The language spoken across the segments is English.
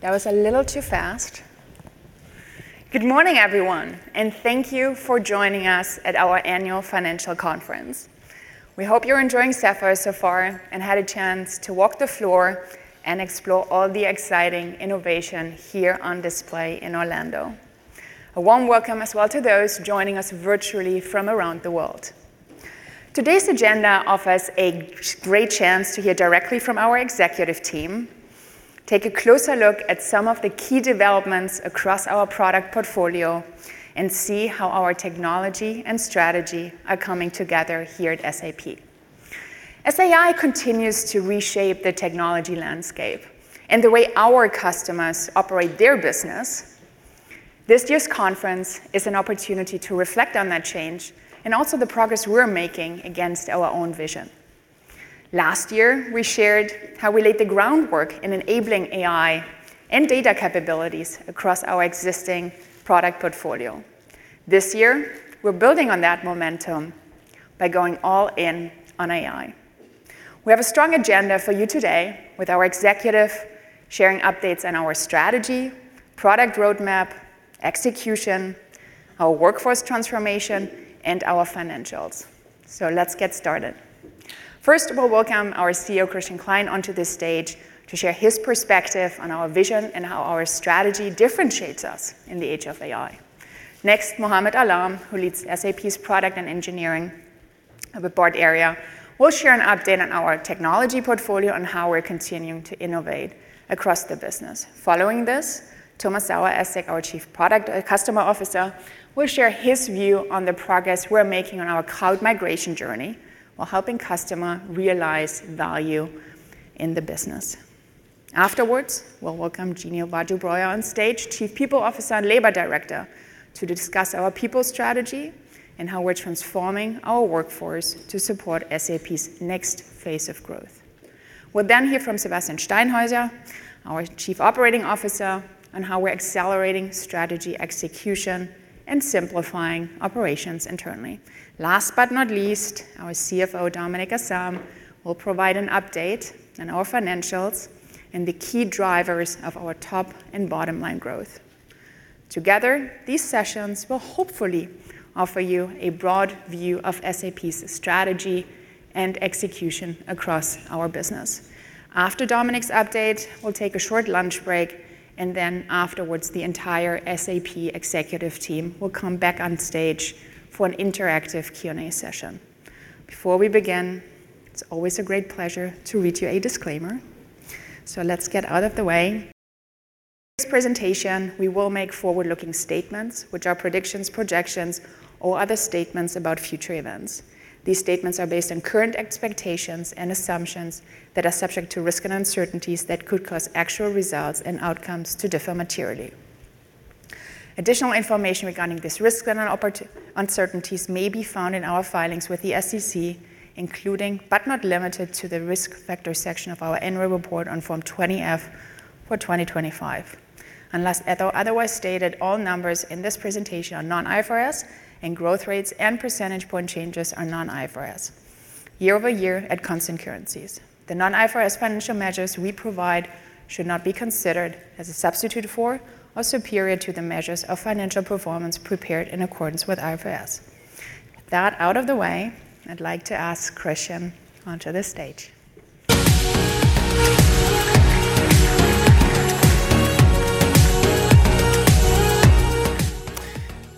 That was a little too fast. Good morning, everyone, and thank you for joining us at our annual financial conference. We hope you're enjoying Sapphire so far and had a chance to walk the floor and explore all the exciting innovation here on display in Orlando. A warm welcome as well to those joining us virtually from around the world. Today's agenda offers a great chance to hear directly from our executive team, take a closer look at some of the key developments across our product portfolio, and see how our technology and strategy are coming together here at SAP. As AI continues to reshape the technology landscape and the way our customers operate their business, this year's conference is an opportunity to reflect on that change and also the progress we're making against our own vision. Last year, we shared how we laid the groundwork in enabling AI and data capabilities across our existing product portfolio. This year, we're building on that momentum by going all in on AI. We have a strong agenda for you today, with our executive sharing updates on our strategy, product roadmap, execution, our workforce transformation, and our financials. Let's get started. First, we'll welcome our CEO, Christian Klein, onto the stage to share his perspective on our vision and how our strategy differentiates us in the age of AI. Next, Muhammad Alam, who leads SAP's product and engineering board area, will share an update on our technology portfolio and how we're continuing to innovate across the business. Following this, Thomas Saueressig, our Chief Customer Officer, will share his view on the progress we're making on our cloud migration journey while helping customer realize value in the business. Afterwards, we'll welcome Gina Vargiu-Breuer on stage, Chief People Officer and Labor Director, to discuss our people strategy and how we're transforming our workforce to support SAP's next phase of growth. We'll hear from Sebastian Steinhaeuser, our Chief Operating Officer, on how we're accelerating strategy execution and simplifying operations internally. Last but not least, our CFO, Dominik Asam, will provide an update on our financials and the key drivers of our top and bottom line growth. Together, these sessions will hopefully offer you a broad view of SAP's strategy and execution across our business. After Dominik's update, we'll take a short lunch break, then afterwards, the entire SAP executive team will come back on stage for an interactive Q&A session. Before we begin, it's always a great pleasure to read you a disclaimer, let's get out of the way. This presentation, we will make forward-looking statements, which are predictions, projections, or other statements about future events. These statements are based on current expectations and assumptions that are subject to risk and uncertainties that could cause actual results and outcomes to differ materially. Additional information regarding this risk and uncertainties may be found in our filings with the SEC, including, but not limited to, the Risk Factors section of our annual report on Form 20-F for 2025. Unless otherwise stated, all numbers in this presentation are non-IFRS, and growth rates and percentage point changes are non-IFRS, year over year at constant currencies. The non-IFRS financial measures we provide should not be considered as a substitute for or superior to the measures of financial performance prepared in accordance with IFRS. That out of the way, I'd like to ask Christian onto the stage.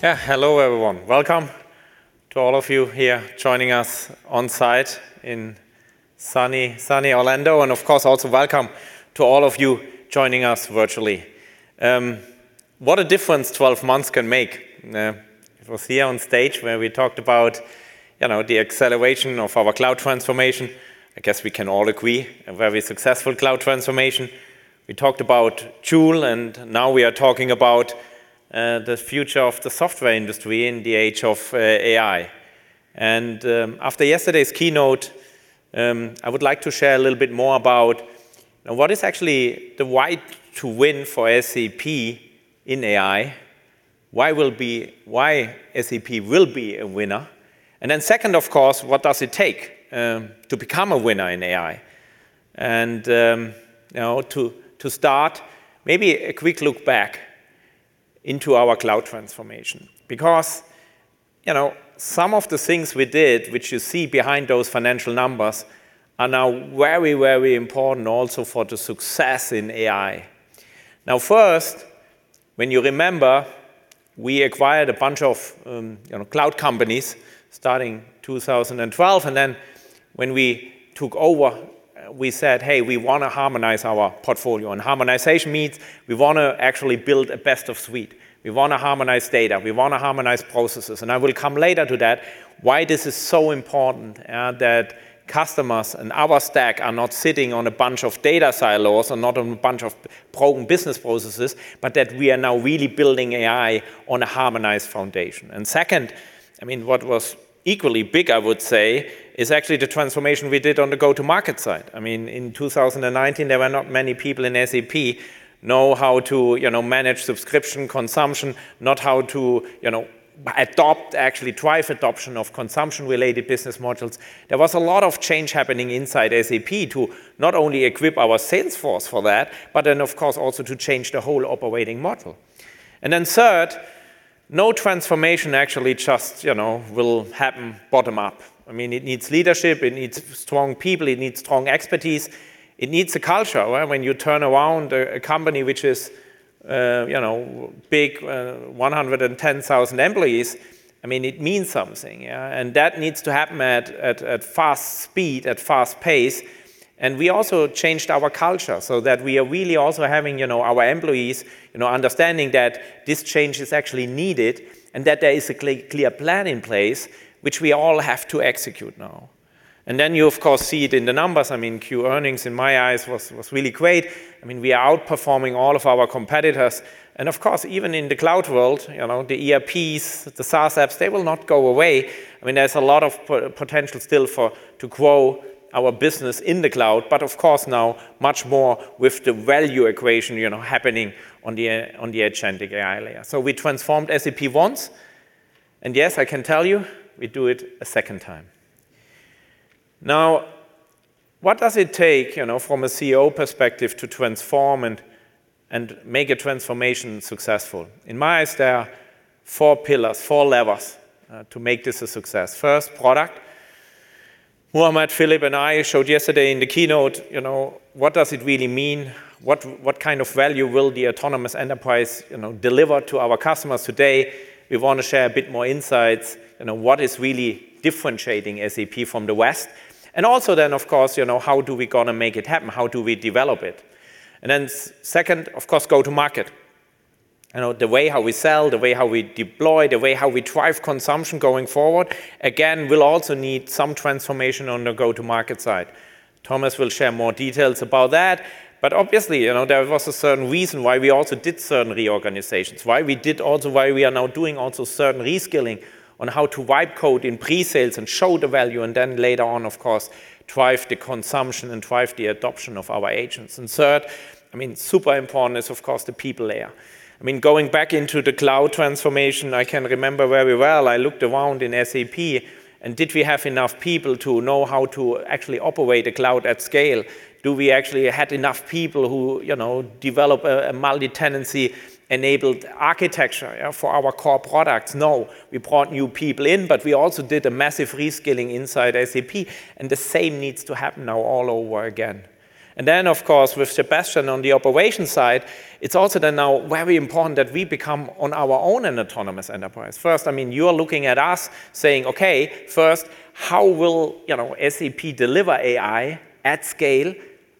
Yeah. Hello, everyone. Welcome to all of you here joining us on site in sunny Orlando, and of course, also welcome to all of you joining us virtually. What a difference 12 months can make. It was here on stage where we talked about, you know, the acceleration of our cloud transformation. I guess we can all agree, a very successful cloud transformation. We talked about Joule, now we are talking about the future of the software industry in the age of AI. After yesterday's keynote, I would like to share a little bit more about, you know, what is actually the why to win for SAP in AI, why SAP will be a winner, second, of course, what does it take to become a winner in AI? You know, to start, maybe a quick look back into our cloud transformation, because, you know, some of the things we did, which you see behind those financial numbers, are now very, very important also for the success in AI. First, when you remember, we acquired a bunch of, you know, cloud companies starting 2012, and then when we took over, we said, "Hey, we want to harmonize our portfolio." Harmonization means we want to actually build a best of suite. We want to harmonize data. We want to harmonize processes. I will come later to that, why this is so important, that customers in our stack are not sitting on a bunch of data silos and not on a bunch of broken business processes, but that we are now really building AI on a harmonized foundation. Second, I mean, what was equally big, I would say, is actually the transformation we did on the go-to-market side. I mean, in 2019, there were not many people in SAP know how to, you know, manage subscription consumption, not how to, you know, adopt, actually drive adoption of consumption-related business modules. There was a lot of change happening inside SAP to not only equip our sales force for that, but then, of course, also to change the whole operating model. Third, no transformation actually just, you know, will happen bottom up. I mean, it needs leadership, it needs strong people, it needs strong expertise, it needs a culture. When you turn around a company which is, you know, big, 110,000 employees, I mean, it means something, yeah? That needs to happen at fast speed, at fast pace. We also changed our culture so that we are really also having, you know, our employees, you know, understanding that this change is actually needed and that there is a clear plan in place which we all have to execute now. Then you of course see it in the numbers. I mean, Q earnings in my eyes was really great. I mean, we are outperforming all of our competitors. Of course, even in the cloud world, you know, the ERPs, the SaaS apps, they will not go away. I mean, there's a lot of potential still for, to grow our business in the cloud. Of course now much more with the value equation, you know, happening on the edge and the AI layer. We transformed SAP once, and yes, I can tell you, we do it a second time. What does it take, you know, from a CEO perspective to transform and make a transformation successful? In my eyes, there are four pillars, four levers, to make this a success. First, product. Muhammad, Philipp, and I showed yesterday in the keynote, you know, what does it really mean? What kind of value will the autonomous enterprise, you know, deliver to our customers today? We want to share a bit more insights, you know, what is really differentiating SAP from the rest. Also then, of course, you know, how do we gonna make it happen? How do we develop it? Then second, of course, go to market. You know, the way how we sell, the way how we deploy, the way how we drive consumption going forward, again, we'll also need some transformation on the go-to-market side. Thomas will share more details about that. Obviously, you know, there was a certain reason why we also did certain reorganizations, why we did also, why we are now doing also certain reskilling on how to write code in pre-sales and show the value and then later on, of course, drive the consumption and drive the adoption of our agents. Third, I mean, super important is, of course, the people layer. I mean, going back into the cloud transformation, I can remember very well, I looked around in SAP, did we have enough people to know how to actually operate a cloud at scale? Do we actually had enough people who, you know, develop a multi-tenancy enabled architecture for our core products? No. We brought new people in, but we also did a massive reskilling inside SAP. The same needs to happen now all over again. Then, of course, with Sebastian on the operation side, it's also then now very important that we become on our own an autonomous enterprise. First, I mean, you are looking at us saying, "Okay, first, how will, you know, SAP deliver AI at scale,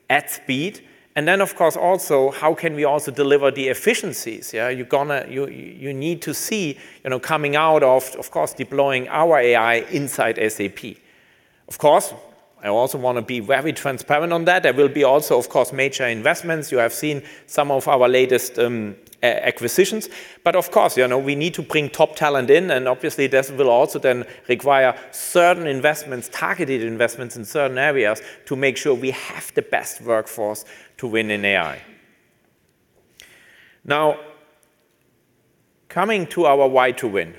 at speed?" Then, of course, also, how can we also deliver the efficiencies? You're gonna need to see, you know, coming out of course, deploying our AI inside SAP. Of course, I also want to be very transparent on that. There will be also, of course, major investments. You have seen some of our latest acquisitions. Of course, you know, we need to bring top talent in, and obviously, this will also then require certain investments, targeted investments in certain areas to make sure we have the best workforce to win in AI. Coming to our Why to Win.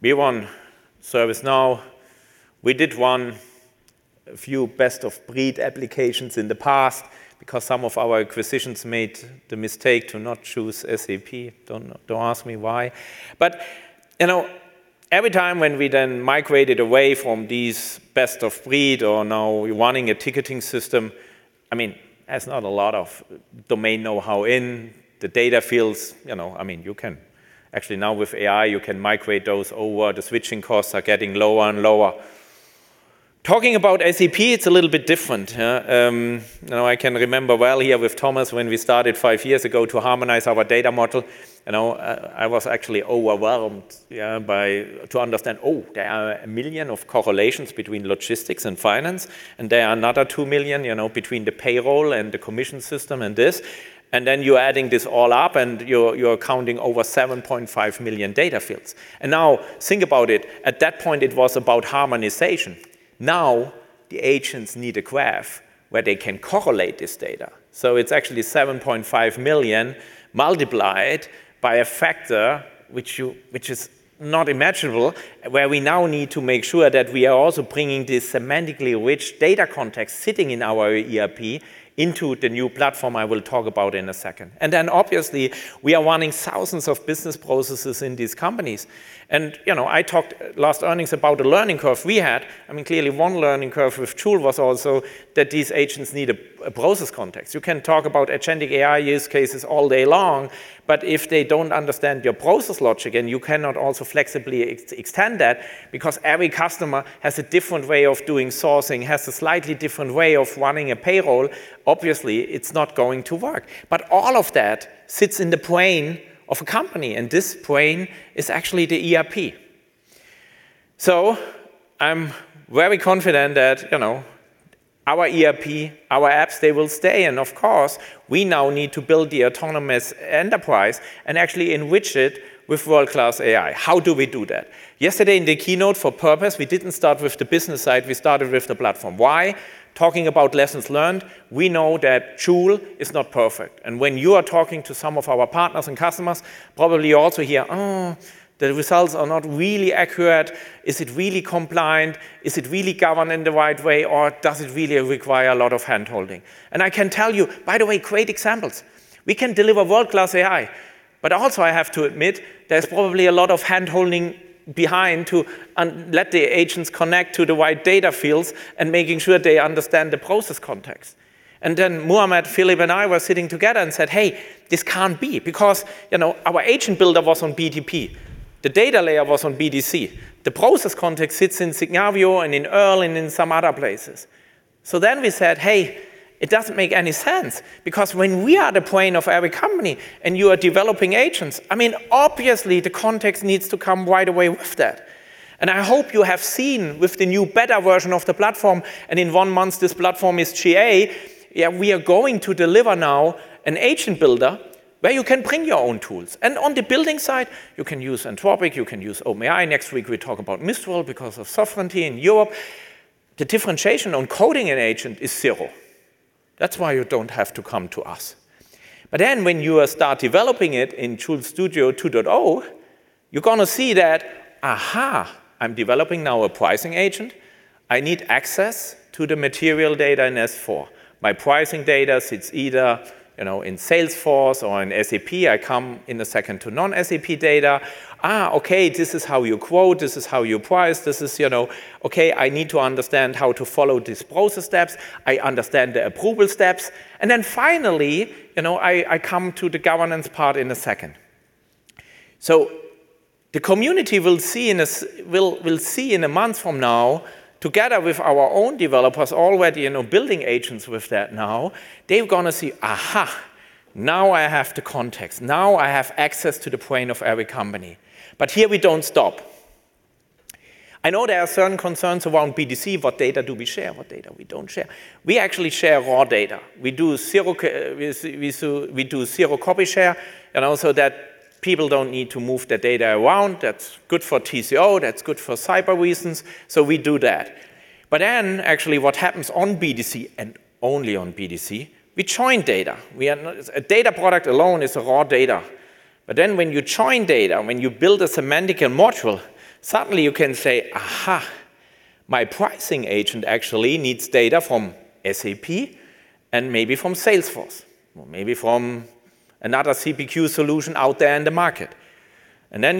We won ServiceNow. We did won a few best-of-breed applications in the past because some of our acquisitions made the mistake to not choose SAP. Don't ask me why. You know, every time when we then migrated away from these best of breed or now wanting a ticketing system, I mean, that's not a lot of domain know-how in the data fields. You know, I mean, you can actually now with AI, you can migrate those over. The switching costs are getting lower and lower. Talking about SAP, it's a little bit different, yeah. You know, I can remember well here with Thomas when we started five years ago to harmonize our data model. You know, I was actually overwhelmed, yeah, by to understand, oh, there are 1 million correlations between logistics and finance, and there are another 2 million, you know, between the payroll and the commission system and this, and then you're adding this all up, and you're counting over 7.5 million data fields. Now think about it. At that point, it was about harmonization. Now, the agents need a graph where they can correlate this data. It's actually 7.5 million multiplied by a factor which is not imaginable, where we now need to make sure that we are also bringing this semantically rich data context sitting in our ERP into the new platform I will talk about in a second. Obviously, we are running thousands of business processes in these companies. You know, I talked last earnings about the learning curve we had. I mean, clearly one learning curve with Joule was also that these agents need a process context. You can talk about edge GENAI use cases all day long, but if they don't understand your process logic, and you cannot also flexibly extend that because every customer has a different way of doing sourcing, has a slightly different way of running a payroll, obviously it's not going to work. All of that sits in the brain of a company, and this brain is actually the ERP. I'm very confident that, you know, our ERP, our apps, they will stay, and of course, we now need to build the autonomous enterprise and actually enrich it with world-class AI. How do we do that? Yesterday in the keynote for purpose, we didn't start with the business side, we started with the platform. Why? Talking about lessons learned, we know that Joule is not perfect. When you are talking to some of our partners and customers, probably you also hear, Oh, the results are not really accurate. Is it really compliant? Is it really governed in the right way, or does it really require a lot of hand-holding? I can tell you, by the way, great examples. We can deliver world-class AI. Also, I have to admit, there's probably a lot of hand-holding behind to let the agents connect to the right data fields and making sure they understand the process context. Then Muhammad, Philip, and I were sitting together and said, "Hey, this can't be." Because, you know, our agent builder was on BTP. The data layer was on BDC. The process context sits in Signavio and in EARL and in some other places. Then we said, "Hey, it doesn't make any sense." Because when we are the brain of every company, and you are developing agents, I mean, obviously, the context needs to come right away with that. I hope you have seen with the new better version of the platform, in one month, this platform is GA, we are going to deliver now an agent builder where you can bring your own tools. On the building side, you can use Anthropic, you can use OpenAI. Next week, we talk about Mistral because of sovereignty in Europe. The differentiation on coding an agent is zero. That's why you don't have to come to us. When you start developing it in Joule Studio 2.0, you're going to see that, aha, I'm developing now a pricing agent. I need access to the material data in S4. My pricing data sits either, you know, in Salesforce or in SAP. I come in a second to non-SAP data. Okay, this is how you quote, this is how you price, this is, you know Okay, I need to understand how to follow these process steps. I understand the approval steps. Finally, you know, I come to the governance part in a second. The community will see in a month from now, together with our own developers already, you know, building agents with that now, they're gonna see, aha, now I have the context. Now I have access to the brain of every company. Here we don't stop. I know there are certain concerns around BDC. What data do we share? What data we don't share? We actually share raw data. We do zero copy share, and also that people don't need to move the data around. That's good for TCO, that's good for cyber reasons. We do that. Actually, what happens on BDC and only on BDC, we join data. We are not A data product alone is raw data. When you join data, when you build a semantic and module, suddenly you can say, "Aha, my pricing agent actually needs data from SAP and maybe from Salesforce, or maybe from another CPQ solution out there in the market."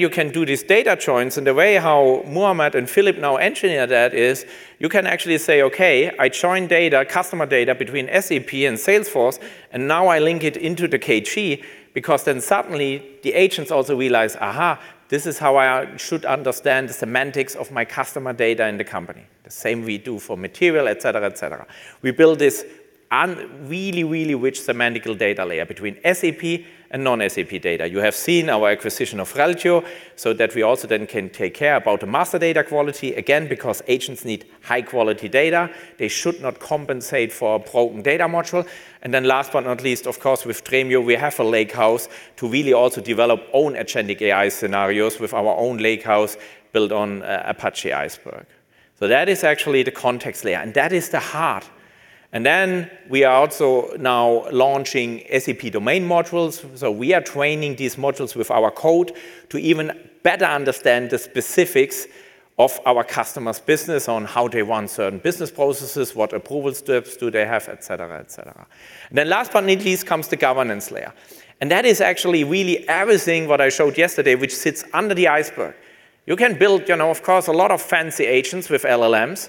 You can do these data joins, and the way how Muhammad and Philip now engineer that is you can actually say, "Okay, I join data, customer data between SAP and Salesforce, and now I link it into the KG," because then suddenly the agents also realize, "Aha, this is how I should understand the semantics of my customer data in the company." The same we do for material, et cetera, et cetera. We build this really, really rich semantical data layer between SAP and non-SAP data. You have seen our acquisition of Reltio so that we also then can take care about the master data quality. Because agents need high-quality data. They should not compensate for a broken data module. Last but not least, of course, with Dremio, we have a lakehouse to really also develop own agentic AI scenarios with our own lakehouse built on Apache Iceberg. That is actually the context layer, and that is the heart. We are also now launching SAP domain modules. We are training these modules with our code to even better understand the specifics of our customers' business on how they want certain business processes, what approval steps do they have, et cetera, et cetera. Last but not least comes the governance layer. That is actually really everything what I showed yesterday, which sits under the iceberg. You can build, you know, of course, a lot of fancy agents with LLMs.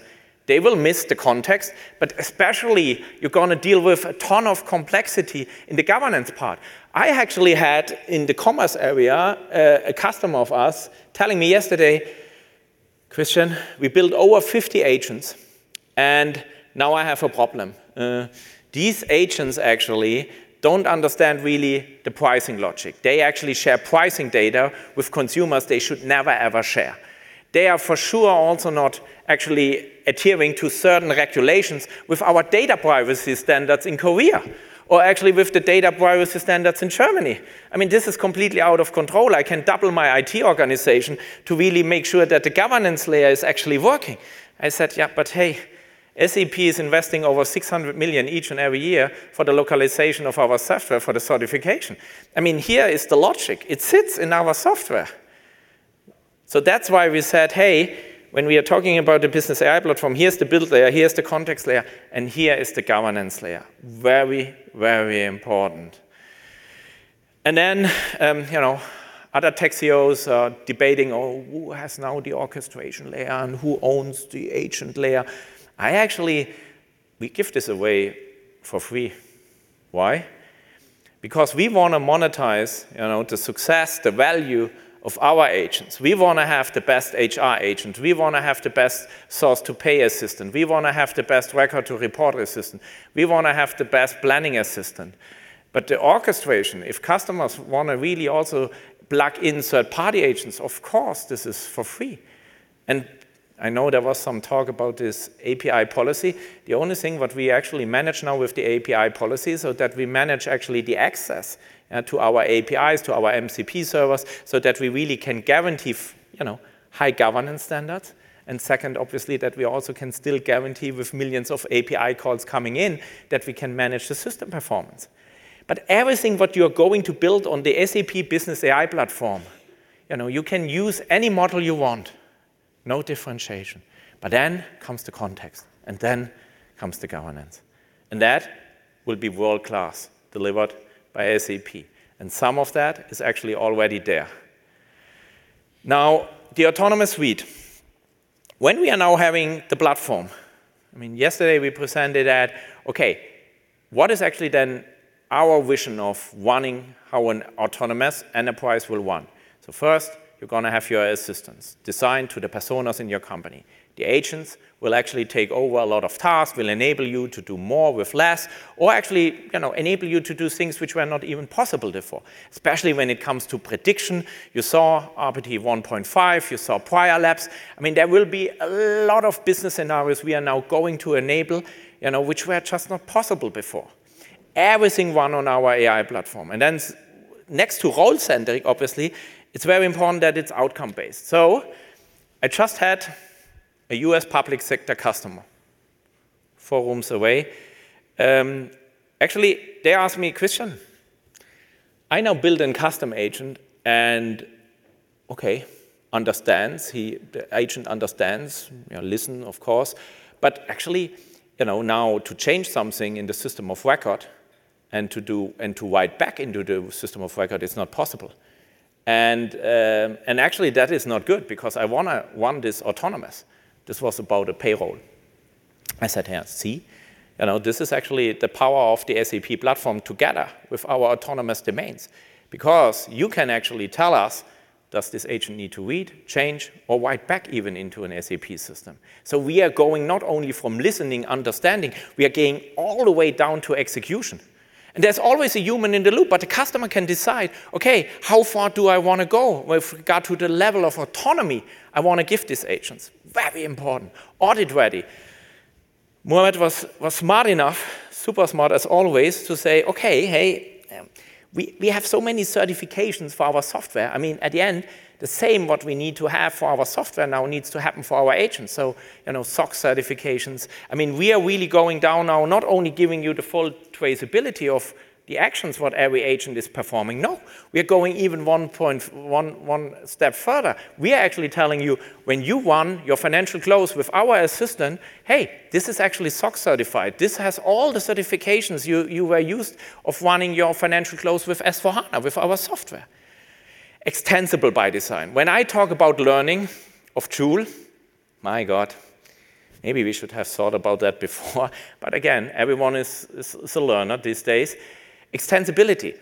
They will miss the context, especially you're gonna deal with a ton of complexity in the governance part. I actually had, in the commerce area, a customer of us telling me yesterday, "Christian, we built over 50 agents, now I have a problem. These agents actually don't understand really the pricing logic. They actually share pricing data with consumers they should never, ever share. They are for sure also not actually adhering to certain regulations with our data privacy standards in Korea, actually with the data privacy standards in Germany. I mean, this is completely out of control. I can double my IT organization to really make sure that the governance layer is actually working." I said, "Yeah, but hey, SAP is investing over 600 million each and every year for the localization of our software, for the certification." I mean, here is the logic. It sits in our software. That's why we said, "Hey," when we are talking about the SAP Business AI Platform, here's the build layer, here's the context layer, and here is the governance layer. Very, very important. Then, you know, other tech CEOs are debating, oh, who has now the orchestration layer and who owns the agent layer. We give this away for free. Why? Because we wanna monetize, you know, the success, the value of our agents. We wanna have the best HR agent. We wanna have the best source to pay assistant. We wanna have the best record to report assistant. We wanna have the best planning assistant. The orchestration, if customers wanna really also plug in third-party agents, of course, this is for free. I know there was some talk about this API policy. The only thing what we actually manage now with the API policy is so that we manage actually the access to our APIs, to our MCP servers, so that we really can guarantee you know, high governance standards. Second, obviously, that we also can still guarantee with millions of API calls coming in, that we can manage the system performance. Everything what you are going to build on the SAP Business AI Platform, you know, you can use any model you want. No differentiation. Then comes the context, and then comes the governance. That will be world-class, delivered by SAP, and some of that is actually already there. The autonomous suite. We are now having the platform, I mean, yesterday we presented at, okay, what is actually then our vision of wanting how an autonomous enterprise will run? First, you're gonna have your assistants designed to the personas in your company. The agents will actually take over a lot of tasks, will enable you to do more with less, or actually, you know, enable you to do things which were not even possible before, especially when it comes to prediction. You saw RPT-1.5, you saw Prior Labs. I mean, there will be a lot of business scenarios we are now going to enable, you know, which were just not possible before. Everything run on our AI platform. Next to role-centric, obviously, it is very important that it is outcome-based. I just had a U.S. public sector customer four rooms away. Actually, they asked me, "Christian, I now build in custom agent and, okay, understands. The agent understands, you know, listen, of course. Actually, you know, now to change something in the system of record and to write back into the system of record is not possible. Actually, that is not good because I wanna run this autonomous." This was about a payroll. I said, "Yeah, see, you know, this is actually the power of the SAP platform together with our autonomous domains, because you can actually tell us, does this agent need to read, change, or write back even into an SAP system?" We are going not only from listening, understanding, we are going all the way down to execution. There's always a human in the loop, but the customer can decide, "Okay, how far do I wanna go with regard to the level of autonomy I wanna give these agents?" Very important. Audit-ready. Muhammad was smart enough, super smart as always, to say, "Okay, hey, we have so many certifications for our software." I mean, at the end, the same what we need to have for our software now needs to happen for our agents, so, you know, SOC certifications. I mean, we are really going down now, not only giving you the full traceability of the actions what every agent is performing. We are going even one step further. We are actually telling you, when you run your financial close with our assistant, hey, this is actually SOC certified. This has all the certifications you are used of running your financial close with S/4HANA, with our software. Extensible by design. When I talk about learning of Joule, my God, maybe we should have thought about that before. Again, everyone is a learner these days. Extensibility.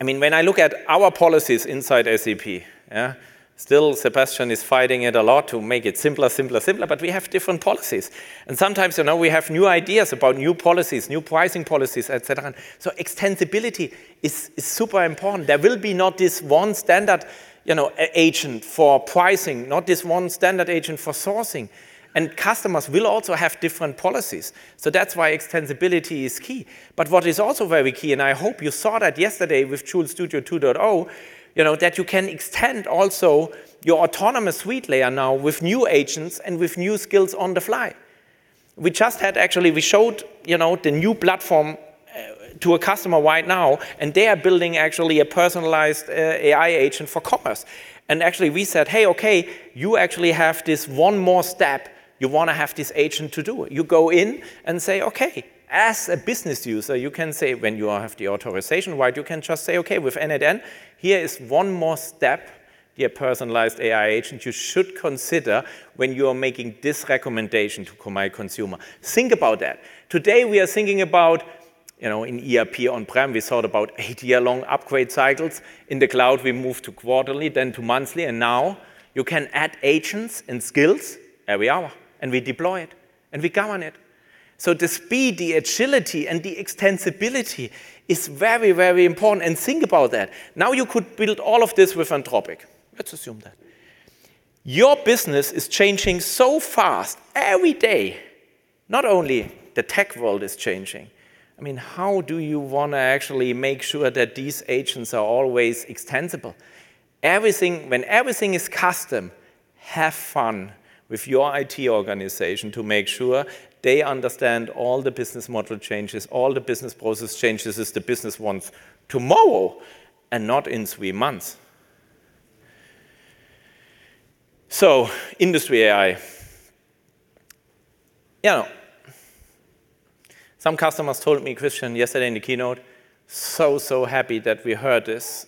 I mean, when I look at our policies inside SAP, yeah, still Sebastian is fighting it a lot to make it simpler, simpler, we have different policies. Sometimes, you know, we have new ideas about new policies, new pricing policies, et cetera. Extensibility is super important. There will be not this one standard, you know, agent for pricing, not this one standard agent for sourcing. Customers will also have different policies. That's why extensibility is key. What is also very key, and I hope you saw that yesterday with Joule Studio 2.0, you know, that you can extend also your autonomous suite layer now with new agents and with new skills on the fly. We just had, actually, we showed, you know, the new platform to a customer right now, and they are building actually a personalized AI agent for commerce. Actually, we said, "Hey, okay, you actually have this one more step you wanna have this agent to do." You go in and say, "Okay," as a business user, you can say, when you have the authorization, right, you can just say, "Okay, with end-to-end, here is one more step, dear personalized AI agent, you should consider when you are making this recommendation to my consumer." Think about that. Today, we are thinking about, you know, in ERP on-prem, we thought about eight-year-long upgrade cycles. In the cloud, we moved to quarterly, then to monthly, and now you can add agents and skills every hour, and we deploy it, and we govern it. The speed, the agility, and the extensibility is very, very important. Think about that. Now you could build all of this with Anthropic. Let's assume that. Your business is changing so fast every day. Not only the tech world is changing. I mean, how do you want to actually make sure that these agents are always extensible? Everything, when everything is custom, have fun with your IT organization to make sure they understand all the business model changes, all the business process changes as the business wants tomorrow, and not in three months. Industry AI. You know, some customers told me, "Christian," yesterday in the keynote, "So, so happy that we heard this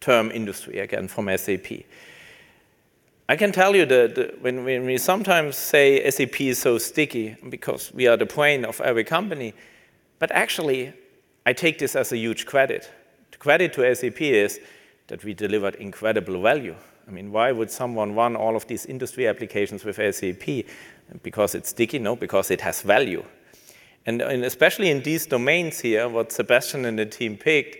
term industry again from SAP." I can tell you the when we sometimes say SAP is so sticky because we are the brain of every company, actually, I take this as a huge credit. The credit to SAP is that we delivered incredible value. I mean, why would someone run all of these industry applications with SAP? Because it's sticky? No, because it has value. Especially in these domains here, what Sebastian and the team picked,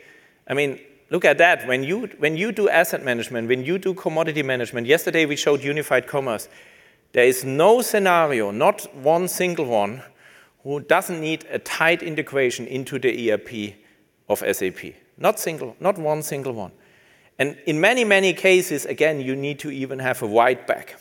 I mean, look at that. When you, when you do asset management, when you do commodity management, yesterday we showed unified commerce, there is no scenario, not one single one, who doesn't need a tight integration into the ERP of SAP. Not single, not one single one. In many, many cases, again, you need to even have a write back.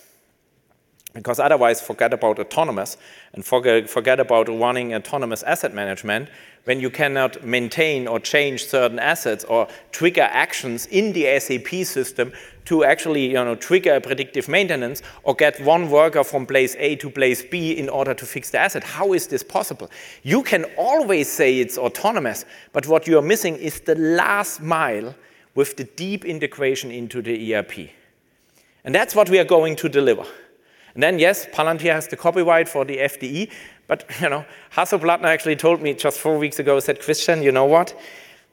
Because otherwise forget about autonomous, forget about running autonomous asset management when you cannot maintain or change certain assets or trigger actions in the SAP system to actually, you know, trigger predictive maintenance or get one worker from place A to place B in order to fix the asset. How is this possible? You can always say it's autonomous, but what you are missing is the last mile with the deep integration into the ERP. That's what we are going to deliver. Then, yes, Palantir has the copyright for the FDE, but you know, Hasso Plattner actually told me just four weeks ago, he said, "Christian, you know what?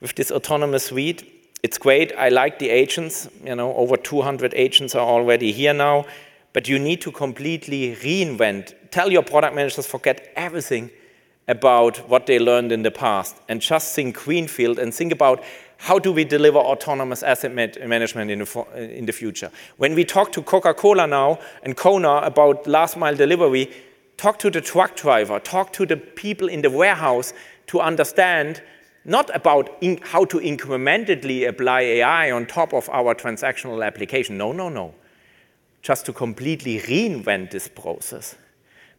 With this autonomous suite, it's great. I like the agents. You know, over 200 agents are already here now. But you need to completely reinvent. Tell your product managers, forget everything about what they learned in the past, and just think greenfield and think about, how do we deliver autonomous asset management in the future? When we talk to Coca-Cola now and CONA about last mile delivery, talk to the truck driver, talk to the people in th--e warehouse to understand how to incrementally apply AI on top of our transactional application. No, no. Just to completely reinvent this process.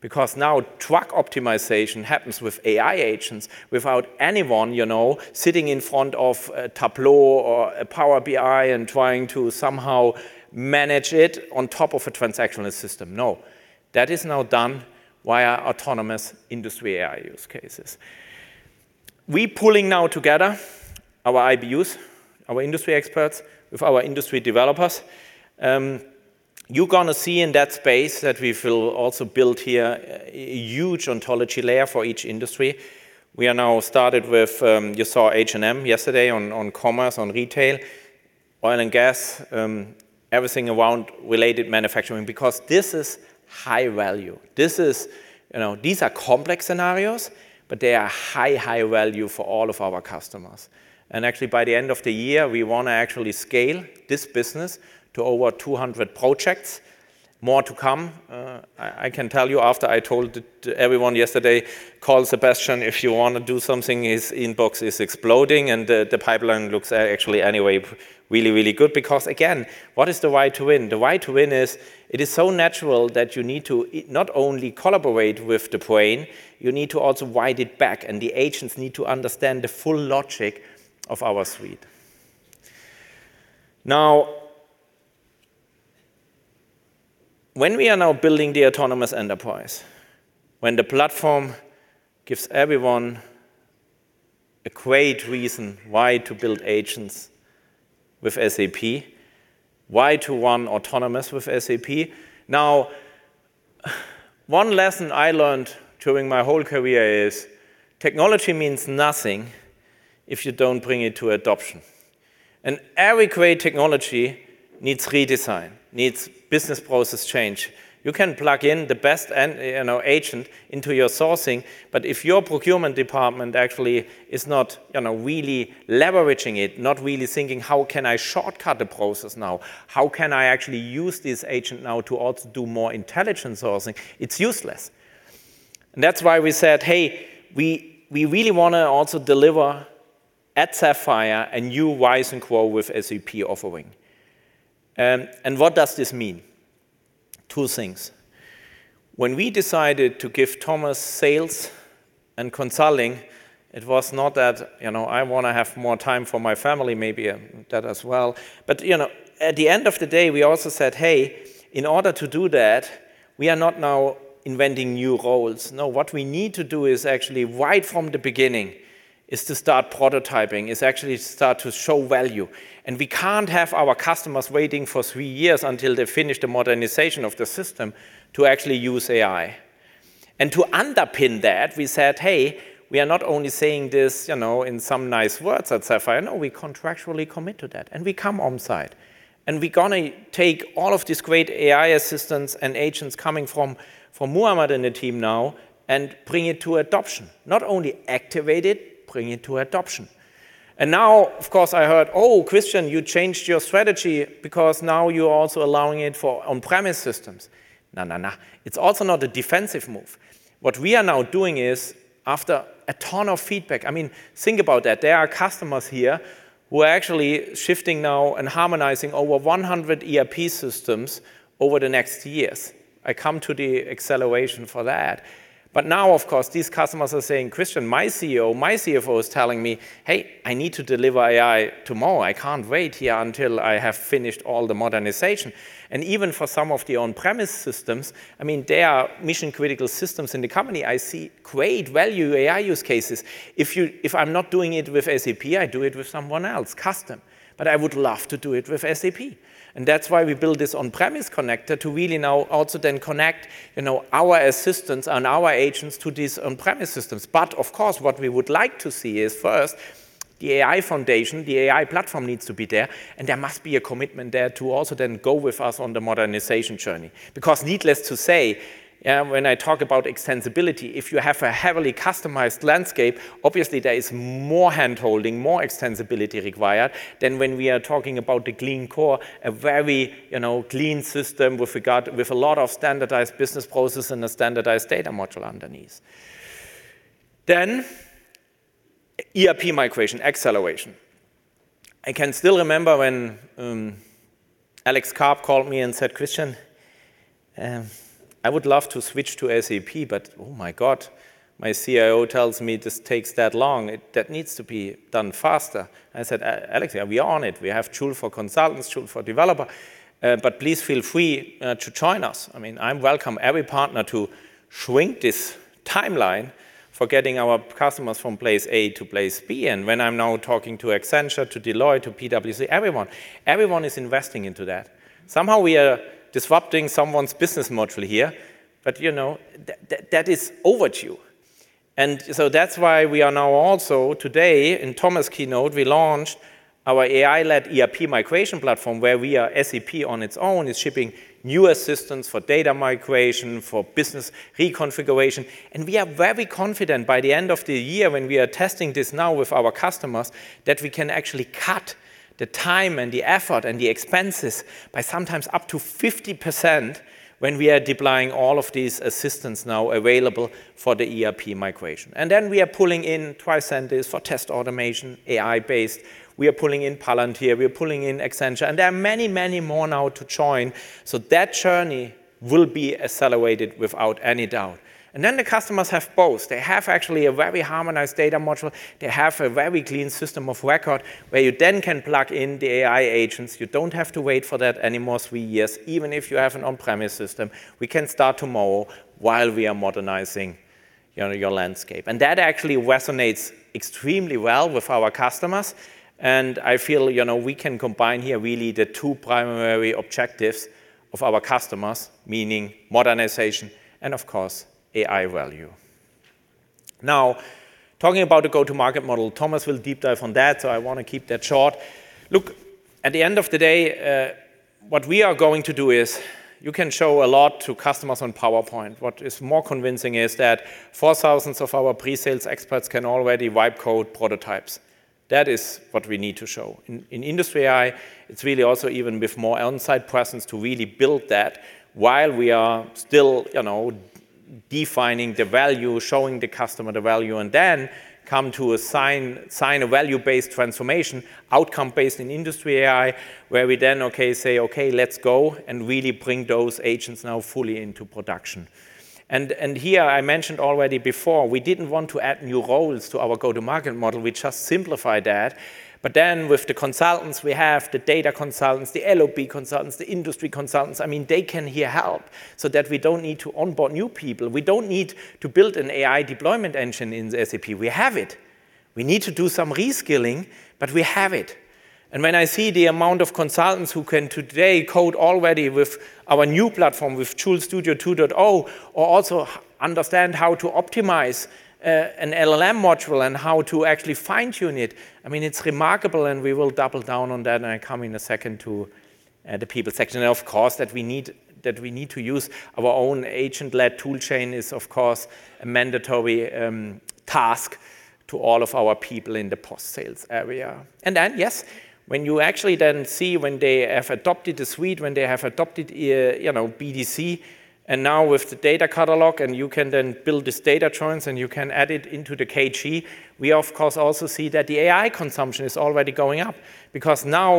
Because now truck optimization happens with AI agents without anyone, you know, sitting in front of Tableau or Power BI and trying to somehow manage it on top of a transactional system. No. That is now done via autonomous industry AI use cases. We pulling now together our IBUs, our industry experts, with our industry developers. You're gonna see in that space that we will also build here a huge ontology layer for each industry. We are now started with You saw H&M yesterday on commerce, on retail, oil and gas, everything around related manufacturing, because this is high value. This is, you know These are complex scenarios, but they are high value for all of our customers. Actually, by the end of the year, we wanna actually scale this business to over 200 projects. More to come. I can tell you after I told everyone yesterday, "Call Sebastian if you wanna do something," his inbox is exploding, and the pipeline looks actually anyway really good because, again, what is the why to win? The why to win is, it is so natural that you need to not only collaborate with the brain, you need to also wide it back, the agents need to understand the full logic of our Suite. When we are now building the autonomous enterprise, when the platform gives everyone a great reason why to build agents with SAP, why to run autonomous with SAP. One lesson I learned during my whole career is, technology means nothing if you don't bring it to adoption. Every great technology needs redesign, needs business process change. You can plug in the best, you know, agent into your sourcing, but if your procurement department actually is not, you know, really leveraging it, not really thinking, "How can I shortcut the process now? How can I actually use this agent now to also do more intelligent sourcing?" It's useless. That's why we said, "Hey, we really want to also deliver at Sapphire a new RISE with SAP and GROW with SAP offering." What does this mean? two things. When we decided to give Thomas sales and consulting, it was not that, you know, I want to have more time for my family, maybe that as well. You know, at the end of the day, we also said, "Hey, in order to do that, we are not now inventing new roles." No, what we need to do is actually right from the beginning is to start prototyping, is to actually start to show value. We can't have our customers waiting for three years until they finish the modernization of the system to actually use AI. To underpin that, we said, "Hey, we are not only saying this, you know, in some nice words at SAP Sapphire." No, we contractually commit to that, and we come on-site. We're going to take all of these great AI assistants and agents coming from Muhammad and the team now and bring it to adoption. Not only activate it, bring it to adoption. Now, of course, I heard, "Oh, Christian, you changed your strategy because now you're also allowing it for on-premise systems." No, no. It's also not a defensive move. What we are now doing is, after a ton of feedback I mean, think about that. There are customers here who are actually shifting now and harmonizing over 100 ERP systems over the next years. I come to the acceleration for that. Now, of course, these customers are saying, "Christian, my CEO, my CFO is telling me, 'Hey, I need to deliver AI tomorrow. I can't wait here until I have finished all the modernization.'" Even for some of the on-premise systems, I mean, they are mission-critical systems in the company. I see great value AI use cases. If I'm not doing it with SAP, I do it with someone else, custom. I would love to do it with SAP. That's why we built this on-premise connector to really now also then connect, you know, our assistants and our agents to these on-premise systems. Of course, what we would like to see is, first, the AI foundation, the AI platform needs to be there, and there must be a commitment there to also then go with us on the modernization journey. Needless to say, when I talk about extensibility, if you have a heavily customized landscape, obviously there is more hand-holding, more extensibility required than when we are talking about the clean core, a very, you know, clean system with regard, with a lot of standardized business process and a standardized data module underneath. ERP migration acceleration. I can still remember when Alex Karp called me and said, "Christian, I would love to switch to SAP, but oh my God, my CIO tells me this takes that long." That needs to be done faster. I said, "Alex, yeah, we are on it. We have SAP Joule for Consultants, SAP Joule for Developers, but please feel free to join us." I mean, I welcome every partner to shrink this timeline for getting our customers from place A to place B. When I'm now talking to Accenture, to Deloitte, to PwC, everyone is investing into that. Somehow we are disrupting someone's business model here, but, you know, that is overdue. That's why we are now also, today, in Thomas' keynote, we launched our AI-led ERP migration platform, where SAP on its own is shipping new assistants for data migration, for business reconfiguration, and we are very confident by the end of the year, when we are testing this now with our customers, that we can actually cut the time and the effort and the expenses by sometimes up to 50% when we are deploying all of these assistants now available for the ERP migration. We are pulling in Tricentis for test automation, AI-based. We are pulling in Palantir, we are pulling in Accenture. There are many, many more now to join. That journey will be accelerated without any doubt. Then the customers have both. They have actually a very harmonized data module. They have a very clean system of record where you then can plug in the AI agents. You don't have to wait for that anymore, three years. Even if you have an on-premise system, we can start tomorrow while we are modernizing, you know, your landscape. That actually resonates extremely well with our customers, and I feel, you know, we can combine here really the two primary objectives of our customers, meaning modernization and of course, AI value. Talking about the go-to-market model, Thomas will deep dive on that. I want to keep that short. Look, at the end of the day, what we are going to do is, you can show a lot to customers on PowerPoint. What is more convincing is that 4,000 of our pre-sales experts can already vibe code prototypes. That is what we need to show. In Industry AI, it's really also even with more on-site presence to really build that, while we are still, you know, defining the value, showing the customer the value, and then come to a sign a value-based transformation, outcome-based in Industry AI, where we then, okay, say, "Okay, let's go," and really bring those agents now fully into production. Here, I mentioned already before, we didn't want to add new roles to our go-to-market model, we just simplified that. With the consultants, we have the data consultants, the LOB consultants, the industry consultants, I mean, they can here help so that we don't need to onboard new people. We don't need to build an AI deployment engine in SAP. We have it. We need to do some re-skilling, but we have it. When I see the amount of consultants who can today code already with our new platform, with Joule Studio 2.0, or also understand how to optimize an LLM module and how to actually fine-tune it, I mean, it's remarkable and we will double down on that, and I come in a second to the people section. Of course, that we need, that we need to use our own agent-led tool chain is, of course, a mandatory task to all of our people in the post-sales area. Yes, when you actually then see when they have adopted the suite, when they have adopted, you know, BDC, and now with the data catalog, and you can then build this data trends, and you can add it into the KG, we of course also see that the AI consumption is already going up.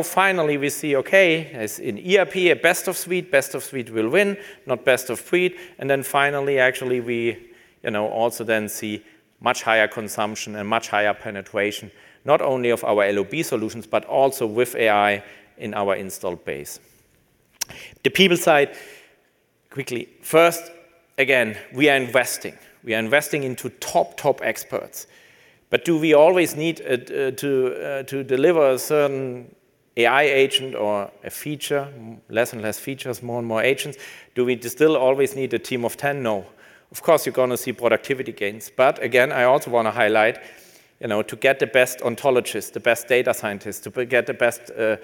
Finally, we see, okay, as in ERP, a best of suite, best of suite will win, not best of breed. Finally, actually, we, you know, also then see much higher consumption and much higher penetration, not only of our LOB solutions, but also with AI in our installed base. The people side, quickly. First, again, we are investing. We are investing into top experts. Do we always need to deliver a certain AI agent or a feature, less and less features, more and more agents? Do we still always need a team of 10? No. Of course, you're gonna see productivity gains. Again, I also wanna highlight, you know, to get the best ontologist, the best data scientist, to get the best, you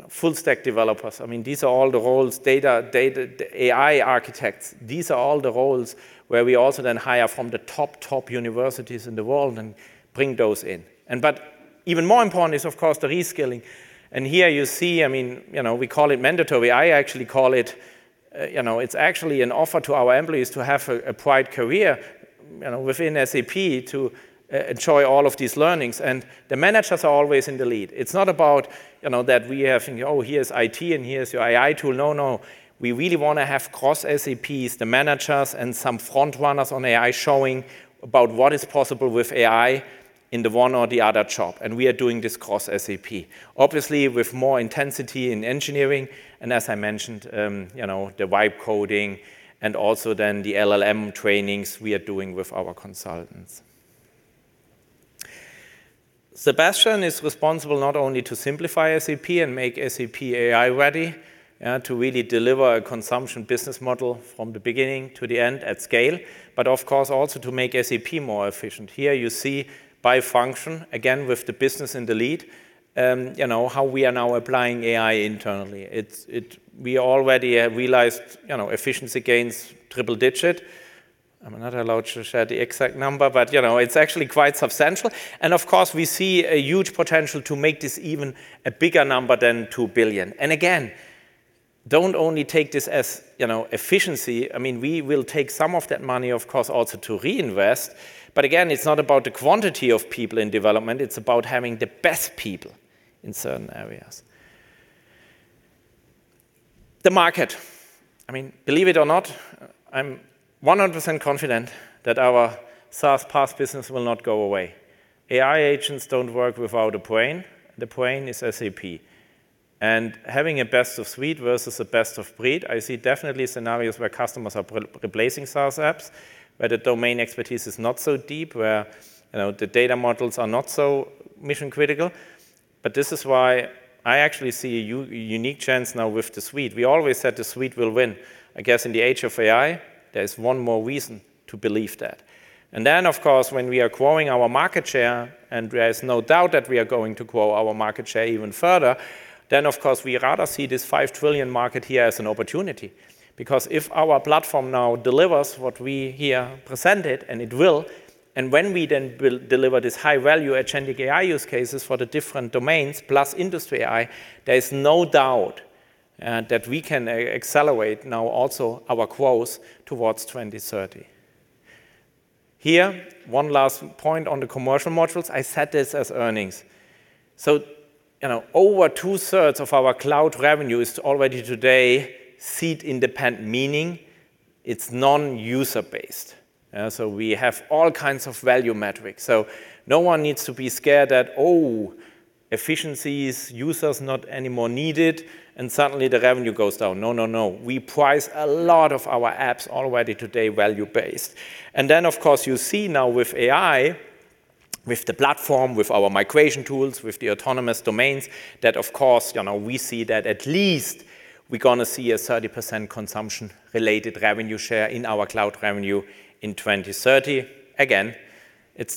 know, full stack developers, I mean, these are all the roles, data The AI architects, these are all the roles where we also then hire from the top universities in the world and bring those in. Even more important is, of course, the re-skilling. Here you see, I mean, you know, we call it mandatory. I actually call it's actually an offer to our employees to have a bright career within SAP to enjoy all of these learnings. The managers are always in the lead. It's not about that we have here's IT and here's your AI tool. No, no. We really wanna have cross SAP, the managers, and some front runners on AI showing about what is possible with AI in the one or the other shop, and we are doing this cross SAP. Obviously, with more intensity in engineering and as I mentioned, the vibe coding and also then the LLM trainings we are doing with our consultants. Sebastian is responsible not only to simplify SAP and make SAP AI ready, to really deliver a consumption business model from the beginning to the end at scale, but of course, also to make SAP more efficient. Here you see by function, again, with the business in the lead, you know, how we are now applying AI internally. We already have realized, you know, efficiency gains, triple digit. I'm not allowed to share the exact number, but you know, it's actually quite substantial. Of course, we see a huge potential to make this even a bigger number than 2 billion. Again, don't only take this as, you know, efficiency. I mean, we will take some of that money, of course, also to reinvest. Again, it's not about the quantity of people in development, it's about having the best people in certain areas. The market, I mean, believe it or not, I'm 100% confident that our SaaS PaaS business will not go away. AI agents don't work without a brain. The brain is SAP. Having a best of suite versus a best of breed, I see definitely scenarios where customers are replacing SaaS apps, where the domain expertise is not so deep, where, you know, the data models are not so mission-critical. This is why I actually see a unique chance now with the suite. We always said the suite will win. I guess in the age of AI, there's one more reason to believe that. Of course, when we are growing our market share, and there is no doubt that we are going to grow our market share even further, then of course, we rather see this 5 trillion market here as an opportunity. If our platform now delivers what we here presented, and it will, and when we then will deliver this high value generative AI use cases for the different domains, plus industry AI, there is no doubt that we can accelerate now also our growth towards 2030. Here, one last point on the commercial modules, I set this as earnings. You know, over two-thirds of our cloud revenue is already today seat independent, meaning it's non-user based. We have all kinds of value metrics. No one needs to be scared that, oh, efficiency is users not anymore needed, and suddenly the revenue goes down. No, no. We price a lot of our apps already today value based. Of course, you see now with AI, with the platform, with our migration tools, with the autonomous domains, that of course, you know, we see that at least we're gonna see a 30% consumption related revenue share in our cloud revenue in 2030. Again,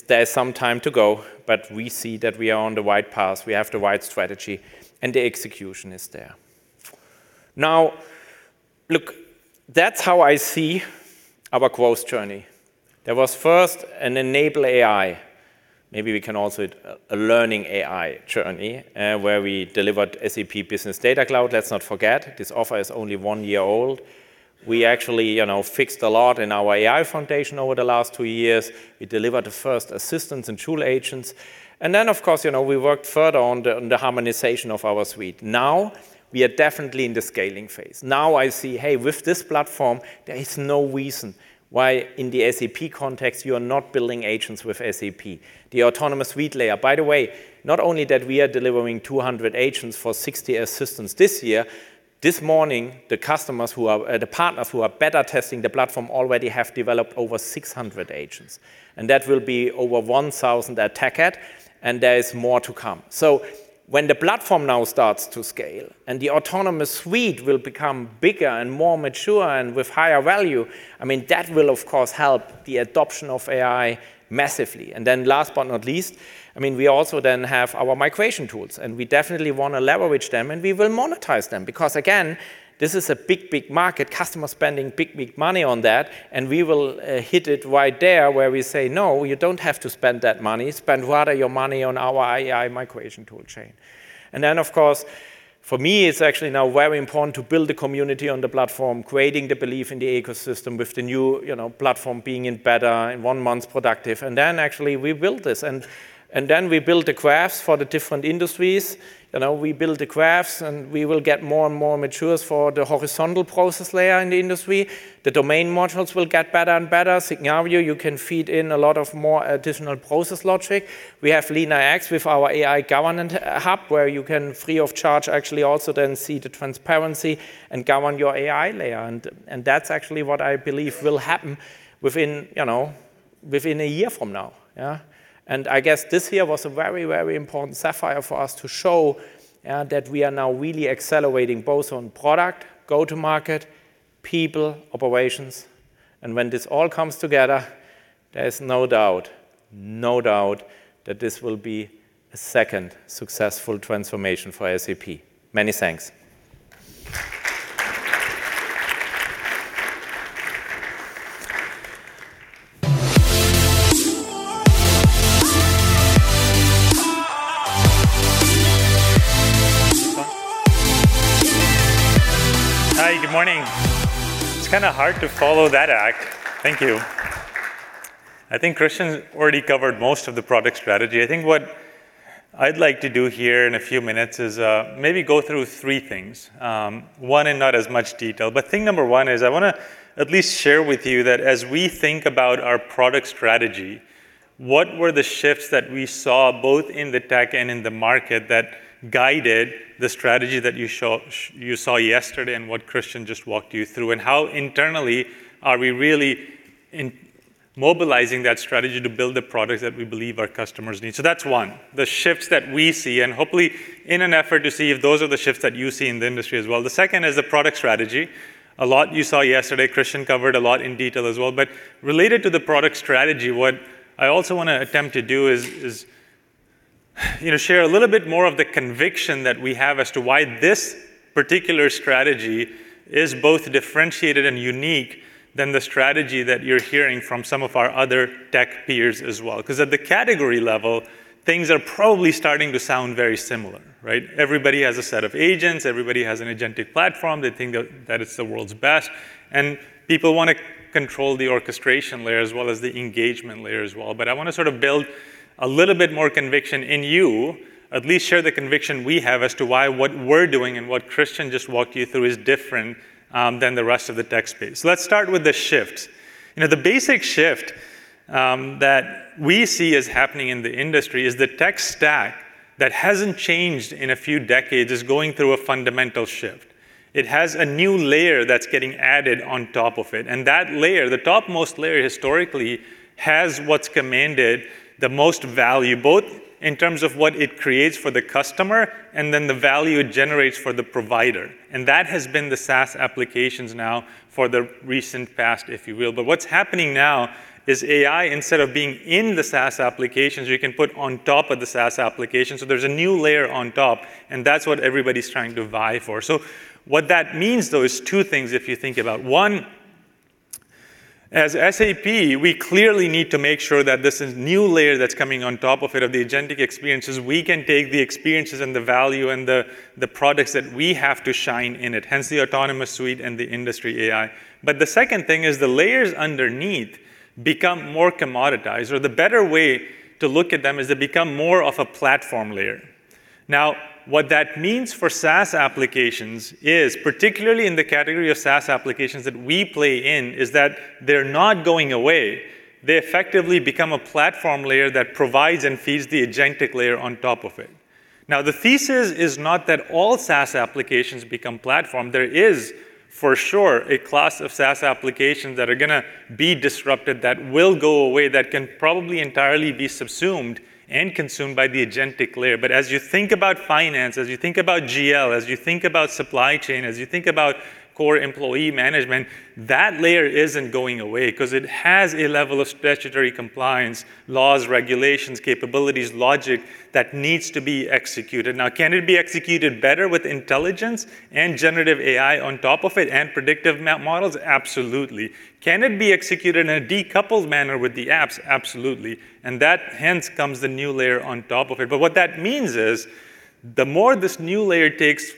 there's some time to go, we see that we are on the right path, we have the right strategy, and the execution is there. Look, that's how I see our growth journey. There was first an enable AI, maybe we can also a learning AI journey, where we delivered SAP Business Data Cloud. Let's not forget, this offer is only one year old. We actually, you know, fixed a lot in our AI foundation over the last two years. We delivered the first assistants and tool agents. Of course, you know, we worked further on the harmonization of our suite. Now we are definitely in the scaling phase. Now I see, hey, with this platform, there is no reason why in the SAP context you are not building agents with SAP. The autonomous suite layer, by the way, not only that we are delivering 200 agents for 60 assistants this year, this morning the customers who are, the partners who are beta testing the platform already have developed over 600 agents, and that will be over 1,000 at SAP TechEd, and there is more to come. When the platform now starts to scale, and the autonomous suite will become bigger and more mature and with higher value, I mean, that will of course help the adoption of AI massively. Last but not least, I mean, we also then have our migration tools, and we definitely want to leverage them, and we will monetize them because, again, this is a big, big market, customers spending big, big money on that, and we will hit it right there where we say, "No, you don't have to spend that money. Spend rather your money on our AI migration tool chain." Of course, for me, it's actually now very important to build a community on the platform, creating the belief in the ecosystem with the new, you know, platform being in beta, in one month productive. Actually we build this, and then we build the graphs for the different industries. You know, we build the graphs, and we will get more and more mature for the horizontal process layer in the industry. The domain modules will get better and better. Scenario, you can feed in a lot of more additional process logic. We have LeanIX with our AI governance hub, where you can free of charge actually also then see the transparency and govern your AI layer. That's actually what I believe will happen within, you know, within a year from now. Yeah. I guess this year was a very, very important SAP Sapphire for us to show that we are now really accelerating both on product, go-to-market, people, operations. When this all comes together, there is no doubt, no doubt that this will be a second successful transformation for SAP. Many thanks. Hi, good morning. It's kind of hard to follow that act. Thank you. I think Christian's already covered most of the product strategy. I think what I'd like to do here in a few minutes is, maybe go through three things. one in not as much detail. Thing number 1 is I want to at least share with you that as we think about our product strategy, what were the shifts that we saw both in the tech and in the market that guided the strategy that you saw yesterday and what Christian just walked you through? How internally are we really mobilizing that strategy to build the products that we believe our customers need? That's one, the shifts that we see, and hopefully in an effort to see if those are the shifts that you see in the industry as well. The second is the product strategy. A lot you saw yesterday, Christian covered a lot in detail as well. Related to the product strategy, what I also want to attempt to do is, you know, share a little bit more of the conviction that we have as to why this particular strategy is both differentiated and unique than the strategy that you're hearing from some of our other tech peers as well. 'Cause at the category level, things are probably starting to sound very similar, right? Everybody has a set of agents. Everybody has an agentic platform. They think that it's the world's best, and people wanna control the orchestration layer as well as the engagement layer as well. I wanna sort of build a little bit more conviction in you, at least share the conviction we have as to why what we're doing and what Christian just walked you through is different than the rest of the tech space. Let's start with the shift. You know, the basic shift that we see is happening in the industry is the tech stack that hasn't changed in a few decades is going through a fundamental shift. It has a new layer that's getting added on top of it, and that layer, the topmost layer historically, has what's commanded the most value, both in terms of what it creates for the customer and then the value it generates for the provider. That has been the SaaS applications now for the recent past, if you will. What's happening now is AI, instead of being in the SaaS applications, you can put on top of the SaaS application. There's a new layer on top, and that's what everybody's trying to vie for. What that means, though, is two things if you think about it. One, as SAP, we clearly need to make sure that this new layer that's coming on top of it, of the agentic experiences, we can take the experiences and the value and the products that we have to shine in it, hence the autonomous suite and the industry AI. The second thing is the layers underneath become more commoditized, or the better way to look at them is they become more of a platform layer. Now, what that means for SaaS applications is, particularly in the category of SaaS applications that we play in, is that they're not going away. They effectively become a platform layer that provides and feeds the agentic layer on top of it. Now, the thesis is not that all SaaS applications become platform. There is, for sure, a class of SaaS applications that are gonna be disrupted, that will go away, that can probably entirely be subsumed and consumed by the agentic layer. As you think about finance, as you think about GL, as you think about supply chain, as you think about core employee management, that layer isn't going away 'cause it has a level of statutory compliance, laws, regulations, capabilities, logic that needs to be executed. Now, can it be executed better with intelligence and generative AI on top of it and predictive models? Absolutely. Can it be executed in a decoupled manner with the apps? Absolutely. That, hence comes the new layer on top of it. What that means is the more this new layer takes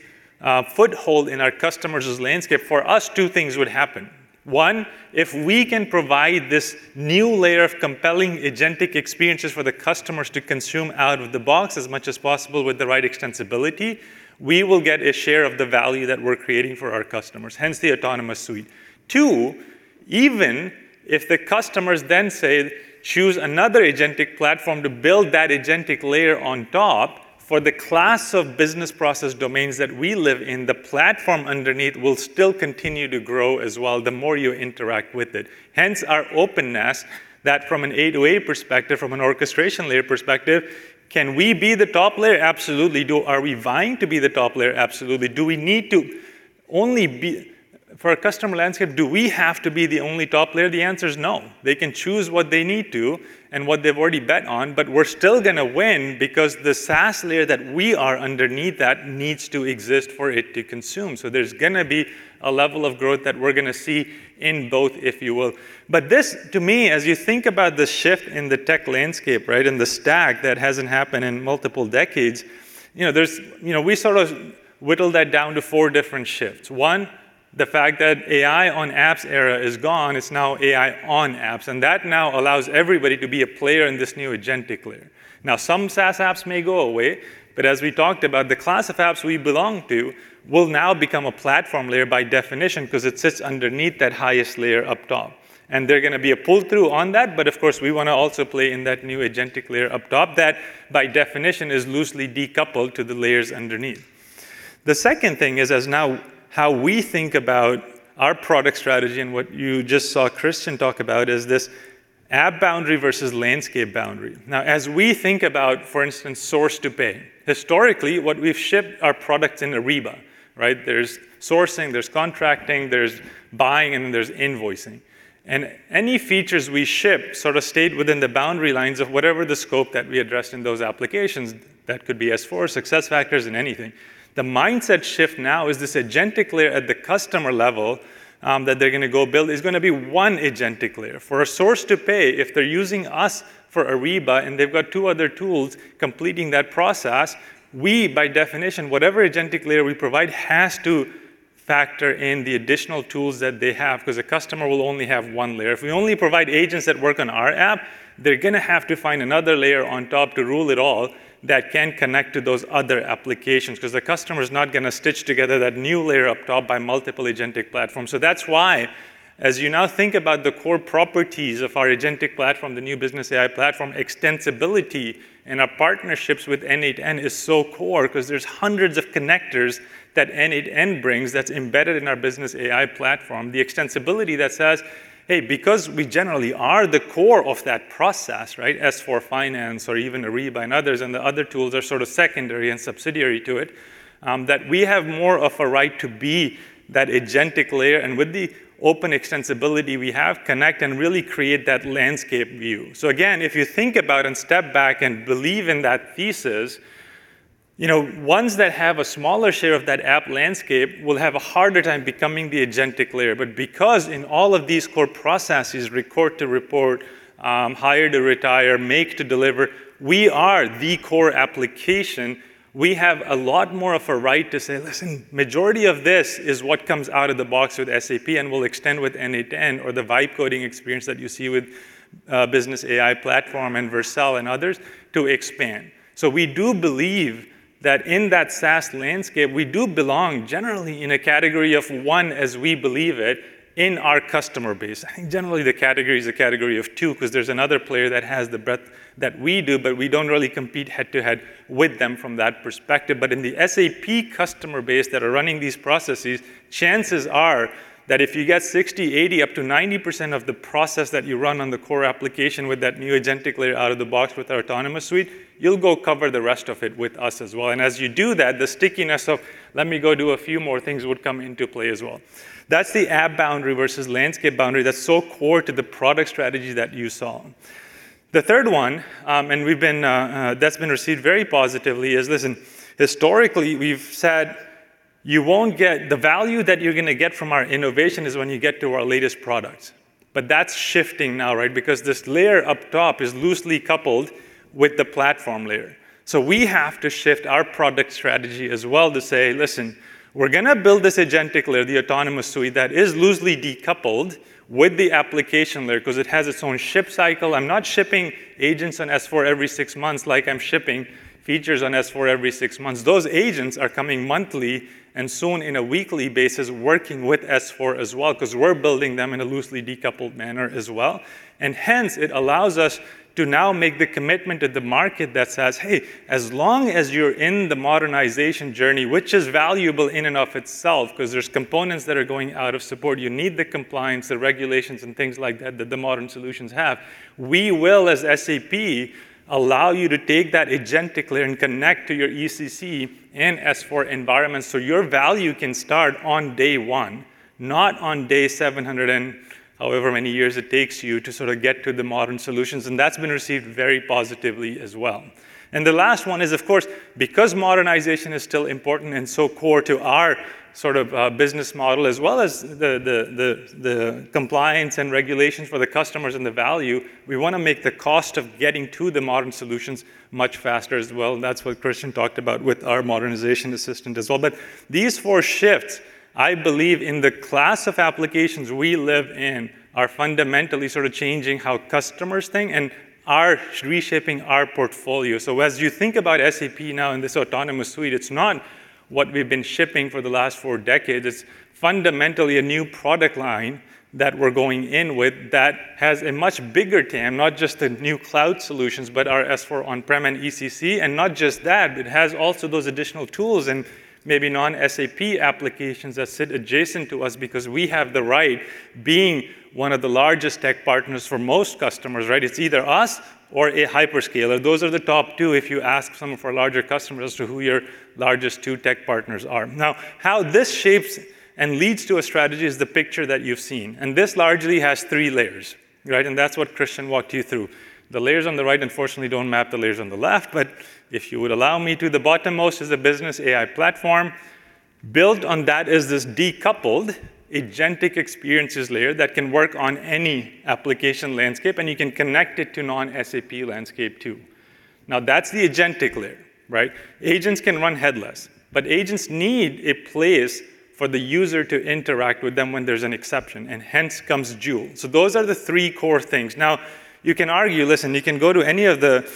foothold in our customers' landscape, for us, two things would happen. One, if we can provide this new layer of compelling agentic experiences for the customers to consume out of the box as much as possible with the right extensibility, we will get a share of the value that we're creating for our customers, hence the autonomous suite. Two, even if the customers then say, "Choose another agentic platform to build that agentic layer on top," for the class of business process domains that we live in, the platform underneath will still continue to grow as well the more you interact with it. Hence our openness that from an A2A perspective, from an orchestration layer perspective, can we be the top layer? Absolutely. Are we vying to be the top layer? Absolutely. Do we need to only be for a customer landscape, do we have to be the only top layer? The answer is no. They can choose what they need to and what they've already bet on, but we're still gonna win because the SaaS layer that we are underneath that needs to exist for it to consume. There's gonna be a level of growth that we're gonna see in both, if you will. This, to me, as you think about the shift in the tech landscape, right, and the stack that hasn't happened in multiple decades, you know, there's, you know, we sort of whittle that down to four different shifts. One, the fact that AI on apps era is gone, it's now AI on apps, and that now allows everybody to be a player in this new agentic layer. Now, some SaaS apps may go away, but as we talked about, the class of apps we belong to will now become a platform layer by definition 'cause it sits underneath that highest layer up top. There are gonna be a pull-through on that, but of course, we wanna also play in that new agentic layer up top that by definition is loosely decoupled to the layers underneath. The second thing is as now how we think about our product strategy and what you just saw Christian talk about is this app boundary versus landscape boundary. Now, as we think about, for instance, source to pay, historically, what we've shipped our products in Ariba, right? There's sourcing, there's contracting, there's buying, and then there's invoicing. Any features we ship sort of stayed within the boundary lines of whatever the scope that we addressed in those applications. That could be S/4, SuccessFactors, and anything. The mindset shift now is this agentic layer at the customer level, that they're gonna go build is gonna be one agentic layer. For a source to pay, if they're using us for Ariba, and they've got two other tools completing that process, we, by definition, whatever agentic layer we provide has to factor in the additional tools that they have 'cause a customer will only have one layer. If we only provide agents that work on our app, they're gonna have to find another layer on top to rule it all that can connect to those other applications 'cause the customer is not gonna stitch together that new layer up top by multiple agentic platforms. That's why as you now think about the core properties of our agentic platform, the new business AI platform, extensibility in our partnerships with n8n is so core 'cause there's hundreds of connectors that n8n brings that's embedded in our business AI platform. The extensibility that says, "Hey, because we generally are the core of that process," right? S/4 Finance or even Ariba and others, and the other tools are sort of secondary and subsidiary to it, that we have more of a right to be that agentic layer, and with the open extensibility we have, connect and really create that landscape view. Again, if you think about and step back and believe in that thesis. You know, ones that have a smaller share of that app landscape will have a harder time becoming the agentic layer. Because in all of these core processes, record to report, hire to retire, make to deliver, we are the core application, we have a lot more of a right to say, "Listen, majority of this is what comes out of the box with SAP, and we'll extend with n8n, or the vibe coding experience that you see with, Business AI platform and Vercel and others to expand." We do believe that in that SaaS landscape, we do belong generally in a category of one as we believe it in our customer base. I think generally the category is a category of two because there's another player that has the breadth that we do, but we don't really compete head-to-head with them from that perspective. In the SAP customer base that are running these processes, chances are that if you get 60, 80, up to 90% of the process that you run on the core application with that new agentic layer out of the box with our autonomous suite, you'll go cover the rest of it with us as well. As you do that, the stickiness of let me go do a few more things would come into play as well. That's the app boundary versus landscape boundary that's so core to the product strategy that you saw. The third one that's been received very positively, is listen, historically, we've said you won't get the value that you're gonna get from our innovation is when you get to our latest products. That's shifting now, right? Because this layer up top is loosely coupled with the platform layer. We have to shift our product strategy as well to say, "Listen, we're gonna build this agentic layer, the autonomous suite, that is loosely decoupled with the application layer because it has its own ship cycle." I'm not shipping agents on S/4 every six months like I'm shipping features on S/4 every six months. Those agents are coming monthly, and soon in a weekly basis, working with S/4 as well because we're building them in a loosely decoupled manner as well. Hence, it allows us to now make the commitment to the market that says, "Hey, as long as you're in the modernization journey," which is valuable in and of itself because there's components that are going out of support. You need the compliance, the regulations, and things like that the modern solutions have. We will, as SAP, allow you to take that agentic layer and connect to your ECC and S/4 environment so your value can start on day one, not on day 700 and however many years it takes you to sort of get to the modern solutions, and that's been received very positively as well. The last one is, of course, because modernization is still important and so core to our sort of business model, as well as the compliance and regulations for the customers and the value, we wanna make the cost of getting to the modern solutions much faster as well, and that's what Christian talked about with our modernization assistant as well. These four shifts, I believe in the class of applications we live in, are fundamentally sort of changing how customers think and are reshaping our portfolio. As you think about SAP now and this autonomous suite, it's not what we've been shipping for the last four decades. It's fundamentally a new product line that we're going in with that has a much bigger TAM, not just the new cloud solutions, but our S/4 On-prem and ECC. Not just that, it has also those additional tools and maybe non-SAP applications that sit adjacent to us because we have the right being one of the largest tech partners for most customers, right? It's either us or a hyperscaler. Those are the top two if you ask some of our larger customers as to who your largest two tech partners are. Now, how this shapes and leads to a strategy is the picture that you've seen, and this largely has three layers, right? That's what Christian walked you through. The layers on the right unfortunately don't map the layers on the left, but if you would allow me to, the bottommost is a Business AI platform. Built on that is this decoupled agentic experiences layer that can work on any application landscape, and you can connect it to non-SAP landscape too. That's the agentic layer, right? Agents can run headless, but agents need a place for the user to interact with them when there's an exception, and hence comes Joule. Those are the three core things. You can argue, listen, you can go to any of the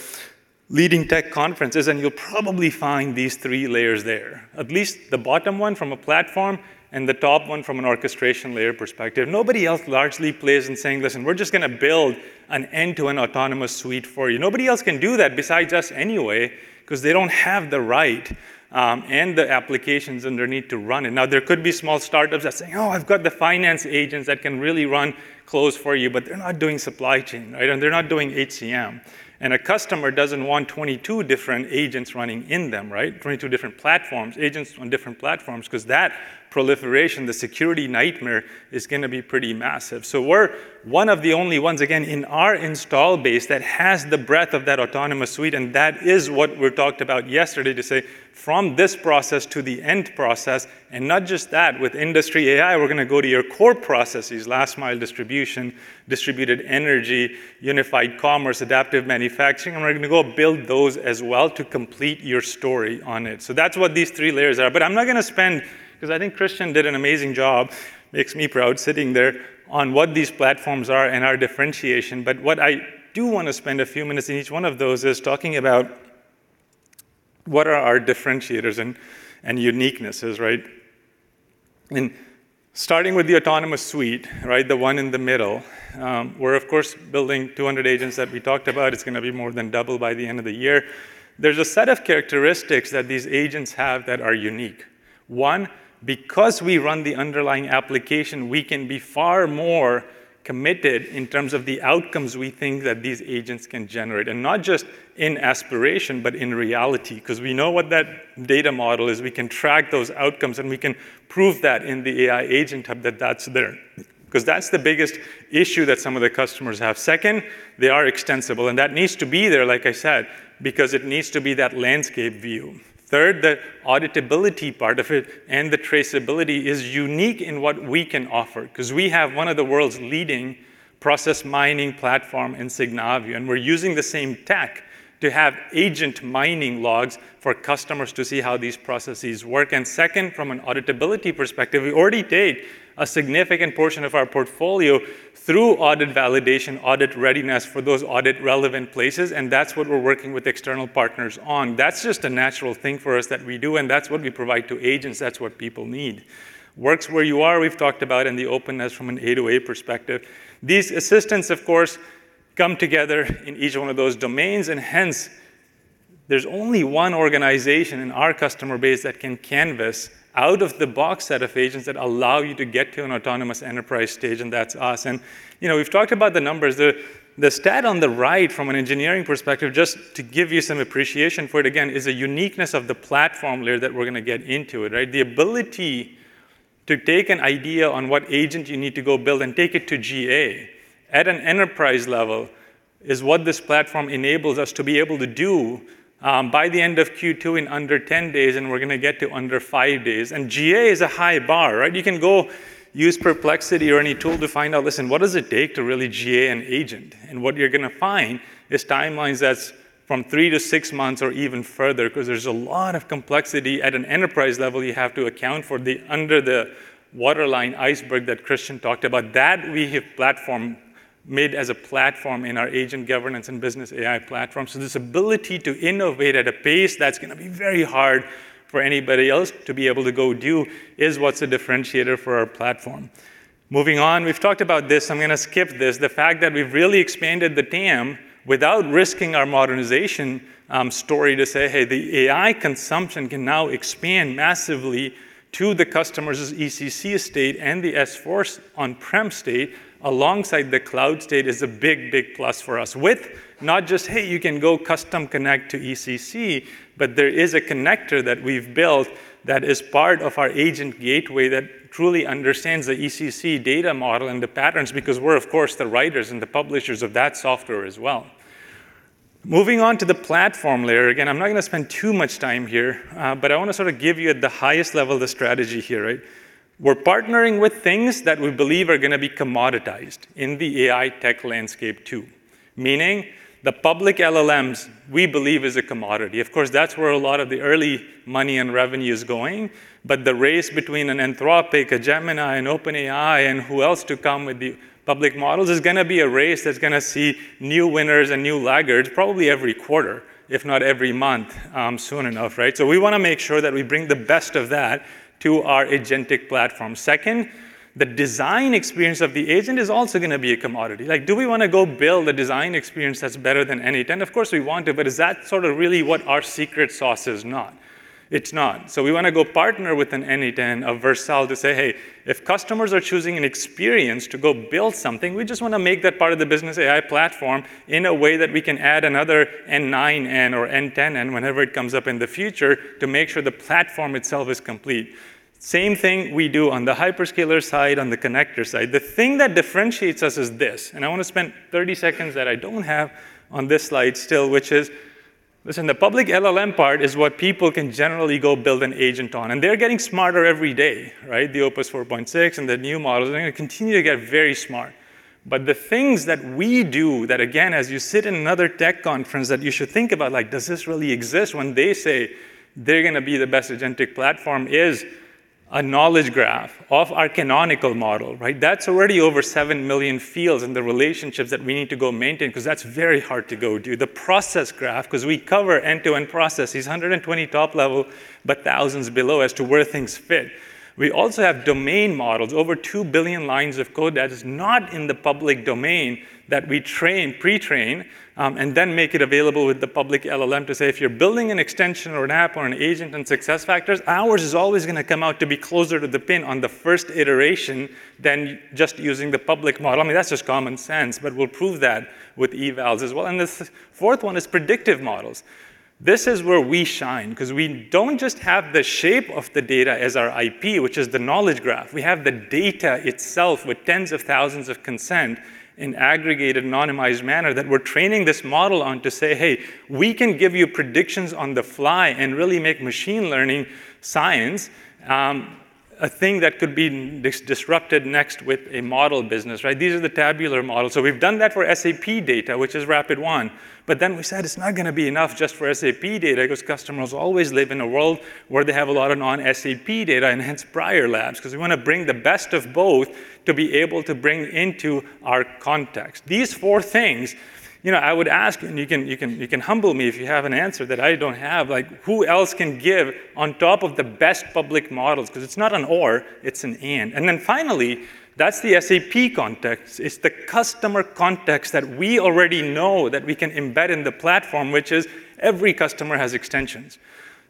leading tech conferences, and you'll probably find these three layers there, at least the bottom one from a platform and the top one from an orchestration layer perspective. Nobody else largely plays in saying, "Listen, we're just gonna build an end-to-end autonomous suite for you." Nobody else can do that besides us anyway because they don't have the right and the applications underneath to run it. Now, there could be small startups that say, "Oh, I've got the finance agents that can really run close for you," but they're not doing supply chain, right? They're not doing HCM. A customer doesn't want 22 different agents running in them, right? 22 different platforms, agents on different platforms, because that proliferation, the security nightmare, is gonna be pretty massive. We're one of the only ones, again, in our install base that has the breadth of that autonomous suite, and that is what we talked about yesterday to say from this process to the end process. Not just that, with industry AI, we're gonna go to your core processes, last mile distribution, distributed energy, unified commerce, adaptive manufacturing, and we're gonna go build those as well to complete your story on it. That's what these three layers are. I'm not gonna spend, because I think Christian did an amazing job, makes me proud sitting there, on what these platforms are and our differentiation. What I do want to spend a few minutes in each one of those is talking about what are our differentiators and uniquenesses, right? Starting with the autonomous suite, right, the one in the middle, we're of course building 200 agents that we talked about. It's gonna be more than double by the end of the year. There's a set of characteristics that these agents have that are unique. One, because we run the underlying application, we can be far more committed in terms of the outcomes we think that these agents can generate, and not just in aspiration, but in reality, because we know what that data model is we can track those outcomes, and we can prove that in the AI agent hub that that's there. 'Cause that's the biggest issue that some of the customers have. Second, they are extensible, and that needs to be there, like I said, because it needs to be that landscape view. Third, the auditability part of it and the traceability is unique in what we can offer, 'cause we have one of the world's leading process mining platform in Signavio, and we're using the same tech to have agent mining logs for customers to see how these processes work. Second, from an auditability perspective, we already take a significant portion of our portfolio through audit validation, audit readiness for those audit-relevant places, and that's what we're working with external partners on. That's just a natural thing for us that we do, and that's what we provide to agents. That's what people need. Works where you are, we've talked about, and the openness from an A2A perspective. These assistants, of course, come together in each one of those domains, and hence, there's only one organization in our customer base that can canvas out-of-the-box set of agents that allow you to get to an autonomous enterprise stage, and that's us. You know, we've talked about the numbers. The stat on the right from an engineering perspective, just to give you some appreciation for it, again, is a uniqueness of the platform layer that we're gonna get into it, right? The ability to take an idea on what agent you need to go build and take it to GA at an enterprise level is what this platform enables us to be able to do by the end of Q2 in under 10 days, and we're gonna get to under five days. GA is a high bar, right? You can go use Perplexity or any tool to find out, listen, what does it take to really GA an agent? What you're gonna find is timelines that's from three-six months or even further, 'cause there's a lot of complexity at an enterprise level you have to account for. The under-the-waterline iceberg that Christian talked about. That we have platform made as a platform in our agent governance and SAP Business AI Platform. This ability to innovate at a pace that's gonna be very hard for anybody else to be able to go do is what's a differentiator for our platform. Moving on, we've talked about this. I'm gonna skip this. The fact that we've really expanded the TAM without risking our modernization story to say, "Hey, the AI consumption can now expand massively to the customer's ECC estate and the S/4 on-prem estate alongside the cloud estate," is a big, big plus for us with not just, hey, you can go custom connect to ECC, but there is a connector that we've built that is part of our agent gateway that truly understands the ECC data model and the patterns because we're, of course, the writers and the publishers of that software as well. Moving on to the platform layer. I'm not gonna spend too much time here, but I wanna sort of give you at the highest level the strategy here, right? We're partnering with things that we believe are gonna be commoditized in the AI tech landscape too. Meaning, the public LLMs, we believe, is a commodity. Of course, that's where a lot of the early money and revenue is going. The race between an Anthropic, a Gemini, an OpenAI, and who else to come with the public models is going to be a race that's going to see new winners and new laggards probably every quarter, if not every month, soon enough, right? We wanna make sure that we bring the best of that to our agentic platform. Second, the design experience of the agent is also gonna be a commodity. Like, do we wanna go build a design experience that's better than n8n? Of course, we want to, but is that sort of really what our secret sauce is? Not. It's not. We wanna go partner with an n8n, a Vercel, to say, "Hey, if customers are choosing an experience to go build something, we just wanna make that part of the Business AI Platform in a way that we can add another n9n or n10n whenever it comes up in the future to make sure the platform itself is complete." Same thing we do on the hyperscaler side, on the connector side. The thing that differentiates us is this, and I wanna spend 30 seconds that I don't have on this slide still, which is Listen, the public LLM part is what people can generally go build an agent on, and they're getting smarter every day, right? The Opus 4.6 and the new models are gonna continue to get very smart. The things that we do that, again, as you sit in another tech conference that you should think about, like, does this really exist when they say they're gonna be the best agentic platform, is a knowledge graph of our canonical model. That's already over 7 million fields in the relationships that we need to go maintain, 'cause that's very hard to go do. The process graph, 'cause we cover end-to-end processes, 120 top level, but thousands below as to where things fit. We also have domain models, over 2 billion lines of code that is not in the public domain that we train, pre-train, and then make it available with the public LLM to say, if you're building an extension or an app or an agent on SuccessFactors, ours is always gonna come out to be closer to the pin on the first iteration than just using the public model. I mean, that's just common sense, but we'll prove that with evals as well. The fourth one is predictive models. This is where we shine, 'cause we don't just have the shape of the data as our IP, which is the knowledge graph. We have the data itself with tens of thousands of consent in aggregate, anonymized manner that we're training this model on to say, "Hey, we can give you predictions on the fly and really make machine learning science, a thing that could be disrupted next with a model business," right? These are the tabular models. We've done that for SAP data, which is RPT-1. We said it's not gonna be enough just for SAP data, because customers always live in a world where they have a lot of non-SAP data and hence Prior Labs, 'cause we wanna bring the best of both to be able to bring into our context. These four things, you know, I would ask, and you can humble me if you have an answer that I don't have, like, who else can give on top of the best public models? 'Cause it's not an or, it's an and. Finally, that's the SAP context. It's the customer context that we already know that we can embed in the platform, which is every customer has extensions.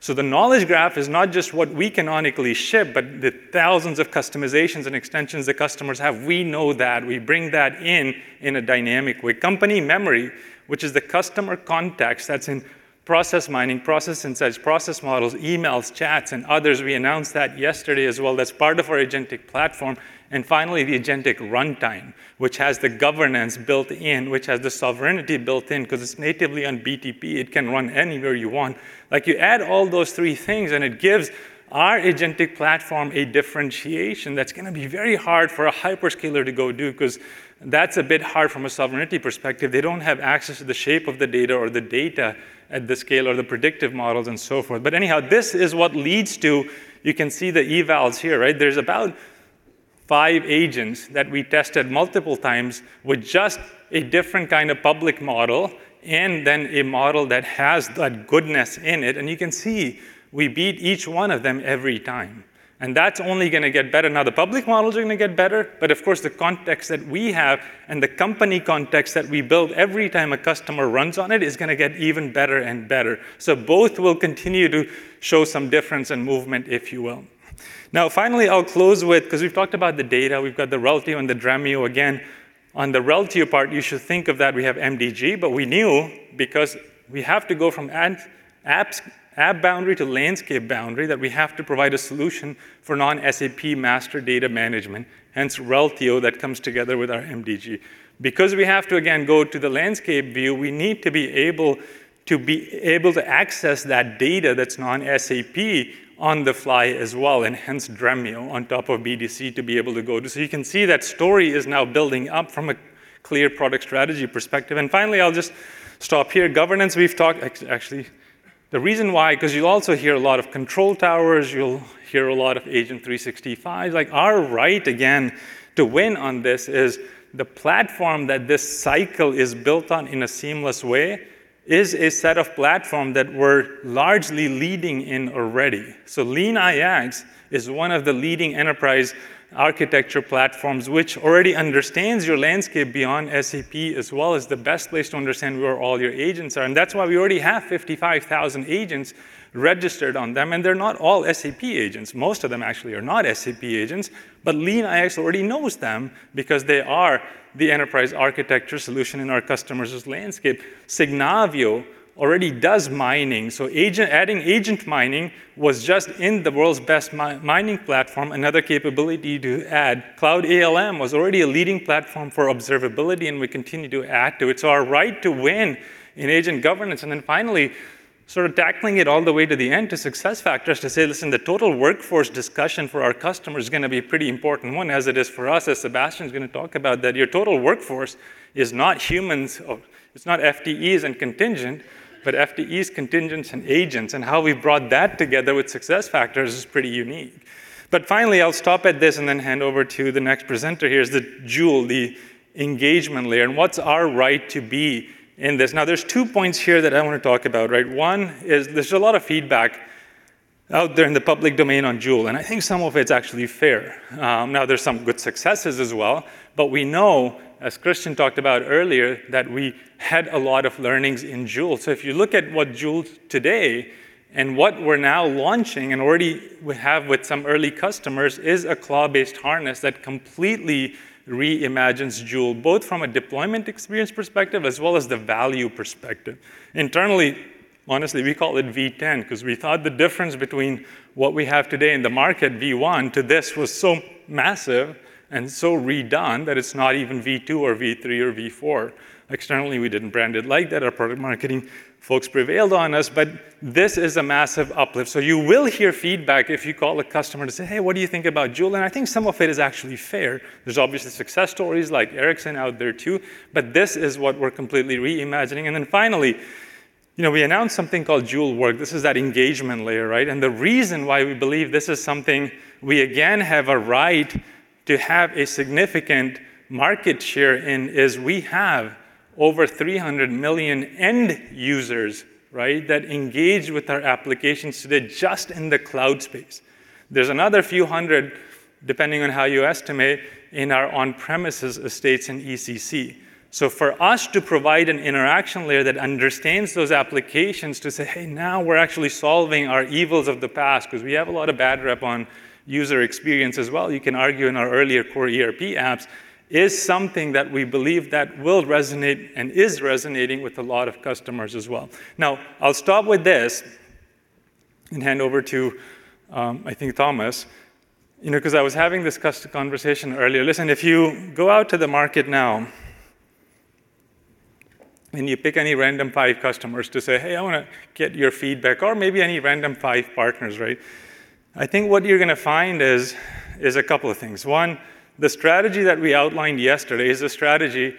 The Knowledge Graph is not just what we canonically ship, but the thousands of customizations and extensions the customers have. We know that. We bring that in in a dynamic way. Company memory, which is the customer context that's in process mining, process insights, process models, emails, chats, and others. We announced that yesterday as well. That's part of our agentic platform. Finally, the agentic runtime, which has the governance built in, which has the sovereignty built in, 'cause it's natively on BTP. It can run anywhere you want. Like, you add all those three things, and it gives our agentic platform a differentiation that's gonna be very hard for a hyperscaler to go do, 'cause that's a bit hard from a sovereignty perspective. They don't have access to the shape of the data or the data at the scale or the predictive models and so forth. Anyhow, this is what leads to You can see the evals here, right? There's about five agents that we tested multiple times with just a different kind of public model, and then a model that has that goodness in it. You can see we beat each one of them every time, and that's only gonna get better. The public models are going to get better, but of course, the context that we have and the company context that we build every time a customer runs on it is going to get even better and better. Both will continue to show some difference in movement, if you will. Finally, I'll close with 'Cause we've talked about the data. We've got the Reltio and the Dremio. On the Reltio part, you should think of that we have MDG, but we knew because we have to go from an app boundary to landscape boundary, that we have to provide a solution for non-SAP master data management, hence Reltio that comes together with our MDG. Because we have to, again, go to the landscape view, we need to be able to access that data that's non-SAP on the fly as well, and hence Dremio on top of BDC to be able to go. You can see that story is now building up from a clear product strategy perspective. Finally, I'll just stop here. Governance, we've talked. Actually, the reason why, 'cause you also hear a lot of control towers, you'll hear a lot of Agent 365. Like, our right, again, to win on this is the platform that this cycle is built on in a seamless way is a set of platform that we're largely leading in already. LeanIX is one of the leading enterprise architecture platforms which already understands your landscape beyond SAP, as well as the best place to understand where all your agents are, and that's why we already have 55,000 agents registered on them, and they're not all SAP agents. Most of them actually are not SAP agents, LeanIX already knows them because they are the enterprise architecture solution in our customer's landscape. Signavio already does mining, adding agent mining was just in the world's best mining platform, another capability to add. Cloud ALM was already a leading platform for observability, we continue to add to it. Our right to win in agent governance. Then finally, sort of tackling it all the way to the end to SuccessFactors to say, "Listen, the total workforce discussion for our customer is gonna be a pretty important one, as it is for us," as Sebastian's gonna talk about, that your total workforce is not humans or it's not FTEs and contingent, but FTEs, contingents, and agents. How we've brought that together with SuccessFactors is pretty unique. Finally, I'll stop at this and then hand over to the next presenter. Here's the Joule, the engagement layer, and what's our right to be in this. There's two points here that I want to talk about, right? One is there's a lot of feedback out there in the public domain on Joule, and I think some of it's actually fair. There's some good successes as well, but we know, as Christian talked about earlier, that we had a lot of learnings in Joule. If you look at what Joule today and what we're now launching and already we have with some early customers, is a cloud-based harness that completely re-imagines Joule, both from a deployment experience perspective as well as the value perspective. Internally, honestly, we call it V10, 'cause we thought the difference between what we have today in the market, V1, to this was so massive and so redone that it's not even V2 or V3 or V4. Externally, we didn't brand it like that. Our product marketing folks prevailed on us, this is a massive uplift. You will hear feedback if you call a customer to say, "Hey, what do you think about Joule?" I think some of it is actually fair. There's obviously success stories like Ericsson out there, too, but this is what we're completely re-imagining. Finally, you know, we announced something called Joule Work. This is that engagement layer, right? The reason why we believe this is something we again have a right to have a significant market share in is we have over 300 million end users, right, that engage with our applications today just in the cloud space. There's another few hundred, depending on how you estimate, in our on-premises estates in ECC. For us to provide an interaction layer that understands those applications to say, "Hey, now we're actually solving our evils of the past," because we have a lot of bad rep on user experience as well, you can argue in our earlier core ERP apps, is something that we believe that will resonate and is resonating with a lot of customers as well. I'll stop with this and hand over to, I think Thomas. You know, because I was having this conversation earlier. Listen, if you go out to the market now and you pick any random five customers to say, "Hey, I want to get your feedback," or maybe any random five partners, right? I think what you're going to find is a couple of things. One, the strategy that we outlined yesterday is a strategy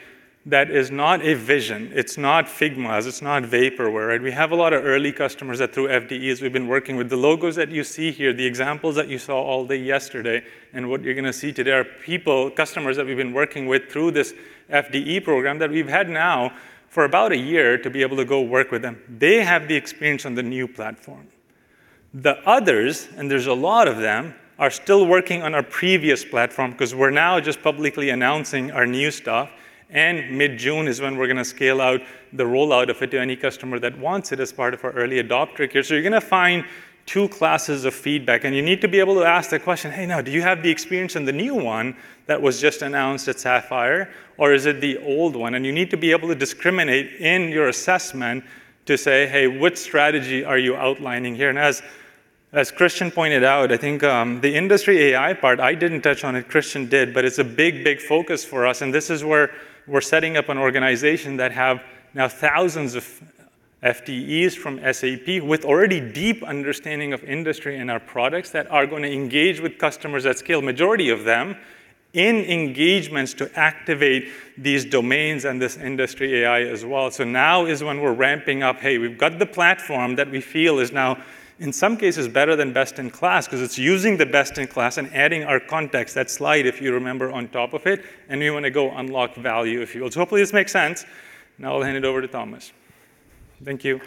that is not a vision. It's not figmas, it's not vaporware, right. We have a lot of early customers that through FDEs, we've been working with. The logos that you see here, the examples that you saw all day yesterday, and what you're gonna see today are people, customers that we've been working with through this FDE program that we've had now for about a year to be able to go work with them. They have the experience on the new platform. The others, and there's a lot of them, are still working on our previous platform because we're now just publicly announcing our new stuff, and mid-June is when we're gonna scale out the rollout of it to any customer that wants it as part of our early adopter care. You're going to find two classes of feedback, and you need to be able to ask the question, "Hey, now, do you have the experience in the new 1 that was just announced at SAP Sapphire, or is it the old one?" You need to be able to discriminate in your assessment to say, "Hey, what strategy are you outlining here?" As Christian pointed out, I think, the industry AI part, I didn't touch on it, Christian did, but it's a big, big focus for us, and this is where we're setting up an organization that have now thousands of FDEs from SAP with already deep understanding of industry and our products that are going to engage with customers at scale, majority of them, in engagements to activate these domains and this industry AI as well. now is when we're ramping up, "Hey, we've got the platform that we feel is now in some cases better than best in class because it's using the best in class and adding our context," that slide, if you remember, on top of it, and we want to go unlock value if you will. hopefully this makes sense. Now I'll hand it over to Thomas. Thank you.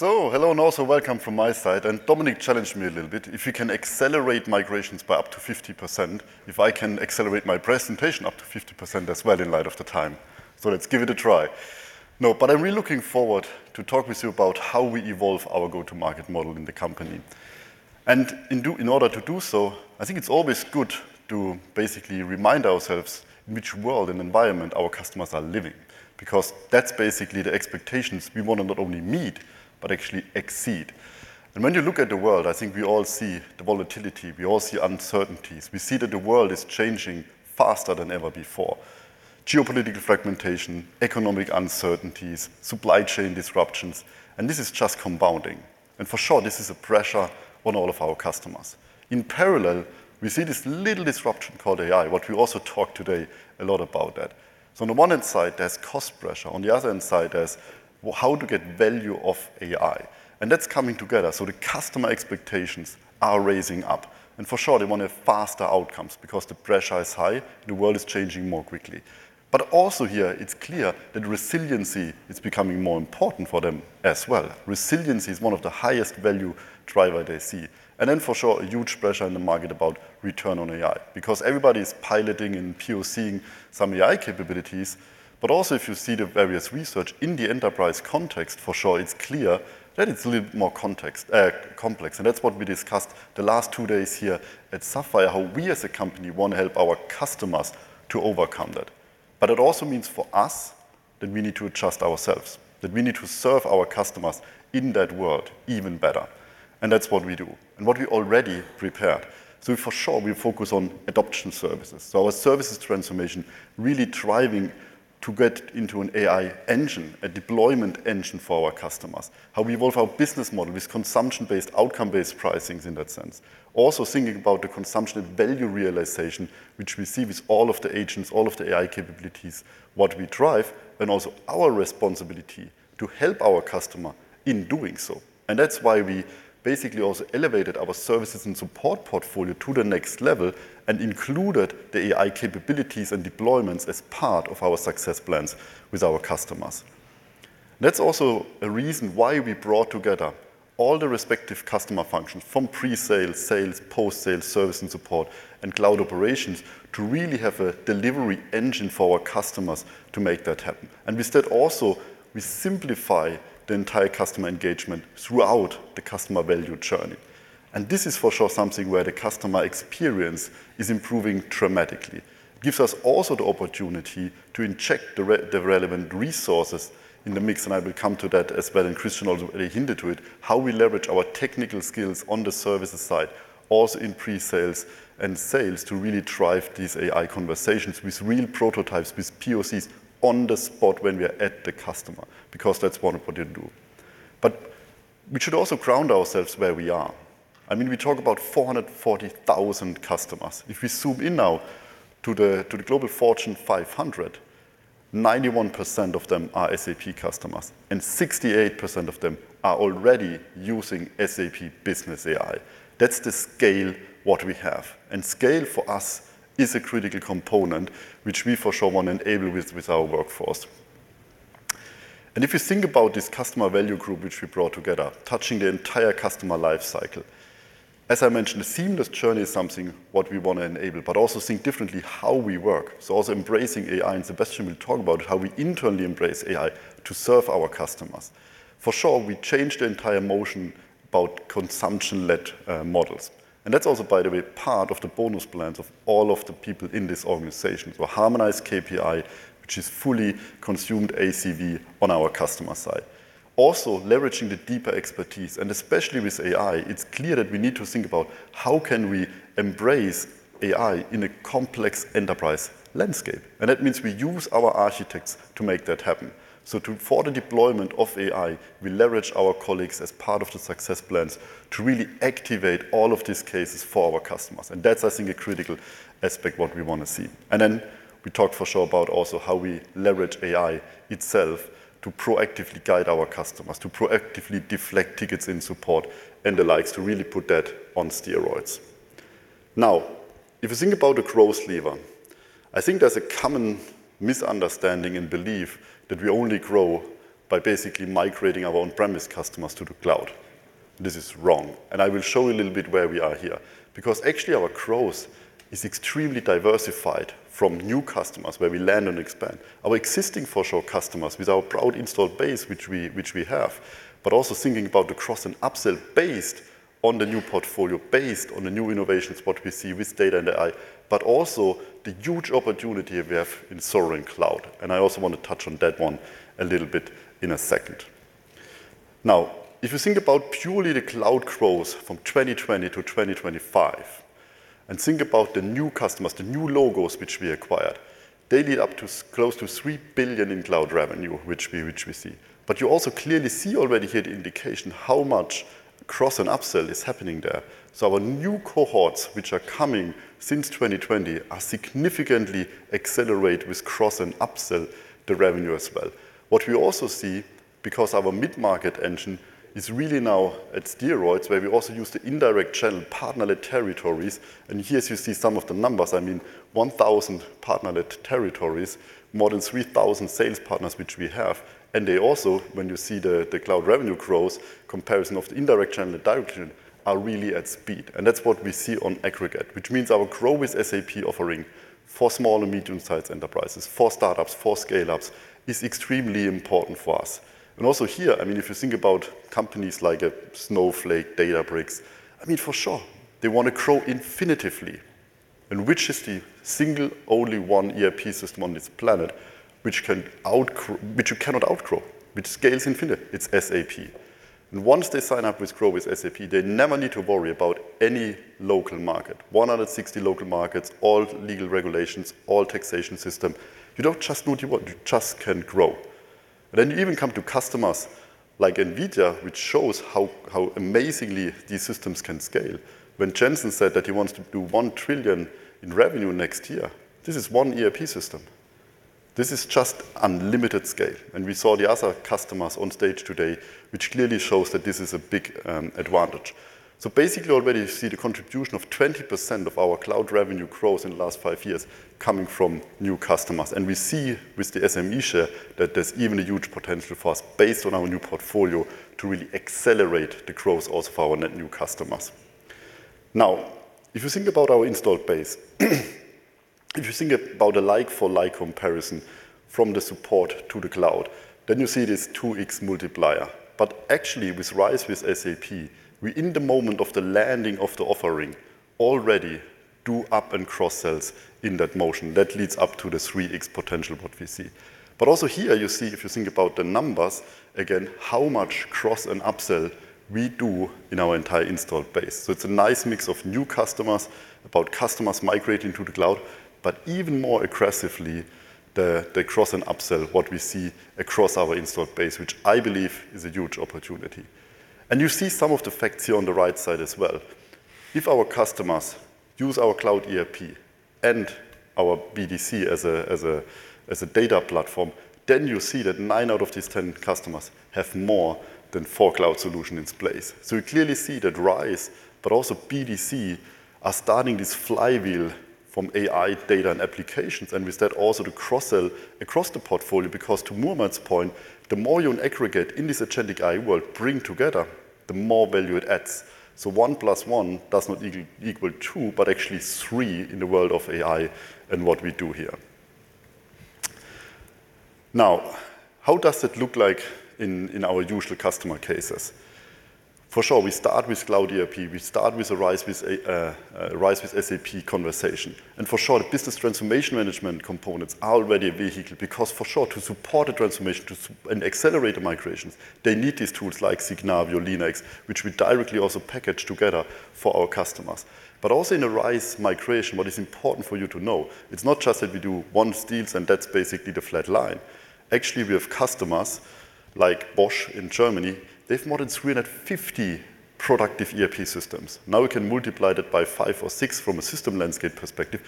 Hello and also welcome from my side. Dominik challenged me a little bit, if you can accelerate migrations by up to 50%, if I can accelerate my presentation up to 50% as well in light of the time. Let's give it a try. No, I'm really looking forward to talk with you about how we evolve our go-to-market model in the company. In order to do so, I think it's always good to basically remind ourselves in which world and environment our customers are living, because that's basically the expectations we want to not only meet, but actually exceed. When you look at the world, I think we all see the volatility, we all see uncertainties. We see that the world is changing faster than ever before. Geopolitical fragmentation, economic uncertainties, supply chain disruptions, and this is just compounding. For sure, this is a pressure on all of our customers. In parallel, we see this little disruption called AI, what we also talked today a lot about that. On the one hand side, there's cost pressure. On the other hand side, there's, well, how to get value of AI. That's coming together. The customer expectations are raising up. For sure, they want to have faster outcomes because the pressure is high and the world is changing more quickly. Also here, it's clear that resiliency is becoming more important for them as well. Resiliency is one of the highest value driver they see. For sure, a huge pressure in the market about return on AI, because everybody's piloting and POC-ing some AI capabilities. also, if you see the various research in the enterprise context, for sure it's clear that it's a little bit more context, complex. That's what we discussed the last two days here at Sapphire, how we as a company want to help our customers to overcome that. It also means for us that we need to adjust ourselves, that we need to serve our customers in that world even better, and that's what we do and what we already prepared. For sure, we focus on adoption services. Our services transformation really driving to get into an AI engine, a deployment engine for our customers. How we evolve our business model with consumption-based, outcome-based pricings in that sense. Also thinking about the consumption of value realization, which we see with all of the agents, all of the AI capabilities, what we drive, and also our responsibility to help our customer in doing so. That's why we basically also elevated our services and support portfolio to the next level and included the AI capabilities and deployments as part of our success plans with our customers. That's also a reason why we brought together all the respective customer functions from pre-sales, sales, post-sales, service and support, and cloud operations to really have a delivery engine for our customers to make that happen. With that also, we simplify the entire customer engagement throughout the customer value journey. This is for sure something where the customer experience is improving dramatically. It gives us also the opportunity to inject the relevant resources in the mix, and I will come to that as well, and Christian also already hinted to it, how we leverage our technical skills on the services side, also in pre-sales and sales, to really drive these AI conversations with real prototypes, with POCs on the spot when we are at the customer, because that's one important rule. We should also ground ourselves where we are. I mean, we talk about 440,000 customers. If we zoom in now to the Global Fortune 500, 91% of them are SAP customers, and 68% of them are already using SAP Business AI. That's the scale what we have. Scale for us is a critical component which we for sure want to enable with our workforce. If you think about this customer value group which we brought together, touching the entire customer life cycle, as I mentioned, a seamless journey is something what we want to enable, but also think differently how we work. Also embracing AI, and Sebastian will talk about how we internally embrace AI to serve our customers. For sure, we changed the entire motion about consumption-led models. That's also, by the way, part of the bonus plans of all of the people in this organization. Harmonized KPI, which is fully consumed ACV on our customer side. Also, leveraging the deeper expertise, and especially with AI, it's clear that we need to think about how can we embrace AI in a complex enterprise landscape. That means we use our architects to make that happen. For the deployment of AI, we leverage our colleagues as part of the success plans to really activate all of these cases for our customers. That's, I think, a critical aspect what we want to see. We talked for sure about also how we leverage AI itself to proactively guide our customers, to proactively deflect tickets in support and the likes to really put that on steroids. Now, if you think about the growth lever, I think there's a common misunderstanding and belief that we only grow by basically migrating our on-premise customers to the cloud. This is wrong, and I will show you a little bit where we are here. Because actually our growth is extremely diversified from new customers, where we land and expand, our existing, for sure, customers with our proud installed base, which we have, but also thinking about the cross and upsell based on the new portfolio, based on the new innovations, what we see with data and AI, but also the huge opportunity we have in sovereign cloud. I also want to touch on that one a little bit in a second. Now, if you think about purely the cloud growth from 2020 to 2025, and think about the new customers, the new logos which we acquired, they lead up to close to 3 billion in cloud revenue, which we see. You also clearly see already here the indication how much cross and upsell is happening there. Our new cohorts, which are coming since 2020, are significantly accelerate with cross and upsell the revenue as well. What we also see, because our mid-market engine is really now at steroids, where we also use the indirect channel partner-led territories, and here you see some of the numbers. I mean, 1,000 partner-led territories, more than 3,000 sales partners which we have, and they also, when you see the cloud revenue growth, comparison of the indirect channel and direct channel, are really at speed. That's what we see on aggregate, which means our GROW with SAP offering for small and medium-sized enterprises, for startups, for scale-ups, is extremely important for us. Also here, I mean, if you think about companies like Snowflake, Databricks, I mean, for sure, they want to grow infinitively. Which is the single only one ERP system on this planet which you cannot outgrow, which scales infinite? It's SAP. Once they sign up with GROW with SAP, they never need to worry about any local market. 160 local markets, all legal regulations, all taxation system. You don't just do what you want, you just can grow. You even come to customers like NVIDIA, which shows how amazingly these systems can scale. When Jensen said that he wants to do 1 trillion in revenue next year, this is one ERP system. This is just unlimited scale. We saw the other customers on stage today, which clearly shows that this is a big advantage. Basically already you see the contribution of 20% of our cloud revenue growth in the last five years coming from new customers. We see with the SME share that there's even a huge potential for us based on our new portfolio to really accelerate the growth also for our net new customers. Now, if you think about our installed base, if you think about a like-for-like comparison from the support to the cloud, then you see this 2x multiplier. Actually with RISE with SAP, we, in the moment of the landing of the offering, already do up and cross sells in that motion. That leads up to the 3x potential what we see. Also here you see, if you think about the numbers, again, how much cross and upsell we do in our entire installed base. it's a nice mix of new customers, about customers migrating to the cloud, but even more aggressively, the cross and upsell, what we see across our installed base, which I believe is a huge opportunity. You see some of the facts here on the right side as well. If our customers use our Cloud ERP and our BDC as a data platform, then you see that nine out of these 10 customers have more than four cloud solution in place. We clearly see that RISE, but also BDC, are starting this flywheel from AI data and applications, and with that also the cross-sell across the portfolio because, to Muhammad's point, the more you aggregate in this agentic AI world bring together, the more value it adds. One plus one does not equal two, but actually three in the world of AI and what we do here. Now, how does it look like in our usual customer cases? For sure, we start with Cloud ERP. We start with a RISE with SAP conversation. For sure, the business transformation management components are already a vehicle because, for sure, to support a transformation, and accelerate the migrations, they need these tools like Signavio, LeanIX, which we directly also package together for our customers. Also in a RISE migration, what is important for you to know, it's not just that we do one deal and that's basically the flat line. Actually, we have customers like Bosch in Germany, they have more than 350 productive ERP systems. Now we can multiply that by five or six from a system landscape perspective.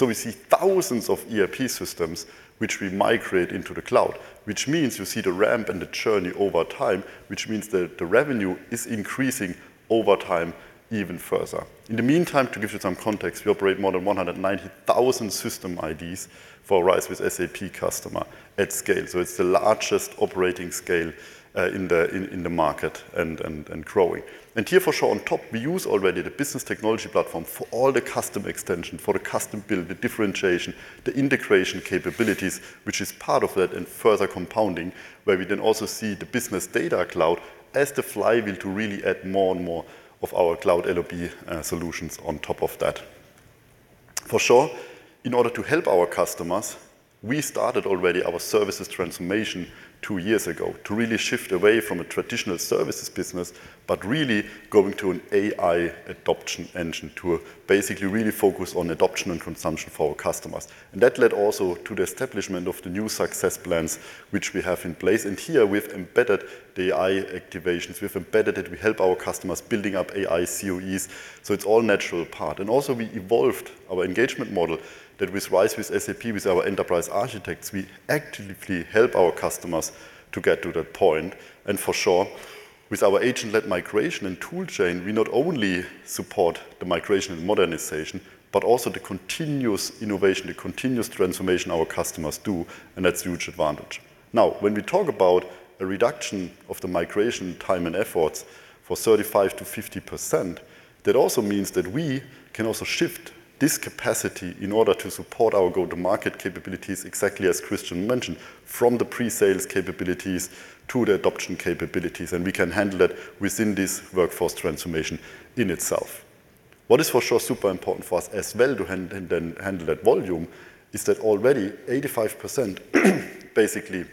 We see thousands of ERP systems which we migrate into the cloud, which means you see the ramp and the journey over time, which means that the revenue is increasing over time even further. In the meantime, to give you some context, we operate more than 190,000 system IDs for RISE with SAP customer at scale. It's the largest operating scale in the market and growing. Here for sure on top, we use already the Business Technology Platform for all the custom extension, for the custom build, the differentiation, the integration capabilities, which is part of that and further compounding, where we then also see the Business Data Cloud as the flywheel to really add more and more of our cloud LOB solutions on top of that. For sure, in order to help our customers, we started already our services transformation two years ago to really shift away from a traditional services business, but really going to an AI adoption engine to basically really focus on adoption and consumption for our customers. That led also to the establishment of the new success plans which we have in place. Here we've embedded the AI activations. We've embedded it. We help our customers building up AI COEs, so it's all natural part. also, we evolved our engagement model that with RISE with SAP, with our enterprise architects, we actively help our customers to get to that point. For sure, with our agent-led migration and tool chain, we not only support the migration and modernization, but also the continuous innovation, the continuous transformation our customers do, and that's a huge advantage. Now, when we talk about a reduction of the migration time and efforts for 35%-50%, that also means that we can also shift this capacity in order to support our go-to-market capabilities, exactly as Christian mentioned, from the pre-sales capabilities to the adoption capabilities, and we can handle that within this workforce transformation in itself. What is for sure super important for us as well to handle that volume is that already 85% basically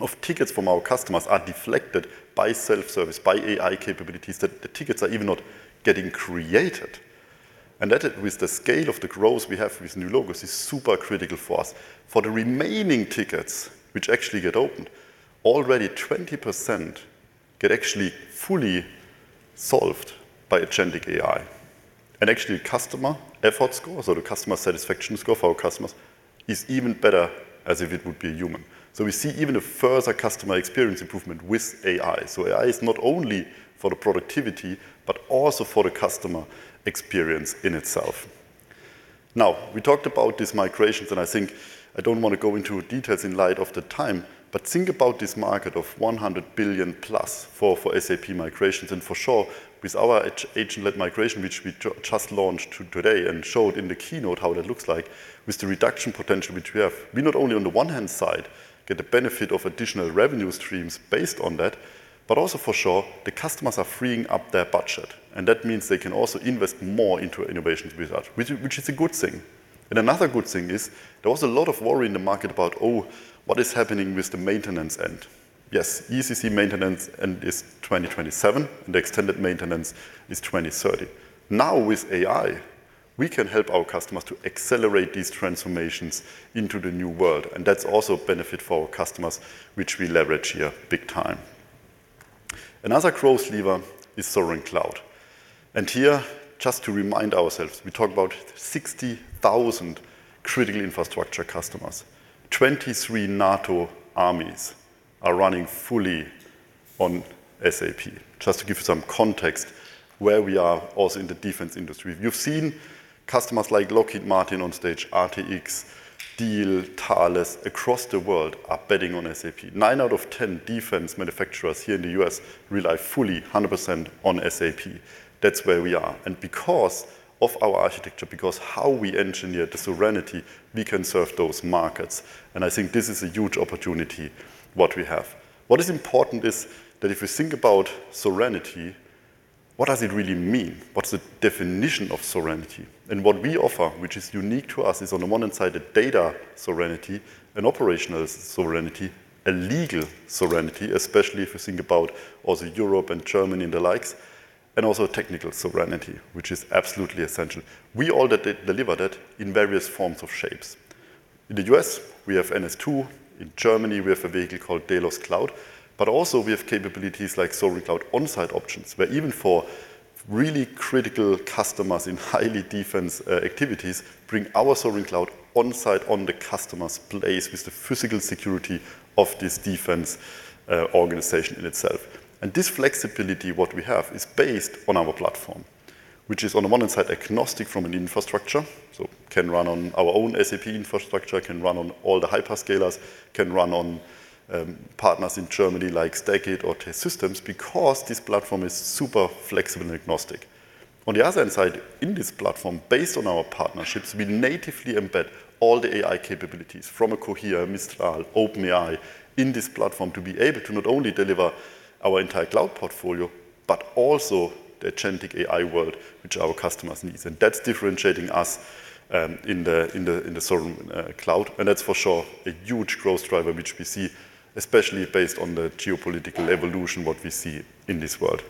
of tickets from our customers are deflected by self-service, by AI capabilities, that the tickets are even not getting created. That it with the scale of the growth we have with new logos is super critical for us. For the remaining tickets which actually get opened, already 20% get actually fully solved by agentic AI. Actually, customer effort score, so the customer satisfaction score for our customers, is even better as if it would be human. We see even a further customer experience improvement with AI. AI is not only for the productivity, but also for the customer experience in itself. Now, we talked about these migrations, and I think I don't want to go into details in light of the time, but think about this market of 100 billion+ for SAP migrations. For sure, with our agent-led migration, which we just launched today, and showed in the keynote how that looks like, with the reduction potential which we have, we not only on the one hand side get the benefit of additional revenue streams based on that, but also for sure the customers are freeing up their budget, and that means they can also invest more into innovations with that, which is a good thing. Another good thing is there was a lot of worry in the market about, oh, what is happening with the maintenance end? Yes, ECC maintenance end is 2027, and the extended maintenance is 2030. Now, with AI, we can help our customers to accelerate these transformations into the new world, and that's also a benefit for our customers which we leverage here big time. Another growth lever is sovereign cloud. Here, just to remind ourselves, we talk about 60,000 critical infrastructure customers. 23 NATO armies are running fully on SAP, just to give you some context where we are also in the defense industry. You've seen customers like Lockheed Martin on stage, RTX, Diehl, Thales, across the world are betting on SAP. Nine out of 10 defense manufacturers here in the U.S. rely fully 100% on SAP. That's where we are. Because of our architecture, because how we engineer the sovereignty, we can serve those markets, and I think this is a huge opportunity what we have. What is important is that if we think about sovereignty, what does it really mean? What's the definition of sovereignty? What we offer, which is unique to us, is on the one hand side, a data sovereignty, an operational sovereignty, a legal sovereignty, especially if you think about also Europe and Germany and the likes, and also a technical sovereignty, which is absolutely essential. We already deliver that in various forms of shapes. In the U.S., we have NS2. In Germany, we have a vehicle called Delos Cloud. Also, we have capabilities like sovereign cloud on-site options, where even for really critical customers in highly defense activities, bring our sovereign cloud on-site on the customer's place with the physical security of this defense organization in itself. This flexibility what we have is based on our platform, which is on the one hand side agnostic from an infrastructure, so can run on our own SAP infrastructure, can run on all the hyperscalers, can run on partners in Germany like STACKIT or T-Systems because this platform is super flexible and agnostic. On the other hand side, in this platform, based on our partnerships, we natively embed all the AI capabilities from a Cohere, Mistral, OpenAI in this platform to be able to not only deliver our entire cloud portfolio, but also the agentic AI world which our customers needs. That's differentiating us in the sovereign cloud, and that's for sure a huge growth driver which we see, especially based on the geopolitical evolution what we see in this world.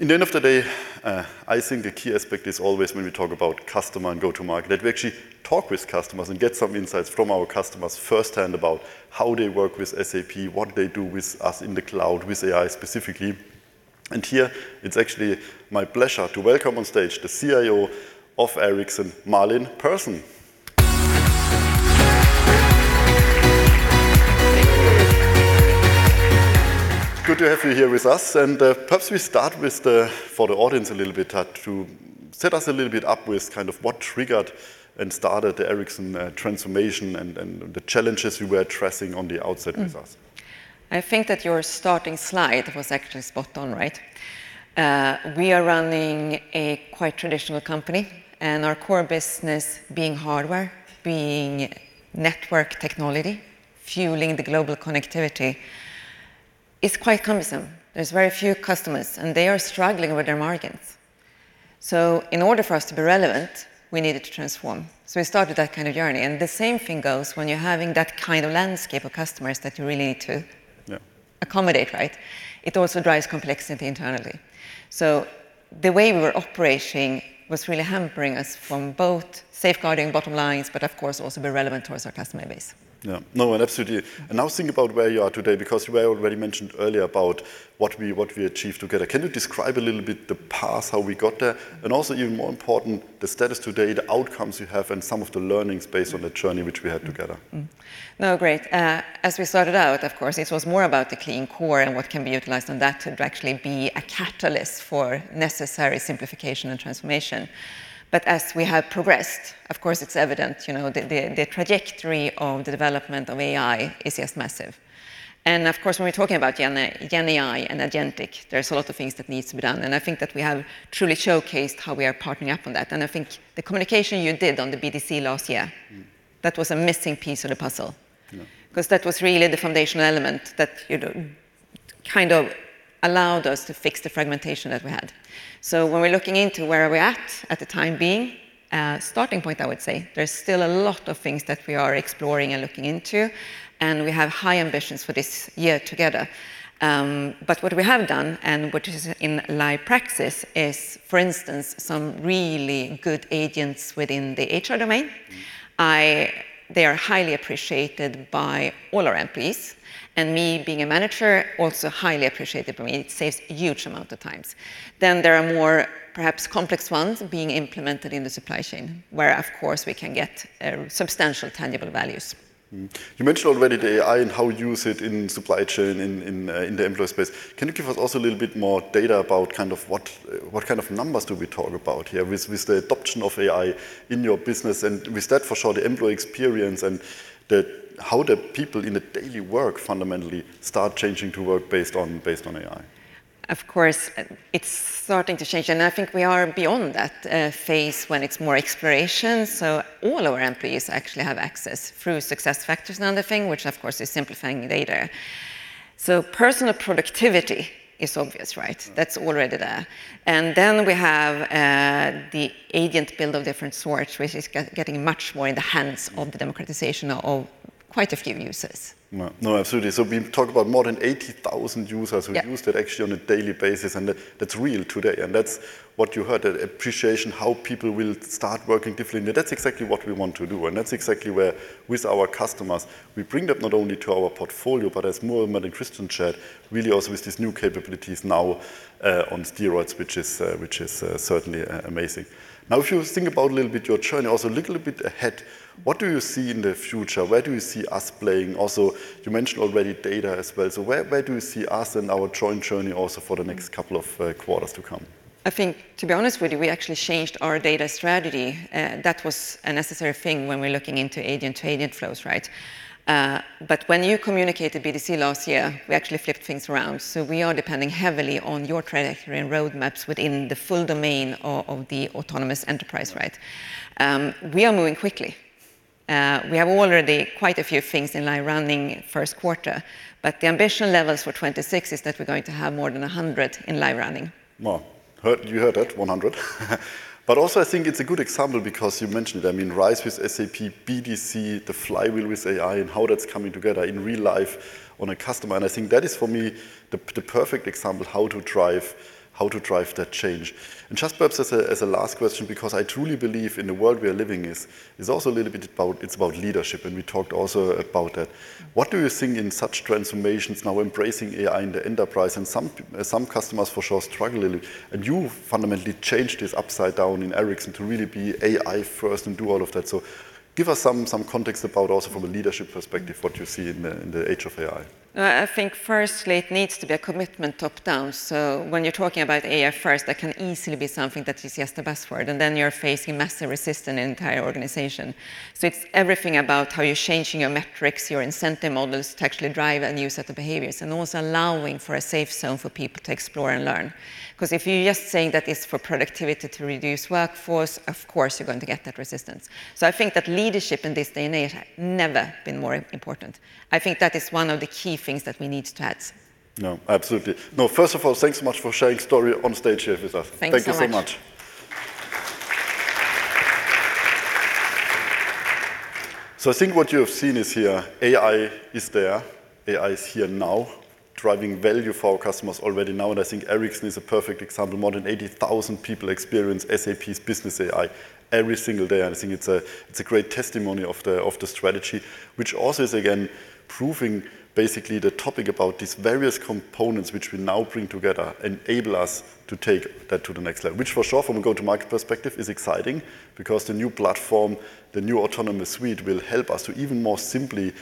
In the end of the day, I think the key aspect is always when we talk about customer and go to market, that we actually talk with customers and get some insights from our customers firsthand about how they work with SAP, what they do with us in the cloud, with AI specifically. Here, it's actually my pleasure to welcome on stage the CIO of Ericsson, Malin Persson. Thank you. It's good to have you here with us, and perhaps we start with the for the audience a little bit, to set us a little bit up with kind of what triggered and started the Ericsson transformation and the challenges you were addressing on the outset with us. I think that your starting slide was actually spot on, right? We are running a quite traditional company, and our core business being hardware, being network technology, fueling the global connectivity. It's quite cumbersome. There's very few customers, and they are struggling with their margins. In order for us to be relevant, we needed to transform. We started that kind of journey, and the same thing goes when you're having that kind of landscape of customers that you really need to- Yeah accommodate, right? It also drives complexity internally. The way we were operating was really hampering us from both safeguarding bottom lines, but of course also be relevant towards our customer base. Yeah. No, and absolutely. Now think about where you are today because we already mentioned earlier about what we achieved together. Can you describe a little bit the path, how we got there, and also even more important, the status today, the outcomes you have, and some of the learnings based on the journey which we had together? No, great. As we started out, of course, this was more about the clean core and what can be utilized on that to actually be a catalyst for necessary simplification and transformation. As we have progressed, of course, it's evident, you know, the trajectory of the development of AI is just massive. Of course, when we're talking about Gen-A, GenAI and agentic, there's a lot of things that needs to be done, and I think that we have truly showcased how we are partnering up on that. I think the communication you did on the BDC last year- that was a missing piece of the puzzle. Yeah. 'Cause that was really the foundational element that, you know, kind of allowed us to fix the fragmentation that we had. When we're looking into where are we at the time being, starting point, I would say, there's still a lot of things that we are exploring and looking into, and we have high ambitions for this year together. What we have done, and what is in live practice is, for instance, some really good agents within the HR domain. They are highly appreciated by all our employees, and me being a manager, also highly appreciated for me. It saves huge amount of times. There are more, perhaps, complex ones being implemented in the supply chain, where, of course, we can get substantial tangible values. You mentioned already the AI and how you use it in supply chain, in the employee space. Can you give us also a little bit more data about kind of what kind of numbers do we talk about here with the adoption of AI in your business, and with that, for sure, the employee experience and how the people in the daily work fundamentally start changing to work based on AI? Of course, it's starting to change. I think we are beyond that phase when it's more exploration. All our employees actually have access through SuccessFactors now the thing, which of course is simplifying data. Personal productivity is obvious, right? Right. That's already there. Then we have the agent build of different sorts, which is getting much more in the hands of the democratization of quite a few users. No, no, absolutely. We talk about more than 80,000 users. Yeah who use that actually on a daily basis. That's real today. That's what you heard, appreciation, how people will start working differently. That's exactly what we want to do. That's exactly where, with our customers, we bring that not only to our portfolio, but as Malin and Christian shared, really also with these new capabilities now on steroids, which is certainly amazing. If you think about a little bit your journey, also a little bit ahead, what do you see in the future? Where do you see us playing also? You mentioned already data as well. Where do you see us and our joint journey also for the next couple of quarters to come? I think, to be honest with you, we actually changed our data strategy. That was a necessary thing when we're looking into agent-to-agent flows, right? When you communicated BDC last year, we actually flipped things around. We are depending heavily on your trajectory and roadmaps within the full domain of the autonomous enterprise, right? We are moving quickly. We have already quite a few things in live running first quarter, the ambition levels for 2026 is that we're going to have more than 100 in live running. Well, you heard that, 100. Also, I think it's a good example because you mentioned, I mean, RISE with SAP, BDC, the flywheel with AI, and how that's coming together in real life on a customer, and I think that is, for me, the perfect example how to drive that change. Just perhaps as a last question because I truly believe in the world we are living is also a little bit about, it's about leadership, and we talked also about that. What do you think in such transformations now embracing AI in the enterprise and some customers for sure struggle a little, and you fundamentally changed this upside down in Ericsson to really be AI first and do all of that. Give us some context about also from a leadership perspective what you see in the age of AI? I think firstly it needs to be a commitment top-down. When you're talking about AI first, that can easily be something that is just a buzzword, and then you're facing massive resistance in entire organization. It's everything about how you're changing your metrics, your incentive models to actually drive a new set of behaviors, and also allowing for a safe zone for people to explore and learn. 'Cause if you're just saying that it's for productivity to reduce workforce, of course you're going to get that resistance. I think that leadership in this day and age, never been more important. I think that is 1 of the key things that we need to add. No, absolutely. No, first of all, thanks so much for sharing story on stage here with us. Thanks so much. Thank you so much. I think what you have seen is here, AI is there, AI is here now, driving value for our customers already now, and I think it's a great testimony of the strategy, which also is, again, proving basically the topic about these various components which we now bring together, enable us to take that to the next level, which for sure from a go-to-market perspective is exciting because the new platform, the new autonomous suite will help us to even more simply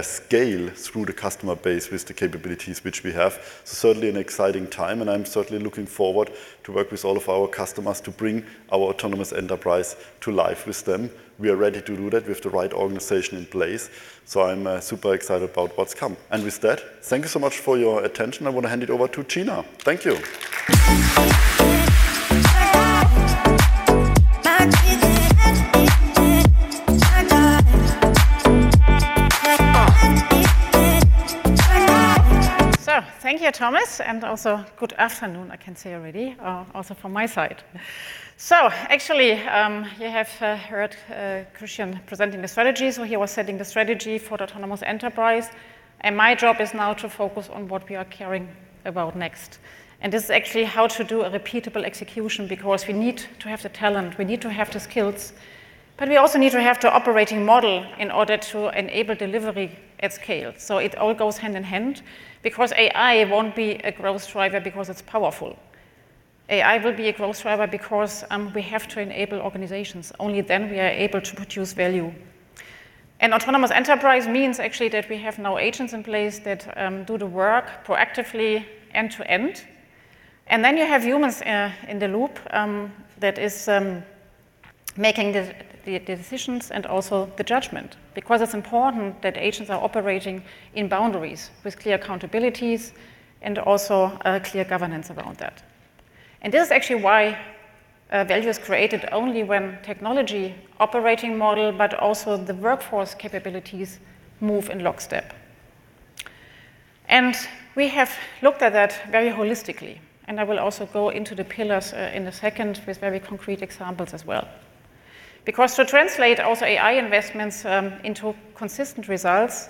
scale through the customer base with the capabilities which we have. Certainly an exciting time, and I'm certainly looking forward to work with all of our customers to bring our autonomous enterprise to life with them. We are ready to do that with the right organization in place. I'm super excited about what's come. With that, thank you so much for your attention. I want to hand it over to Gina. Thank you. Thank you, Thomas, and also good afternoon, I can say already, also from my side. Actually, you have heard Christian presenting the strategy. He was setting the strategy for the autonomous enterprise, and my job is now to focus on what we are caring about next. This is actually how to do a repeatable execution because we need to have the talent, we need to have the skills, but we also need to have the operating model in order to enable delivery at scale. It all goes hand in hand because AI won't be a growth driver because it's powerful. AI will be a growth driver because we have to enable organizations. Only then we are able to produce value. autonomous enterprise means actually that we have now agents in place that do the work proactively end to end. you have humans in the loop that is making the decisions and also the judgment, because it's important that agents are operating in boundaries with clear accountabilities and also clear governance around that. this is actually why value is created only when technology operating model, but also the workforce capabilities move in lockstep. we have looked at that very holistically, and I will also go into the pillars in a second with very concrete examples as well. Because to translate also AI investments into consistent results,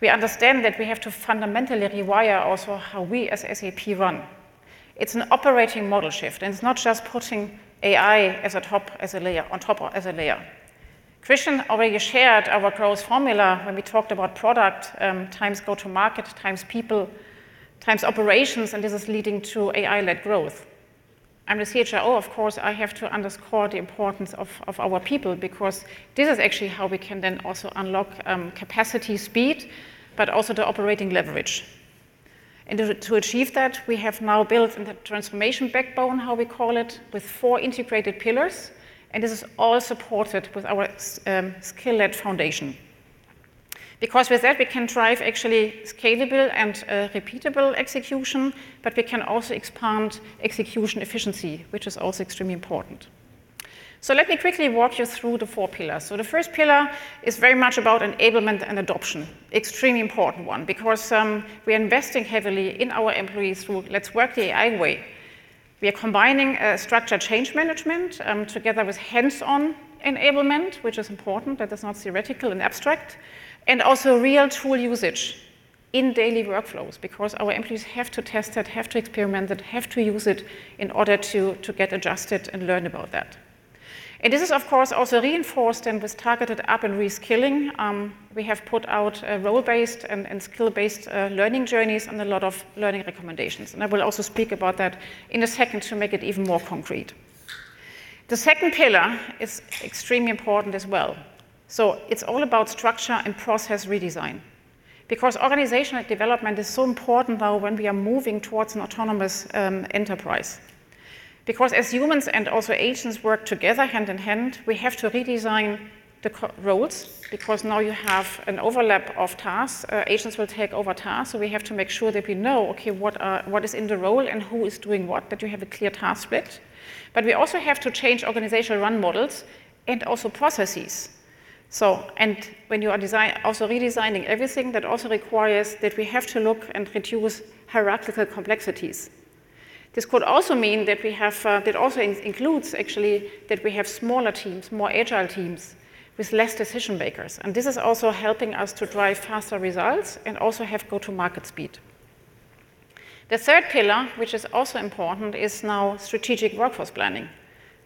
we understand that we have to fundamentally rewire also how we as SAP run. It's an operating model shift, and it's not just putting AI as a top, as a layer on top as a layer. Christian already shared our growth formula when we talked about product, times go to market, times people, times operations, and this is leading to AI-led growth. I'm the CHRO, of course, I have to underscore the importance of our people because this is actually how we can then also unlock, capacity speed, but also the operating leverage. To achieve that, we have now built the transformation backbone, how we call it, with four integrated pillars, and this is all supported with our skill-led foundation. Because with that, we can drive actually scalable and repeatable execution, but we can also expand execution efficiency, which is also extremely important. Let me quickly walk you through the four pillars. The first pillar is very much about enablement and adoption. Extremely important one because we are investing heavily in our employees through Let's Work the AI Way. We are combining structure change management together with hands-on enablement, which is important, that is not theoretical and abstract, and also real tool usage in daily workflows because our employees have to test it, have to experiment it, have to use it in order to get adjusted and learn about that. This is of course also reinforced and with targeted up and reskilling. We have put out a role-based and skill-based learning journeys and a lot of learning recommendations, and I will also speak about that in a second to make it even more concrete. The second pillar is extremely important as well. It's all about structure and process redesign because organizational development is so important though when we are moving towards an autonomous enterprise. As humans and also agents work together hand in hand, we have to redesign the co-roles because now you have an overlap of tasks. Agents will take over tasks, so we have to make sure that we know, okay, what is in the role and who is doing what, that you have a clear task split. We also have to change organizational run models and also processes. When you are also redesigning everything, that also requires that we have to look and reduce hierarchical complexities. This could also mean that we have, that also includes actually that we have smaller teams, more agile teams with less decision makers, and this is also helping us to drive faster results and also have go-to-market speed. The third pillar, which is also important, is now Strategic Workforce Planning.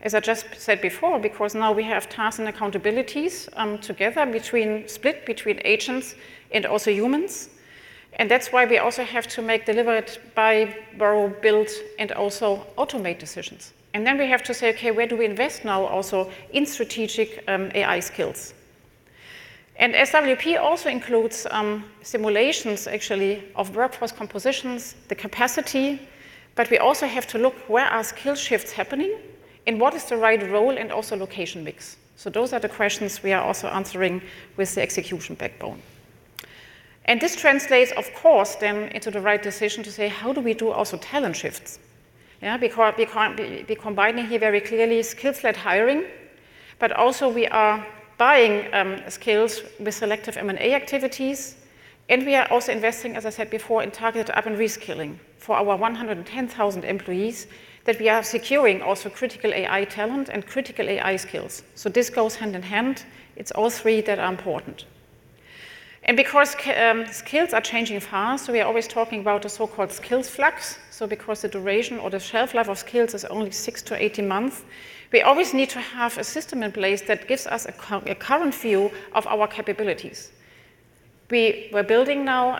As I just said before, because now we have tasks and accountabilities, together between split between agents and also humans, and that's why we also have to make, deliver, buy, borrow, build, and also automate decisions. Then we have to say, "Okay, where do we invest now also in strategic AI skills?" SWP also includes simulations actually of workforce compositions, the capacity, but we also have to look where are skill shifts happening and what is the right role and also location mix. Those are the questions we are also answering with the execution backbone. This translates of course into the right decision to say, "How do we do also talent shifts?" Yeah, combining here very clearly skills-led hiring, but also we are buying skills with selective M&A activities, and we are also investing, as I said before, in targeted up and reskilling for our 110,000 employees that we are securing also critical AI talent and critical AI skills. This goes hand in hand. It's all three that are important. Because skills are changing fast, we are always talking about a so-called skills flux. Because the duration or the shelf life of skills is only six to 18 months, we always need to have a system in place that gives us a current view of our capabilities. We're building now,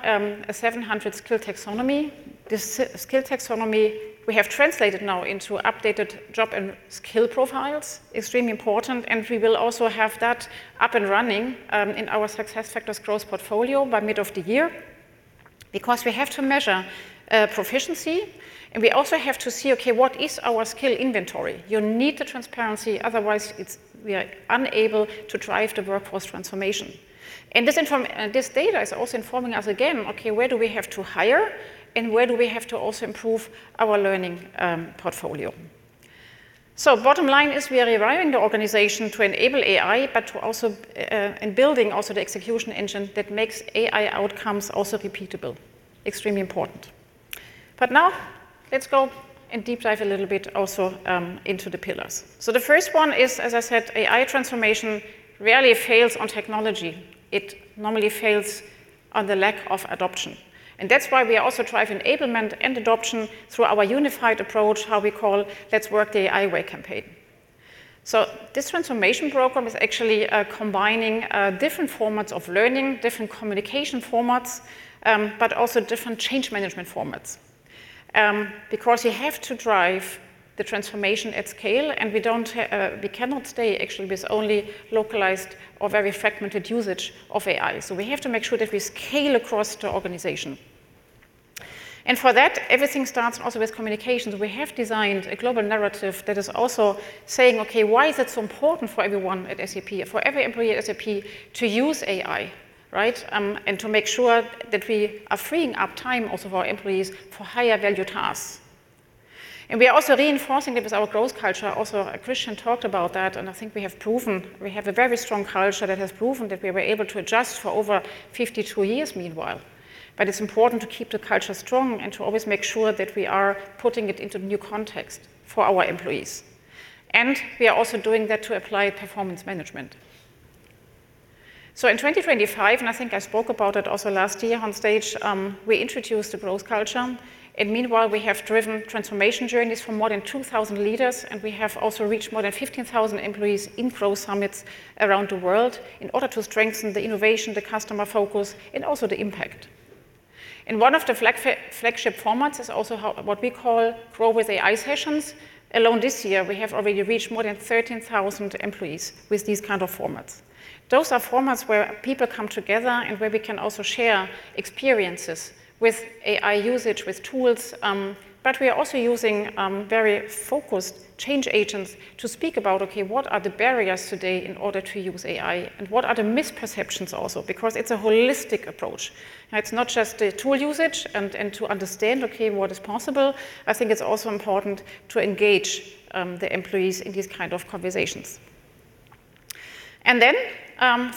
a 700 skill taxonomy. This skill taxonomy we have translated now into updated job and skill profiles, extremely important, and we will also have that up and running in our SuccessFactors growth portfolio by mid of the year because we have to measure proficiency, and we also have to see, okay, what is our skill inventory? You need the transparency, otherwise we are unable to drive the workforce transformation. This data is also informing us again, okay, where do we have to hire and where do we have to also improve our learning portfolio? Bottom line is we are rewiring the organization to enable AI, but to also in building also the execution engine that makes AI outcomes also repeatable. Extremely important. Now let's go and deep dive a little bit also into the pillars. The first one is, as I said, AI transformation rarely fails on technology. It normally fails on the lack of adoption. That's why we also drive enablement and adoption through our unified approach, how we call Let's Work the AI Way campaign. This transformation program is actually combining different formats of learning, different communication formats, but also different change management formats. Because you have to drive the transformation at scale, and we cannot stay actually with only localized or very fragmented usage of AI. We have to make sure that we scale across the organization. For that, everything starts also with communications. We have designed a global narrative that is also saying, okay, why is it so important for everyone at SAP, for every employee at SAP to use AI, right? To make sure that we are freeing up time also of our employees for higher value tasks. We are also reinforcing it with our growth culture. Also, Christian talked about that, and I think we have proven we have a very strong culture that has proven that we were able to adjust for over 52 years meanwhile. It's important to keep the culture strong and to always make sure that we are putting it into new context for our employees. We are also doing that to apply performance management. In 2025, I think I spoke about it also last year on stage, we introduced the growth culture, and meanwhile we have driven transformation journeys for more than 2,000 leaders, and we have also reached more than 15,000 employees in growth summits around the world in order to strengthen the innovation, the customer focus, and also the impact. One of the flagship formats is also what we call Grow with AI sessions. Alone this year, we have already reached more than 13,000 employees with these kind of formats. Those are formats where people come together and where we can also share experiences with AI usage, with tools, we are also using very focused change agents to speak about, okay, what are the barriers today in order to use AI, and what are the misperceptions also, because it's a holistic approach. It's not just a tool usage and to understand, okay, what is possible. I think it's also important to engage the employees in these kind of conversations.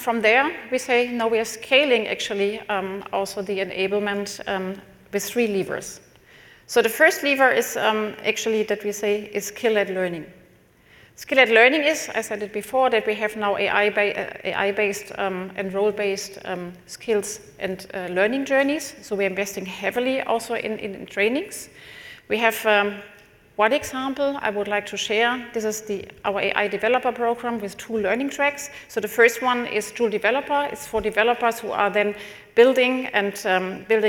From there we say, now we are scaling actually also the enablement with three levers. The first lever is actually that we say is skill-led learning. Skill-led learning is, I said it before, that we have now AI-based and role-based skills and learning journeys, we're investing heavily also in trainings. We have 1 example I would like to share. This is our AI developer program with two learning tracks. The first one is Joule for Developers. It's for developers who are then building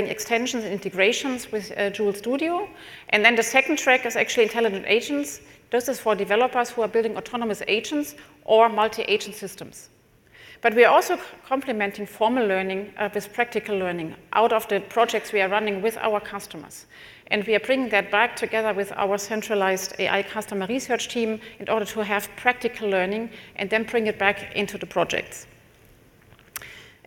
extensions and integrations with Joule Studio. The second track is actually intelligent agents. This is for developers who are building autonomous agents or multi-agent systems. We are also complementing formal learning with practical learning out of the projects we are running with our customers, and we are bringing that back together with our centralized AI customer research team in order to have practical learning and then bring it back into the projects.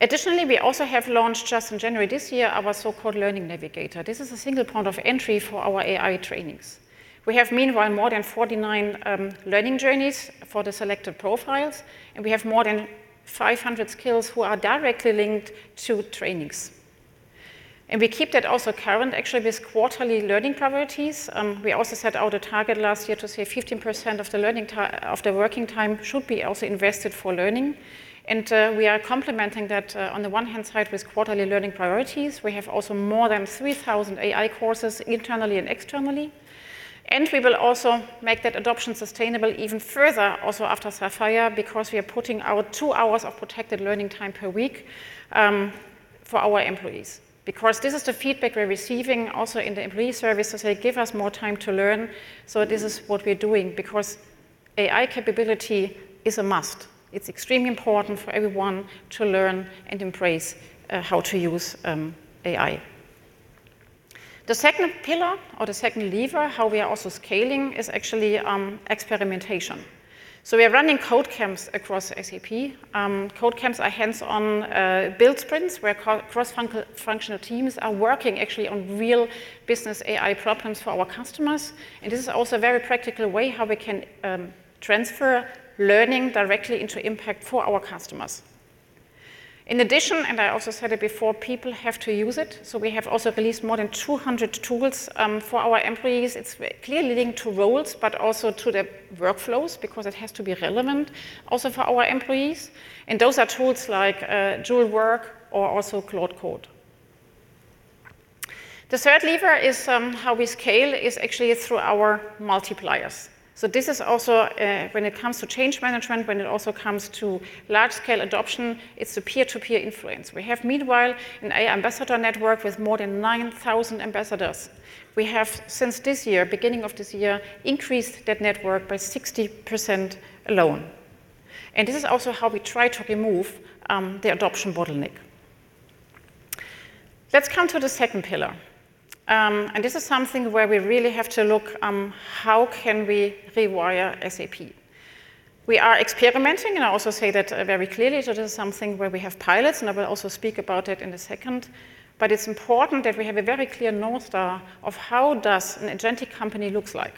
We also have launched just in January this year, our so-called Learning Navigator. This is a single point of entry for our AI trainings. We have meanwhile more than 49 learning journeys for the selected profiles, we have more than 500 skills who are directly linked to trainings. We keep that also current actually with quarterly learning priorities. We also set out a target last year to say 15% of the working time should be also invested for learning. We are complementing that on the one hand side with quarterly learning priorities. We have also more than 3,000 AI courses internally and externally. We will also make that adoption sustainable even further also after Sapphire, because we are putting our two hours of protected learning time per week for our employees. Because this is the feedback we're receiving also in the employee surveys to say, "Give us more time to learn." This is what we are doing, because AI capability is a must. It's extremely important for everyone to learn and embrace how to use AI. The second pillar or the second lever, how we are also scaling, is actually experimentation. We are running code camps across SAP. Code camps are hands-on build sprints where cross-functional teams are working actually on real business AI problems for our customers. This is also a very practical way how we can transfer learning directly into impact for our customers. In addition, and I also said it before, people have to use it, we have also released more than 200 tools for our employees. It's clearly linked to roles, but also to the workflows because it has to be relevant also for our employees. Those are tools like Joule Work or also Claude Code. The third lever is how we scale is actually through our multipliers. This is also when it comes to change management, when it also comes to large scale adoption, it's a peer-to-peer influence. We have meanwhile an AI ambassador network with more than 9,000 ambassadors. We have, since this year, beginning of this year, increased that network by 60% alone. This is also how we try to remove the adoption bottleneck. Let's come to the second pillar. This is something where we really have to look how can we rewire SAP. We are experimenting, and I also say that very clearly, that is something where we have pilots, and I will also speak about it in a second. It's important that we have a very clear North Star of how does an agentic company looks like,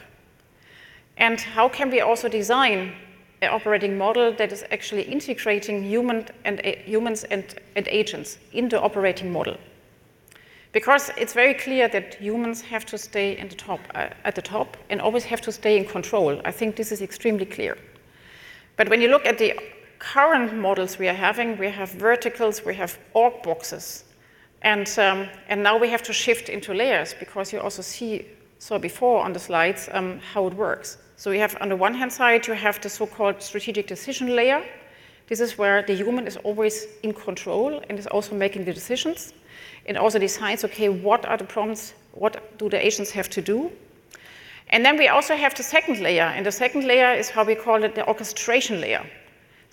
and how can we also design an operating model that is actually integrating human and humans and agents into operating model. It's very clear that humans have to stay in the top, at the top, and always have to stay in control. I think this is extremely clear. When you look at the current models we are having, we have verticals, we have org boxes, and now we have to shift into layers because you also saw before on the slides, how it works. We have, on the one-hand side, you have the so-called strategic decision layer. This is where the human is always in control and is also making the decisions, and also decides, okay, what are the problems? What do the agents have to do? Then we also have the second layer, the second layer is how we call it the orchestration layer.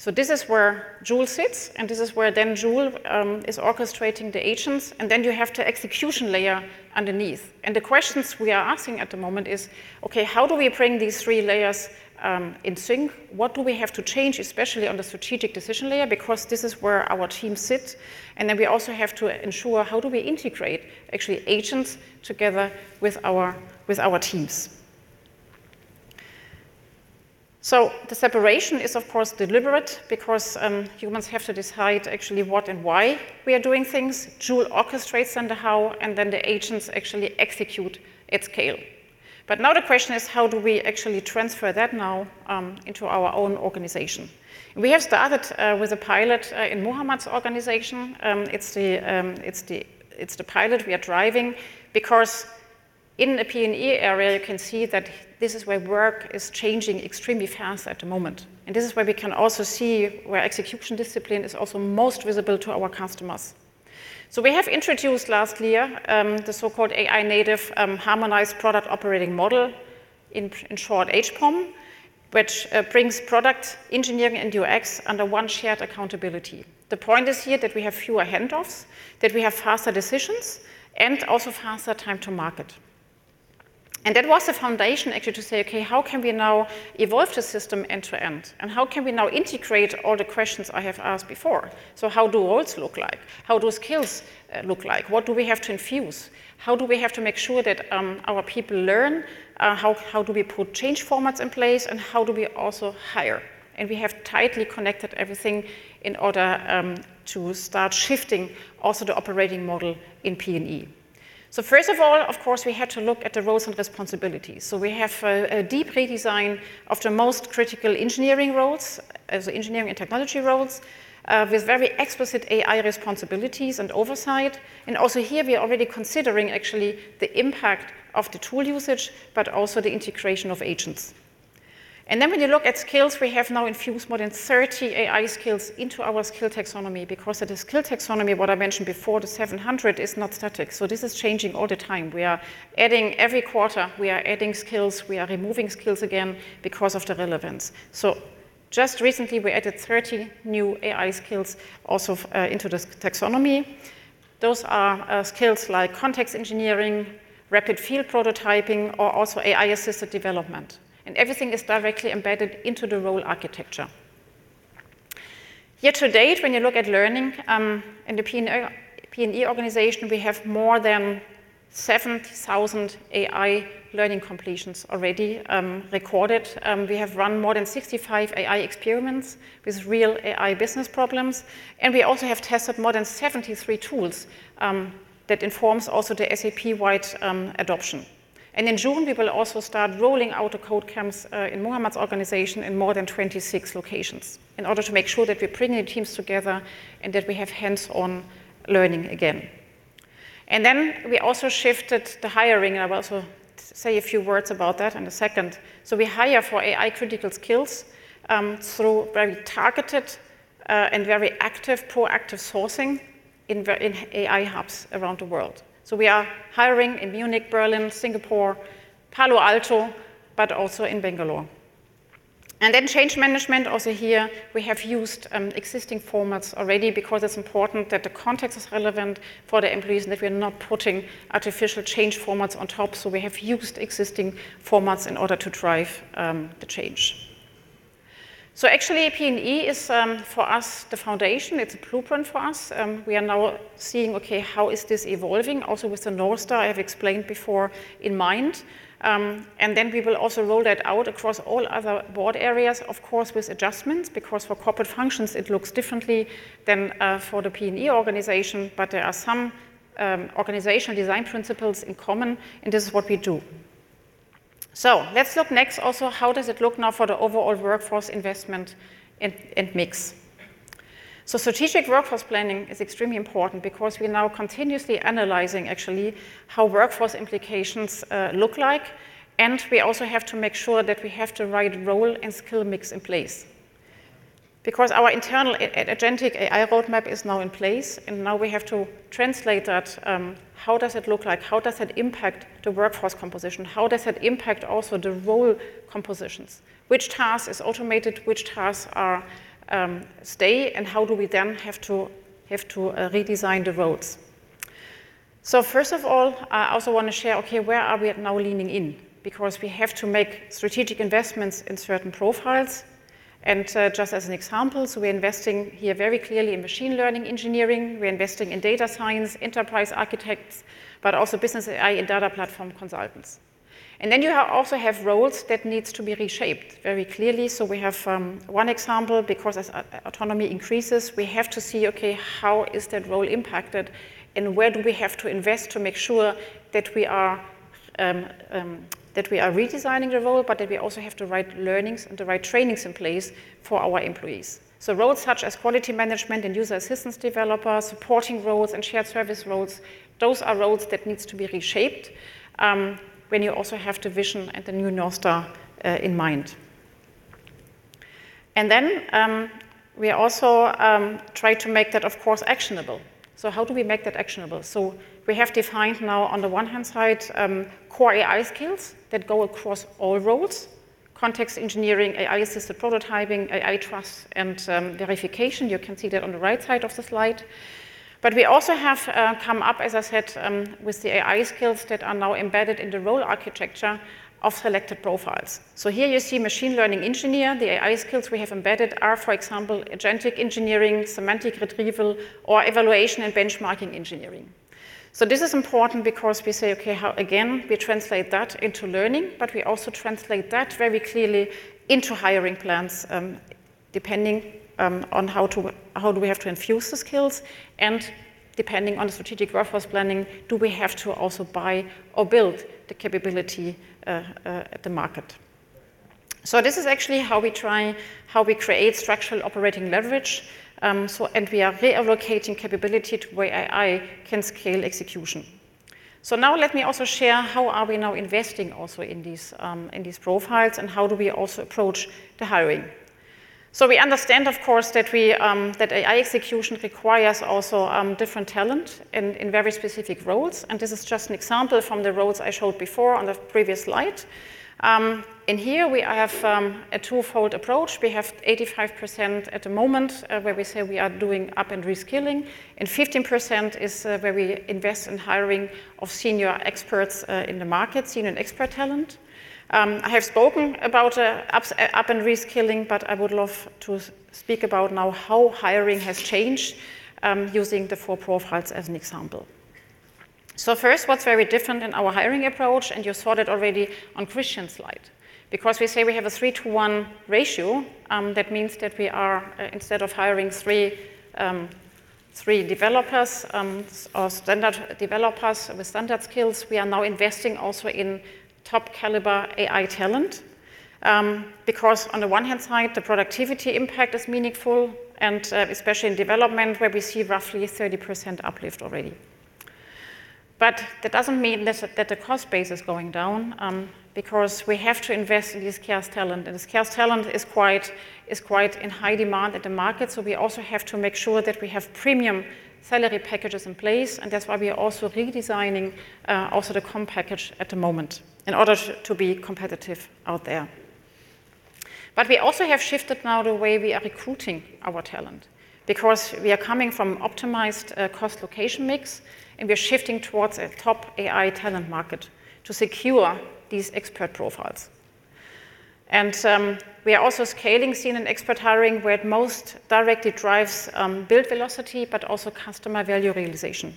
This is where Joule sits, and this is where then Joule is orchestrating the agents. Then you have the execution layer underneath. The questions we are asking at the moment is, okay, how do we bring these three layers in sync? What do we have to change, especially on the strategic decision layer, because this is where our team sits. Then we also have to ensure how do we integrate actually agents together with our teams. The separation is of course deliberate because humans have to decide actually what and why we are doing things. Joule orchestrates then the how, and then the agents actually execute at scale. Now the question is: How do we actually transfer that now into our own organization? We have started with a pilot in Muhammad's organization. It's the pilot we are driving because in the P&E area, you can see that this is where work is changing extremely fast at the moment. This is where we can also see where execution discipline is also most visible to our customers. We have introduced last year the so-called AI native harmonized product operating model, in short, HPOM, which brings product engineering and UX under one shared accountability. The point is here that we have fewer handoffs, that we have faster decisions, and also faster time to market. That was the foundation to say, okay, how can we now evolve the system end to end? How can we now integrate all the questions I have asked before? How do roles look like? How do skills look like? What do we have to infuse? How do we have to make sure that our people learn? How do we put change formats in place, and how do we also hire? We have tightly connected everything in order to start shifting also the operating model in P&E. First of all, of course, we had to look at the roles and responsibilities. We have a deep redesign of the most critical engineering roles as engineering and technology roles with very explicit AI responsibilities and oversight. Also here we are already considering actually the impact of the tool usage, but also the integration of agents. When you look at skills, we have now infused more than 30 AI skills into our skill taxonomy, because at the skill taxonomy, what I mentioned before, the 700, is not static. This is changing all the time. We are adding every quarter, we are adding skills, we are removing skills again because of the relevance. Just recently we added 30 new AI skills also into the taxonomy. Those are skills like context engineering, rapid field prototyping, or also AI assisted development. Everything is directly embedded into the role architecture. Here to date, when you look at learning, in the P&O, P&E organization, we have more than 7,000 AI learning completions already recorded. We have run more than 65 AI experiments with real AI business problems. We also have tested more than 73 tools that informs also the SAP-wide adoption. In June, we will also start rolling out the code camps in Muhammad's organization in more than 26 locations in order to make sure that we bring new teams together and that we have hands-on learning again. We also shifted the hiring. I will also say a few words about that in a second. We hire for AI critical skills through very targeted and very active, proactive sourcing in AI hubs around the world. We are hiring in Munich, Berlin, Singapore, Palo Alto, but also in Bangalore. Then change management also here, we have used existing formats already because it's important that the context is relevant for the employees and if we are not putting artificial change formats on top. We have used existing formats in order to drive the change. Actually P&E is for us, the foundation. It's a blueprint for us. We are now seeing, how is this evolving, also with the North Star I have explained before in mind. Then we will also roll that out across all other board areas, of course, with adjustments, because for corporate functions, it looks differently than for the P&E organization, but there are some organizational design principles in common, and this is what we do. Let's look next also, how does it look now for the overall workforce investment and mix. Strategic workforce planning is extremely important because we are now continuously analyzing actually how workforce implications look like, and we also have to make sure that we have the right role and skill mix in place. Our internal agentic AI roadmap is now in place, and now we have to translate that, how does it look like? How does it impact the workforce composition? How does it impact also the role compositions? Which task is automated? Which tasks are stay, and how do we then have to redesign the roles. First of all, I also want to share, okay, where are we at now leaning in? Because we have to make strategic investments in certain profiles. Just as an example, we're investing here very clearly in machine learning engineering, we're investing in data science, enterprise architects, but also business AI and data platform consultants. You also have roles that needs to be reshaped very clearly. We have one example, because as autonomy increases, we have to see, okay, how is that role impacted and where do we have to invest to make sure that we are redesigning the role, but that we also have the right learnings and the right trainings in place for our employees. Roles such as quality management and user assistance developers, supporting roles and shared service roles, those are roles that needs to be reshaped when you also have the vision and the new North Star in mind. We also try to make that, of course, actionable. How do we make that actionable? We have defined now, on the one hand side, core AI skills that go across all roles, context engineering, AI-assisted prototyping, AI trust and verification. You can see that on the right side of the slide. We also have come up, as I said, with the AI skills that are now embedded in the role architecture of selected profiles. Here you see machine learning engineer. The AI skills we have embedded are, for example, agentic engineering, semantic retrieval, or evaluation and benchmarking engineering. This is important because we say, okay, how. Again, we translate that into learning, but we also translate that very clearly into hiring plans, depending on how do we have to infuse the skills, and depending on the strategic workforce planning, do we have to also buy or build the capability at the market? This is actually how we try, how we create structural operating leverage. We are reallocating capability to where AI can scale execution. Now let me also share how are we now investing also in these profiles and how do we also approach the hiring? We understand, of course, that AI execution requires also different talent in very specific roles, and this is just an example from the roles I showed before on the previous slide. Here we have a twofold approach. We have 85% at the moment where we say we are doing up and reskilling, and 15% is where we invest in hiring of senior experts in the market, senior expert talent. I have spoken about up and reskilling, but I would love to speak about now how hiring has changed using the four profiles as an example. First, what's very different in our hiring approach, and you saw that already on Christian's slide. Because we say we have a three-to-one ratio that means that we are instead of hiring three developers or standard developers with standard skills, we are now investing also in top caliber AI talent. Because on the one hand side, the productivity impact is meaningful, and especially in development, where we see roughly 30% uplift already. That doesn't mean that the cost base is going down, because we have to invest in this scarce talent, and this scarce talent is quite in high demand at the market, so we also have to make sure that we have premium salary packages in place, and that's why we are also redesigning also the comp package at the moment in order to be competitive out there. We also have shifted now the way we are recruiting our talent, because we are coming from optimized cost location mix, and we are shifting towards a top AI talent market to secure these expert profiles. We are also scaling senior expert hiring where it most directly drives build velocity, but also customer value realization.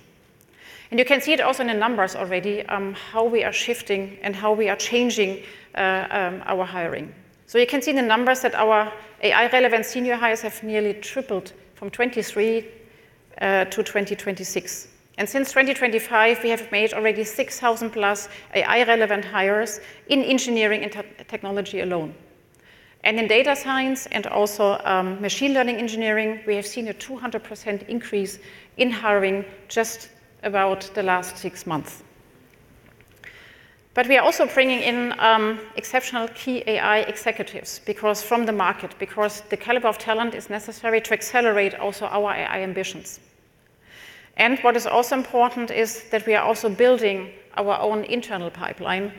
You can see it also in the numbers already how we are shifting and how we are changing our hiring. You can see the numbers that our AI relevant senior hires have nearly tripled from 2023 to 2026. Since 2025, we have made already 6,000+ AI relevant hires in engineering and technology alone. In data science and also machine learning engineering, we have seen a 200% increase in hiring just about the last six months. We are also bringing in exceptional key AI executives from the market because the caliber of talent is necessary to accelerate also our AI ambitions. what is also important is that we are also building our own internal pipeline,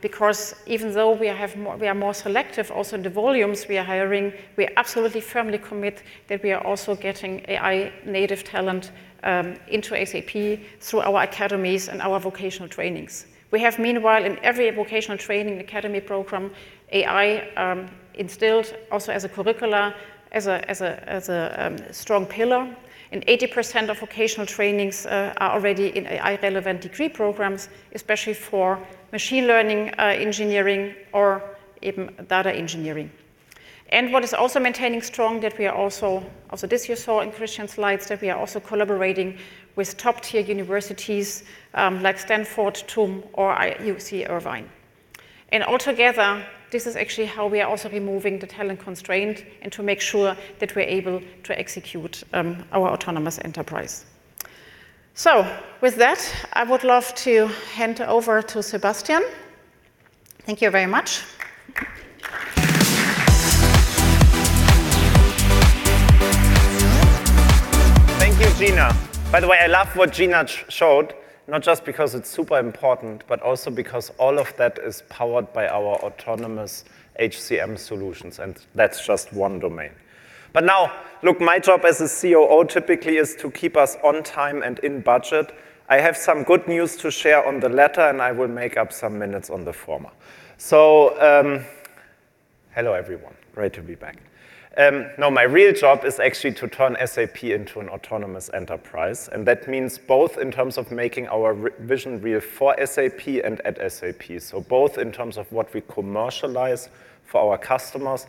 because even though we have more, we are more selective also in the volumes we are hiring, we absolutely firmly commit that we are also getting AI native talent, into SAP through our academies and our vocational trainings. We have meanwhile, in every vocational training academy program, AI, instilled also as a curricula, as a strong pillar. 80% of vocational trainings, are already in AI relevant degree programs, especially for machine learning, engineering or even data engineering. what is also maintaining strong that we are also this you saw in Christian's slides, that we are also collaborating with top tier universities, like Stanford, TUM, or UC Irvine. Altogether, this is actually how we are also removing the talent constraint and to make sure that we're able to execute, our autonomous enterprise. With that, I would love to hand over to Sebastian. Thank you very much. By the way, I love what Gina showed, not just because it's super important, but also because all of that is powered by our autonomous HCM solutions, and that's just one domain. Now, look, my job as a COO typically is to keep us on time and in budget. I have some good news to share on the latter, and I will make up some minutes on the former. Hello everyone, great to be back. No, my real job is actually to turn SAP into an autonomous enterprise, and that means both in terms of making our vision real for SAP and at SAP. Both in terms of what we commercialize for our customers,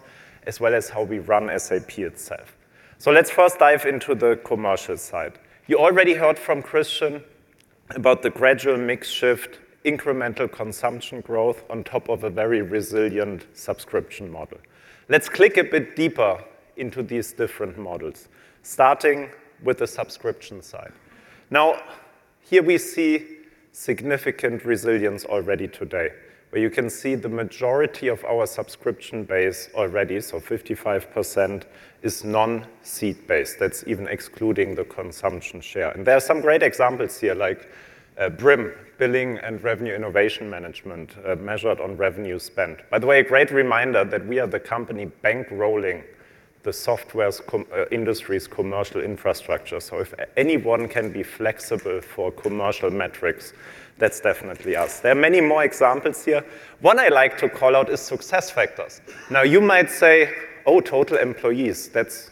as well as how we run SAP itself. Let's first dive into the commercial side. You already heard from Christian about the gradual mix shift, incremental consumption growth on top of a very resilient subscription model. Let's click a bit deeper into these different models, starting with the subscription side. Now, here we see significant resilience already today, where you can see the majority of our subscription base already, so 55%, is non-seat based. That's even excluding the consumption share. There are some great examples here, like, BRIM, Billing and Revenue Innovation Management, measured on revenue spent. By the way, a great reminder that we are the company bankrolling the software's industry's commercial infrastructure. If anyone can be flexible for commercial metrics, that's definitely us. There are many more examples here. One I like to call out is SuccessFactors. Now, you might say, "Oh, total employees, that's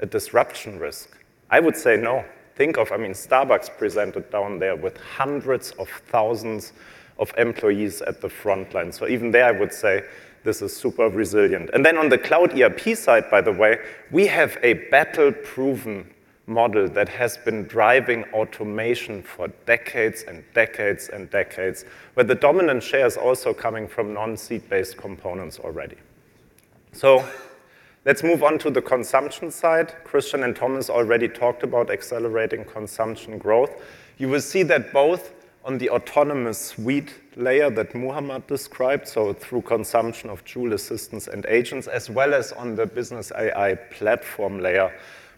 a disruption risk." I would say, no. Think of, I mean, Starbucks presented down there with hundreds of thousands of employees at the frontline. Even there, I would say this is super resilient. On the cloud ERP side, by the way, we have a battle-proven model that has been driving automation for decades and decades and decades, where the dominant share is also coming from non-seat based components already. Let's move on to the consumption side. Christian and Thomas already talked about accelerating consumption growth. You will see that both on the autonomous suite layer that Muhammad described, so through consumption of tool assistants and agents, as well as on the business AI platform layer,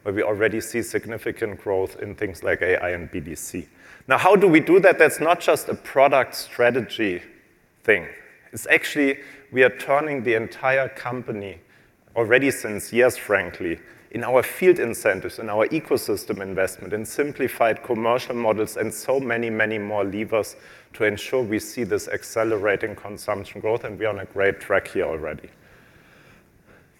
where we already see significant growth in things like AI and BDC. Now, how do we do that? That's not just a product strategy thing. It's actually we are turning the entire company already since years, frankly, in our field incentives, in our ecosystem investment, in simplified commercial models, and so many, many more levers to ensure we see this accelerating consumption growth, and we're on a great track here already.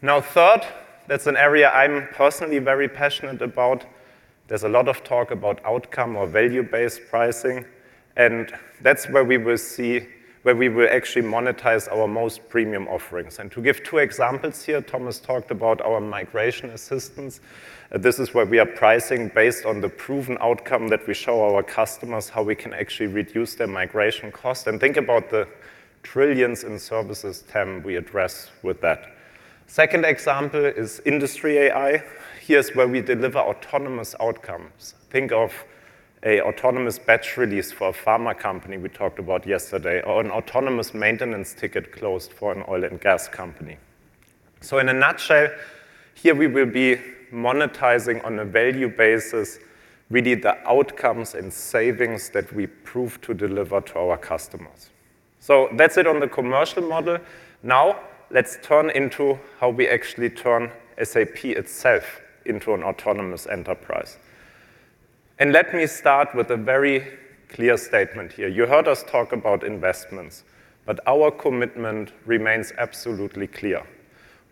Now, third, that's an area I'm personally very passionate about. There's a lot of talk about outcome or value-based pricing, and that's where we will see where we will actually monetize our most premium offerings. To give two examples here, Thomas talked about our migration assistance. This is where we are pricing based on the proven outcome that we show our customers how we can actually reduce their migration cost. Think about the trillions in services TAM we address with that. Second example is industry AI. Here's where we deliver autonomous outcomes. Think of a autonomous batch release for a pharma company we talked about yesterday, or an autonomous maintenance ticket closed for an oil and gas company. In a nutshell, here we will be monetizing on a value basis, really the outcomes and savings that we prove to deliver to our customers. That's it on the commercial model. Now, let's turn into how we actually turn SAP itself into an autonomous enterprise. Let me start with a very clear statement here. You heard us talk about investments, but our commitment remains absolutely clear.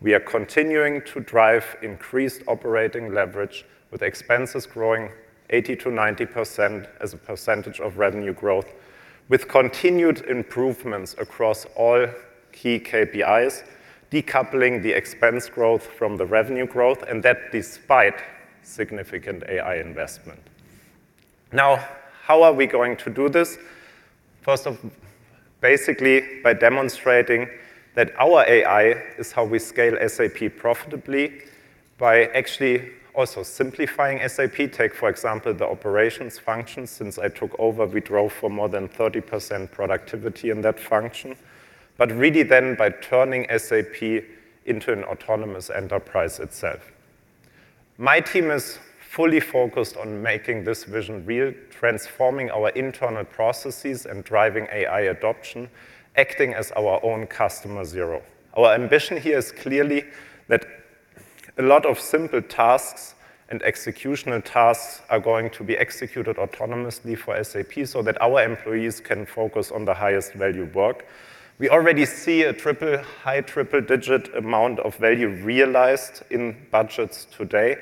We are continuing to drive increased operating leverage, with expenses growing 80 to 90% as a percentage of revenue growth, with continued improvements across all key KPIs, decoupling the expense growth from the revenue growth, and that despite significant AI investment. Now, how are we going to do this? Basically, by demonstrating that our AI is how we scale SAP profitably, by actually also simplifying SAP tech. For example, the operations function, since I took over, we drove for more than 30% productivity in that function. Really by turning SAP into an autonomous enterprise itself. My team is fully focused on making this vision real, transforming our internal processes and driving AI adoption, acting as our own customer zero. Our ambition here is clearly that a lot of simple tasks and executional tasks are going to be executed autonomously for SAP so that our employees can focus on the highest value work. We already see a triple high triple-digit amount of value realized in budgets today,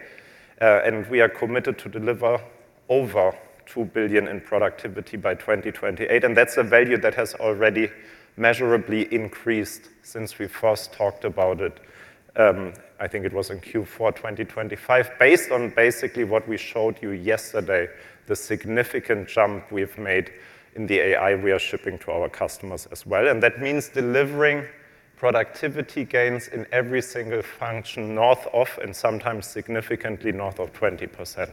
and we are committed to deliver over 2 billion in productivity by 2028, and that's a value that has already measurably increased since we first talked about it, I think it was in Q4 2025. Based on basically what we showed you yesterday, the significant jump we've made in the AI we are shipping to our customers as well, and that means delivering productivity gains in every single function north of, and sometimes significantly north of, 20%.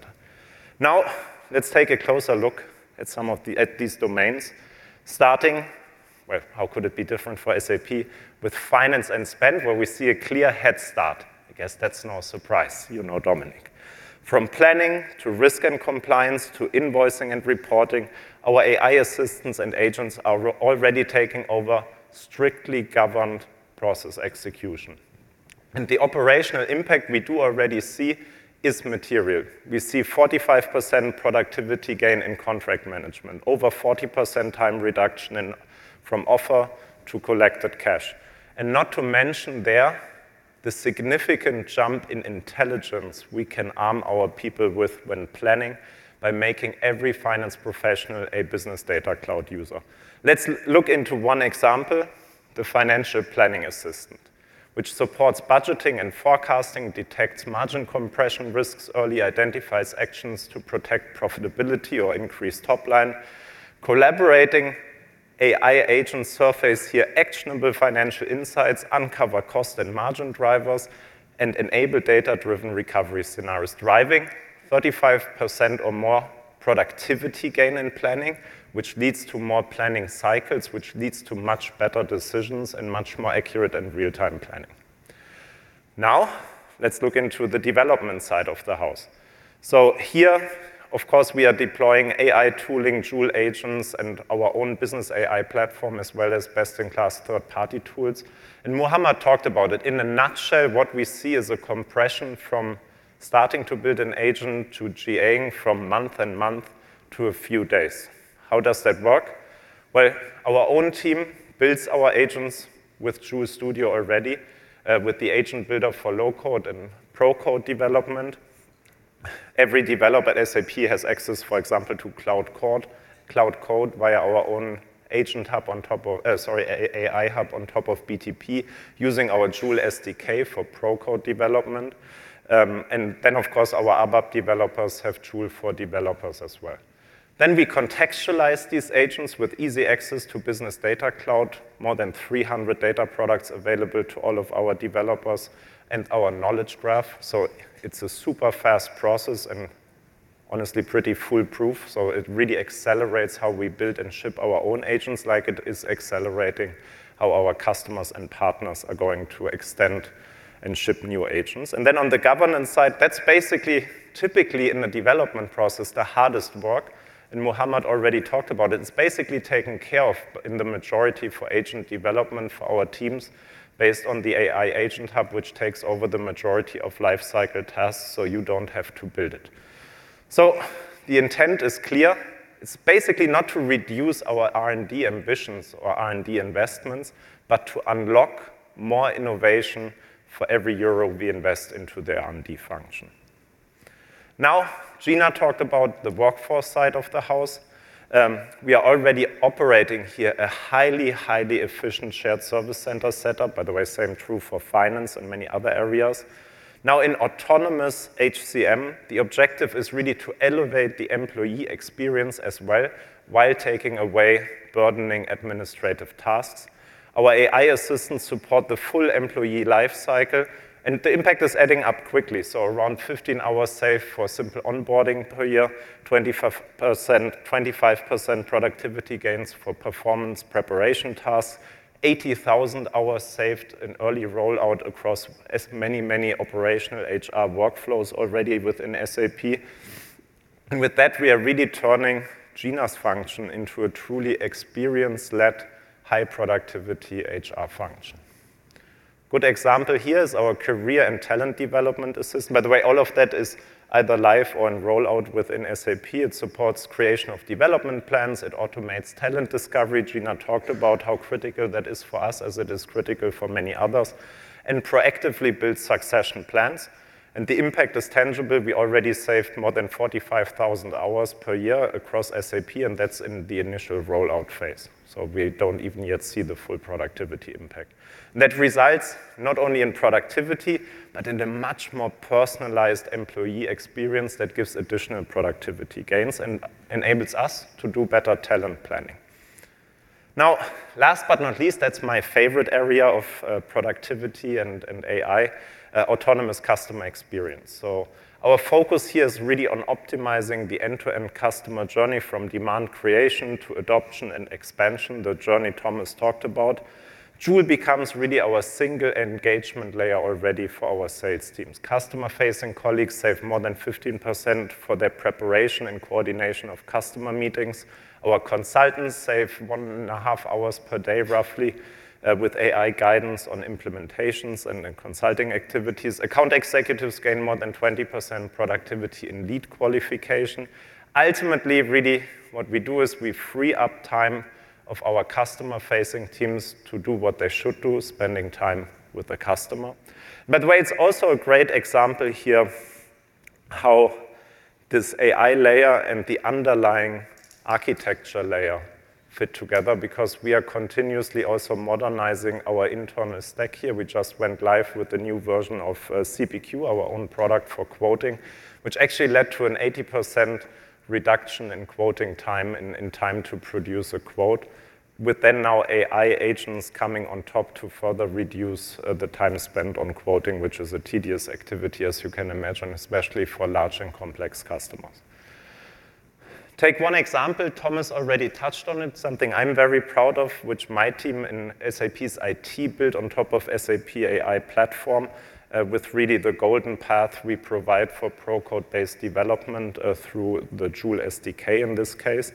Now, let's take a closer look at some of the at these domains, starting. Well, how could it be different for SAP? With finance and spend, where we see a clear head start. I guess that's no surprise. You know Dominik Asam. From planning, to risk and compliance, to invoicing and reporting, our AI assistants and agents are already taking over strictly governed process execution. The operational impact we do already see is material. We see 45% productivity gain in contract management, over 40% time reduction in, from offer to collected cash. Not to mention there, the significant jump in intelligence we can arm our people with when planning by making every finance professional a Business Data Cloud user. Let's look into one example, the financial planning assistant, which supports budgeting and forecasting, detects margin compression risks early, identifies actions to protect profitability or increase top line. Collaborating AI agents surface here actionable financial insights, uncover cost and margin drivers, and enable data-driven recovery scenarios, driving 35% or more productivity gain in planning, which leads to more planning cycles, which leads to much better decisions and much more accurate and real-time planning. Now, let's look into the development side of the house. Here, of course, we are deploying AI tooling, Joule agents, and our own business AI platform, as well as best-in-class third-party tools. Muhammad talked about it. In a nutshell, what we see is a compression from starting to build an agent to GA-ing from month and month to a few days. How does that work? Well, our own team builds our agents with Joule Studio already, with the agent builder for low-code and pro-code development. Every developer at SAP has access, for example, to cloud code via our own agent hub on top of AI hub on top of BTP using our Joule SDK for pro-code development. Of course, our ABAP developers have Joule for Developers as well. We contextualize these agents with easy access to Business Data Cloud, more than 300 data products available to all of our developers and our Knowledge Graph. It's a super fast process, and honestly pretty foolproof, so it really accelerates how we build and ship our own agents like it is accelerating how our customers and partners are going to extend and ship new agents. On the governance side, that's basically, typically in the development process, the hardest work. Muhammad already talked about it. It's basically taken care of in the majority for agent development for our teams based on the AI agent hub, which takes over the majority of life cycle tasks, so you don't have to build it. The intent is clear. It's basically not to reduce our R&D ambitions or R&D investments, but to unlock more innovation for every euro we invest into the R&D function. Now, Gina talked about the workforce side of the house. We are already operating here a highly efficient shared service center setup. By the way, same true for finance and many other areas. Now, in autonomous HCM, the objective is really to elevate the employee experience as well while taking away burdening administrative tasks. Our AI assistants support the full employee life cycle, and the impact is adding up quickly. Around 15 hours saved for simple onboarding per year, 25% productivity gains for performance preparation tasks, 80,000 hours saved in early rollout across many, many operational HR workflows already within SAP. With that, we are really turning Gina's function into a truly experience-led high productivity HR function. Good example here is our career and talent development assistant. By the way, all of that is either live or in rollout within SAP. It supports creation of development plans. It automates talent discovery. Gina talked about how critical that is for us, as it is critical for many others. Proactively builds succession plans. The impact is tangible. We already saved more than 45,000 hours per year across SAP, and that's in the initial rollout phase. We don't even yet see the full productivity impact. That resides not only in productivity, but in the much more personalized employee experience that gives additional productivity gains and enables us to do better talent planning. Now, last but not least, that's my favorite area of productivity and AI, autonomous customer experience. Our focus here is really on optimizing the end-to-end customer journey from demand creation to adoption and expansion, the journey Thomas talked about. Joule becomes really our single engagement layer already for our sales teams. Customer-facing colleagues save more than 15% for their preparation and coordination of customer meetings. Our consultants save one and half hours per day, roughly with AI guidance on implementations and in consulting activities. Account executives gain more than 20% productivity in lead qualification. Ultimately, really what we do is we free up time of our customer-facing teams to do what they should do, spending time with the customer. By the way, it's also a great example here of how this AI layer and the underlying architecture layer fit together because we are continuously also modernizing our internal stack here. We just went live with the new version of CPQ, our own product for quoting, which actually led to an 80% reduction in quoting time, in time to produce a quote. With then now AI agents coming on top to further reduce the time spent on quoting, which is a tedious activity, as you can imagine, especially for large and complex customers. Take one example, Thomas already touched on it, something I'm very proud of, which my team in SAP's IT built on top of SAP AI platform, with really the golden path we provide for pro-code based development, through the Joule SDK in this case.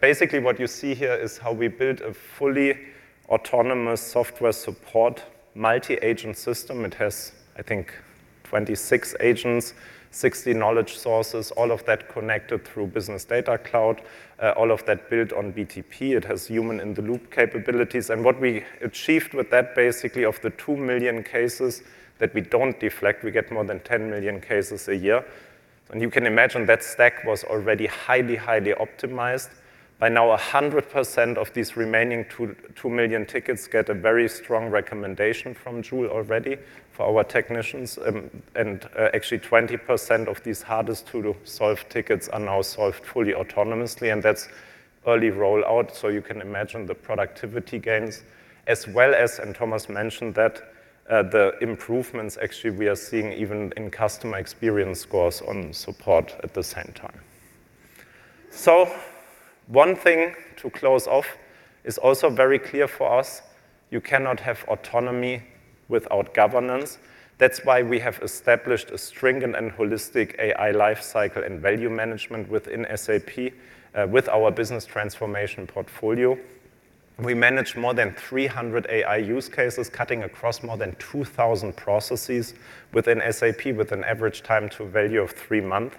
Basically what you see here is how we build a fully autonomous software support multi-agent system. It has, I think, 26 agents, 60 knowledge sources, all of that connected through Business Data Cloud, all of that built on BTP. It has human-in-the-loop capabilities. What we achieved with that, basically, of the 2 million cases that we don't deflect, we get more than 10 million cases a year. You can imagine that stack was already highly optimized. By now 100% of these remaining two million tickets get a very strong recommendation from Joule already for our technicians. Actually 20% of these hardest-to-solve tickets are now solved fully autonomously, and that's early rollout, so you can imagine the productivity gains as well as, and Thomas mentioned that, the improvements actually we are seeing even in customer experience scores on support at the same time. One thing to close off is also very clear for us, you cannot have autonomy without governance. That's why we have established a stringent and holistic AI life cycle and value management within SAP, with our business transformation portfolio. We manage more than 300 AI use cases, cutting across more than 2,000 processes within SAP with an average time to value of three months.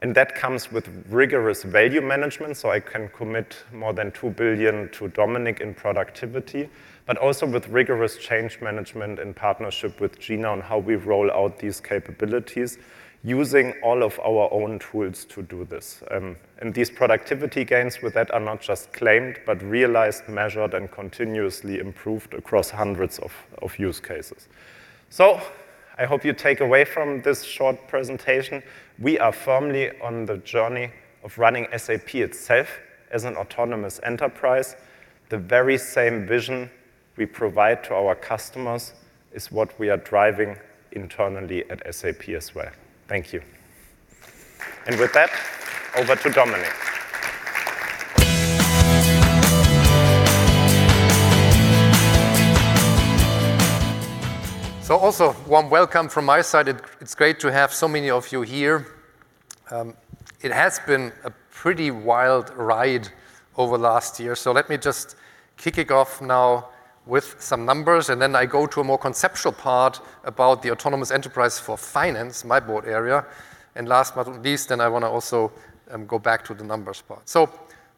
That comes with rigorous value management, so I can commit more than 2 billion to Dominik in productivity, but also with rigorous change management in partnership with Gina on how we roll out these capabilities using all of our own tools to do this. These productivity gains with that are not just claimed, but realized, measured, and continuously improved across hundreds of use cases. I hope you take away from this short presentation, we are firmly on the journey of running SAP itself as an autonomous enterprise. The very same vision we provide to our customers is what we are driving internally at SAP as well. Thank you. With that, over to Dominik. Also warm welcome from my side. It, it's great to have so many of you here. It has been a pretty wild ride over last year. Let me just kick it off now with some numbers, and then I go to a more conceptual part about the autonomous enterprise for finance, my board area. Last but not least, and I wanna also go back to the numbers part.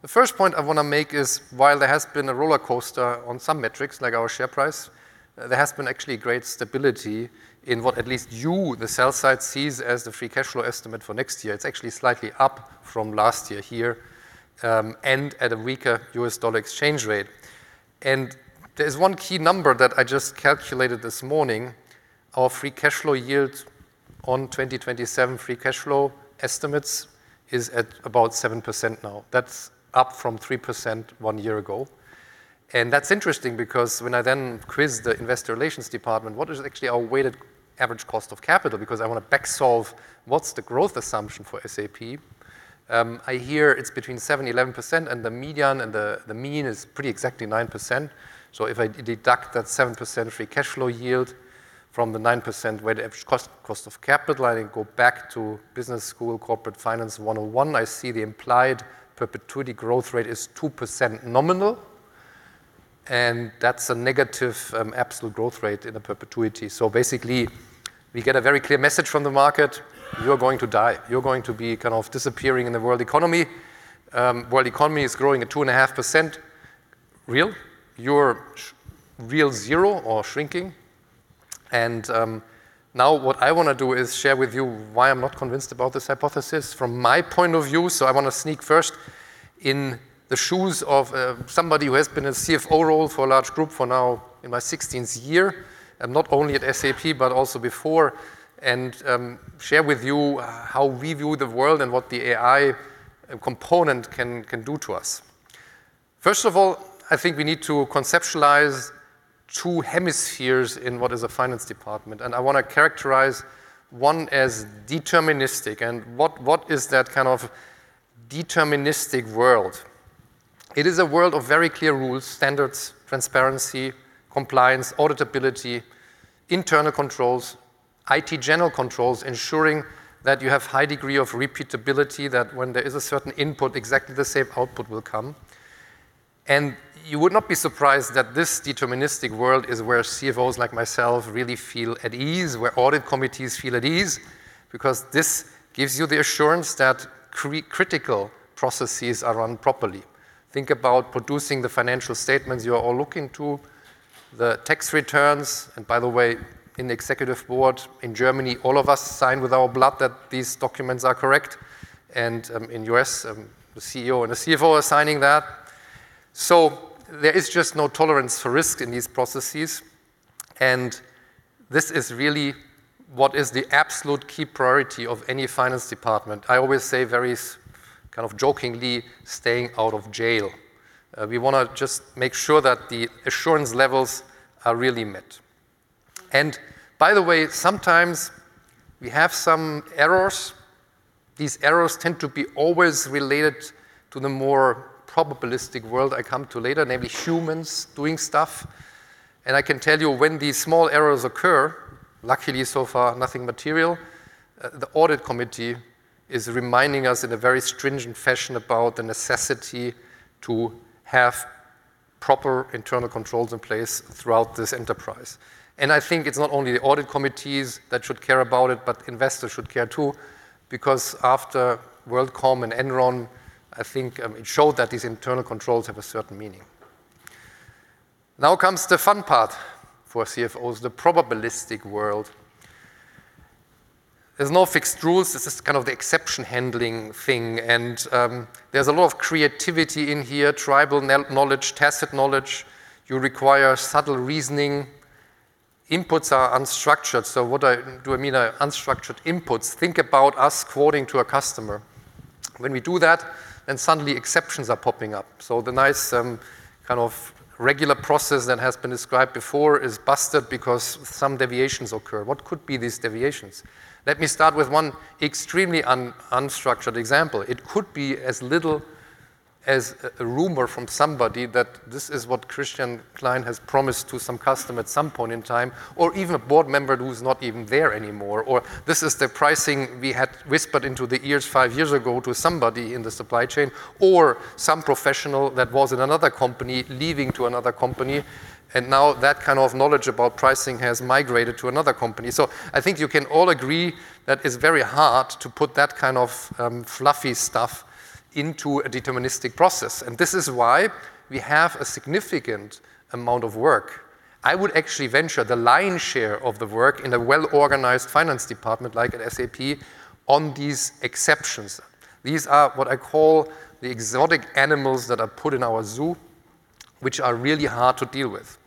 The first point I wanna make is, while there has been a rollercoaster on some metrics, like our share price, there has been actually great stability in what at least you, the sell side, sees as the free cash flow estimate for next year. It's actually slightly up from last year here, and at a weaker US dollar exchange rate. There's one key number that I just calculated this morning. Our free cash flow yield on 2027 free cash flow estimates is at about 7% now. That's up from 3% one year ago. That's interesting because when I then quizzed the investor relations department, what is actually our weighted average cost of capital because I want to back solve what's the growth assumption for SAP, I hear it's between 7%-11%, and the median and the mean is pretty exactly 9%. If I deduct that 7% free cash flow yield from the 9% weighted average cost of capital, and I go back to business school, corporate finance 101, I see the implied perpetuity growth rate is 2% nominal, and that's a negative absolute growth rate in a perpetuity. Basically, we get a very clear message from the market, "You're going to die. You're going to be kind of disappearing in the world economy." world economy is growing at 2.5% real, you're real zero or shrinking. now what I wanna do is share with you why I'm not convinced about this hypothesis from my point of view. I wanna sneak first in the shoes of somebody who has been a CFO role for a large group for now in my sixteenth year, and not only at SAP, but also before, and share with you how we view the world and what the AI component can do to us. First of all, I think we need to conceptualize two hemispheres in what is a finance department, and I wanna characterize one as deterministic. what is that kind of deterministic world? It is a world of very clear rules, standards, transparency, compliance, auditability, internal controls, IT general controls, ensuring that you have high degree of repeatability, that when there is a certain input, exactly the same output will come. You would not be surprised that this deterministic world is where CFOs like myself really feel at ease, where audit committees feel at ease, because this gives you the assurance that critical processes are run properly. Think about producing the financial statements you are all looking to, the tax returns. In the executive board in Germany, all of us sign with our blood that these documents are correct. In U.S., the CEO and the CFO are signing that. There is just no tolerance for risk in these processes. This is really what is the absolute key priority of any finance department. I always say very kind of jokingly, "Staying out of jail." We wanna just make sure that the assurance levels are really met. By the way, sometimes we have some errors. These errors tend to be always related to the more probabilistic world I come to later, namely humans doing stuff. I can tell you when these small errors occur, luckily so far nothing material, the audit committee is reminding us in a very stringent fashion about the necessity to have proper internal controls in place throughout this enterprise. I think it's not only the audit committees that should care about it, but investors should care, too, because after WorldCom and Enron, I think, it showed that these internal controls have a certain meaning. Now comes the fun part for CFOs, the probabilistic world. There's no fixed rules. This is kind of the exception handling thing, and there's a lot of creativity in here, tribal knowledge, tacit knowledge. You require subtle reasoning. Inputs are unstructured. What do I mean by unstructured inputs? Think about us quoting to a customer. When we do that, then suddenly exceptions are popping up. The nice kind of regular process that has been described before is busted because some deviations occur. What could be these deviations? Let me start with one extremely unstructured example. It could be as little as a rumor from somebody that this is what Christian Klein has promised to some customer at some point in time, or even a board member who's not even there anymore, or this is the pricing we had whispered into the ears five years ago to somebody in the supply chain, or some professional that was in another company leaving to another company and now that kind of knowledge about pricing has migrated to another company. I think you can all agree that it's very hard to put that kind of fluffy stuff into a deterministic process, and this is why we have a significant amount of work. I would actually venture the lion's share of the work in a well-organized finance department like at SAP on these exceptions. These are what I call the exotic animals that are put in our zoo, which are really hard to deal with.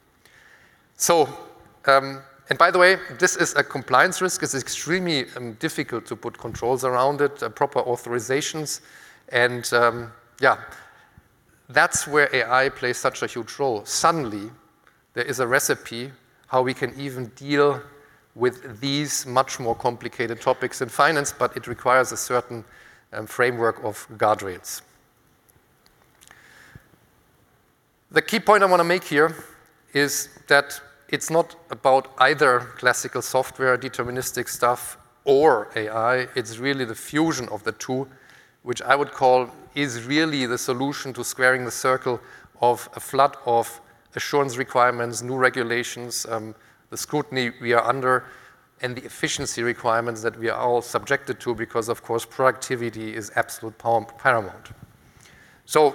By the way, this is a compliance risk. It's extremely difficult to put controls around it, proper authorizations. Yeah, that's where AI plays such a huge role. Suddenly, there is a recipe how we can even deal with these much more complicated topics in finance, but it requires a certain framework of guardrails. The key point I want to make here is that it's not about either classical software, deterministic stuff or AI. It's really the fusion of the two, which I would call is really the solution to squaring the circle of a flood of assurance requirements, new regulations, the scrutiny we are under, and the efficiency requirements that we are all subjected to because, of course, productivity is absolute paramount.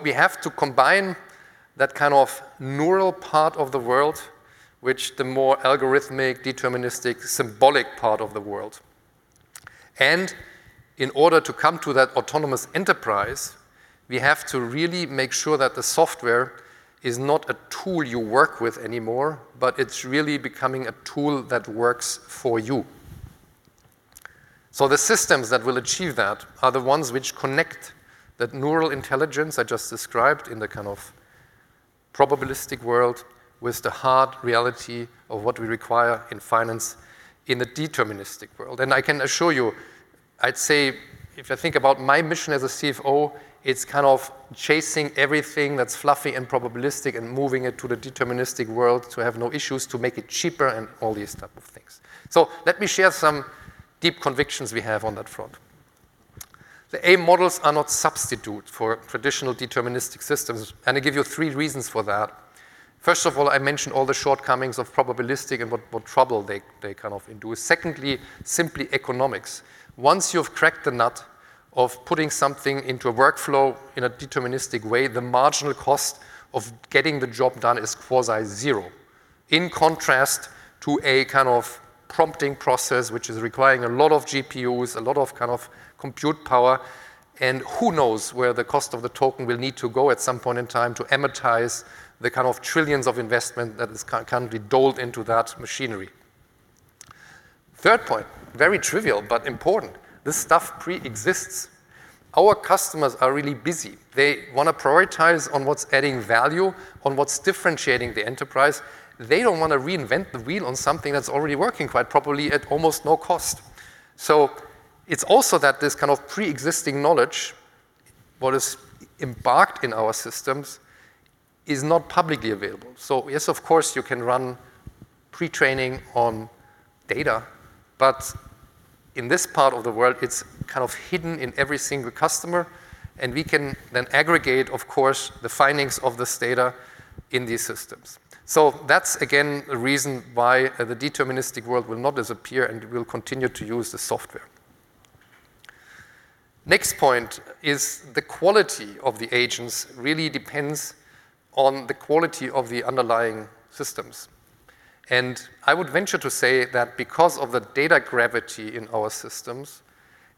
We have to combine that kind of neural part of the world, which the more algorithmic, deterministic, symbolic part of the world. In order to come to that autonomous enterprise, we have to really make sure that the software is not a tool you work with anymore, but it's really becoming a tool that works for you. The systems that will achieve that are the ones which connect that neural intelligence I just described in the kind of probabilistic world with the hard reality of what we require in finance in a deterministic world. I can assure you, I'd say if I think about my mission as a CFO, it's kind of chasing everything that's fluffy and probabilistic and moving it to the deterministic world to have no issues, to make it cheaper and all these type of things. Let me share some deep convictions we have on that front. The AI models are not substitute for traditional deterministic systems, and I give you three reasons for that. First of all, I mentioned all the shortcomings of probabilistic and what trouble they kind of induce. Secondly, simply economics. Once you've cracked the nut of putting something into a workflow in a deterministic way, the marginal cost of getting the job done is quasi zero. In contrast to a kind of prompting process which is requiring a lot of GPUs, a lot of kind of compute power, and who knows where the cost of the token will need to go at some point in time to amortize the kind of trillions of investment that can be dolled into that machinery. Third point, very trivial, but important. This stuff preexists. Our customers are really busy. They want to prioritize on what's adding value, on what's differentiating the enterprise. They don't want to reinvent the wheel on something that's already working quite properly at almost no cost. It's also that this kind of preexisting knowledge, what is embarked in our systems, is not publicly available. Yes, of course, you can run pre-training on data, but in this part of the world, it's kind of hidden in every single customer, and we can then aggregate, of course, the findings of this data in these systems. That's again, a reason why the deterministic world will not disappear, and we will continue to use the software. Next point is the quality of the agents really depends on the quality of the underlying systems. I would venture to say that because of the data gravity in our systems,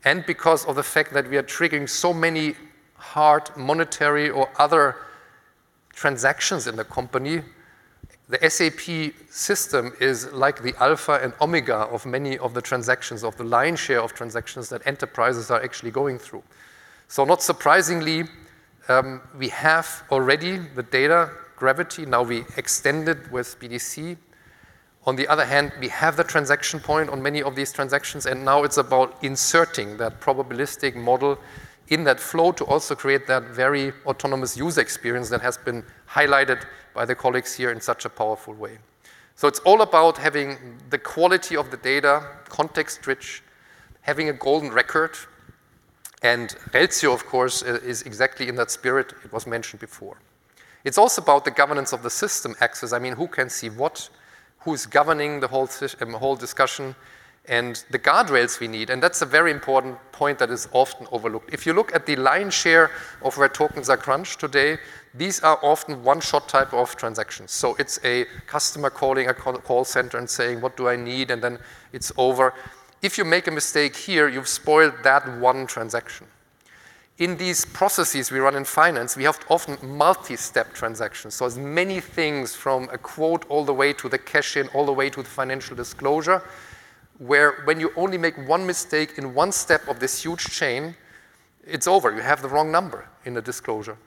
and because of the fact that we are triggering so many hard monetary or other transactions in the company, the SAP system is like the alpha and omega of many of the transactions, of the lion's share of transactions that enterprises are actually going through. Not surprisingly, we have already the data gravity, now we extend it with BDC. On the other hand, we have the transaction point on many of these transactions, and now it's about inserting that probabilistic model in that flow to also create that very autonomous user experience that has been highlighted by the colleagues here in such a powerful way. It's all about having the quality of the data, context-rich, having a golden record, and Reltio, of course, is exactly in that spirit. It was mentioned before. It's also about the governance of the system access. I mean, who can see what, who's governing the whole discussion, and the guardrails we need, and that's a very important point that is often overlooked. If you look at the lion's share of where tokens are crunched today, these are often one-shot type of transactions. It's a customer calling a call center and saying, "What do I need?" It's over. If you make a mistake here, you've spoiled that one transaction. In these processes we run in finance, we have often multi-step transactions. As many things from a quote all the way to the cash-in, all the way to the financial disclosure, where when you only make one mistake in one step of this huge chain, it's over. You have the wrong number in the disclosure.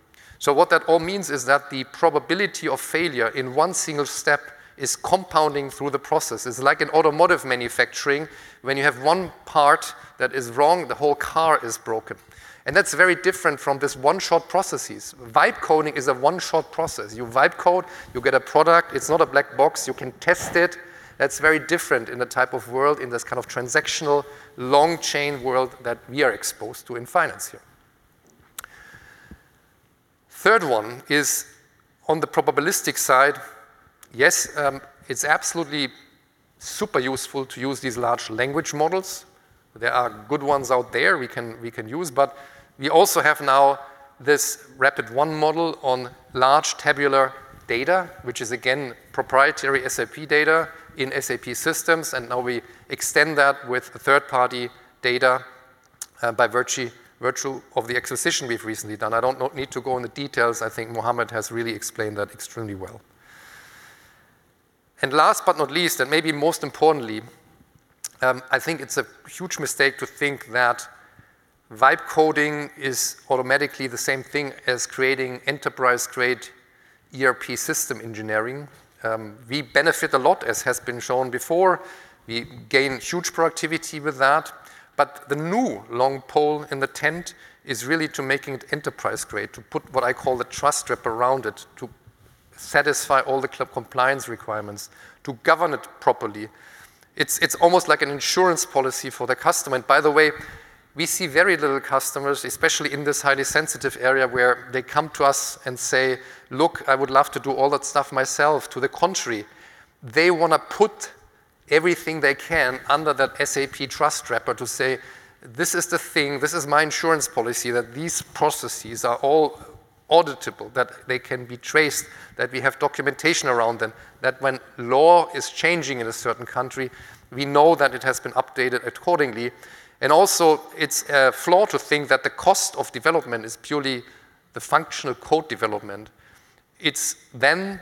What that all means is that the probability of failure in one single step is compounding through the process. It's like in automotive manufacturing, when you have one part that is wrong, the whole car is broken. That's very different from this one-shot processes. Vibe coding is a one-shot process. You vibe code, you get a product. It's not a black box. You can test it. That is very different in the type of world, in this kind of transactional, long chain world that we are exposed to in finance here. Third one is on the probabilistic side. Yes, it is absolutely super useful to use these large language models. There are good ones out there we can use. We also have now this RPT-1 model on large tabular data, which is again proprietary SAP data in SAP systems, and now we extend that with third-party data, by virtue of the acquisition we have recently done. I do not need to go into details. I think Muhammad has really explained that extremely well. Last but not least, and maybe most importantly, I think it is a huge mistake to think that vibe coding is automatically the same thing as creating enterprise-grade ERP system engineering. We benefit a lot, as has been shown before. We gain huge productivity with that. The new long pole in the tent is really to making it enterprise-grade, to put what I call the trust wrap around it, to satisfy all the compliance requirements, to govern it properly. It's almost like an insurance policy for the customer. By the way, we see very little customers, especially in this highly sensitive area, where they come to us and say, "Look, I would love to do all that stuff myself." To the contrary, they wanna put everything they can under that SAP trust wrapper to say, "This is the thing. This is my insurance policy that these processes are all auditable, that they can be traced, that we have documentation around them, that when law is changing in a certain country, we know that it has been updated accordingly. Also, it's flawed to think that the cost of development is purely the functional code development. It's then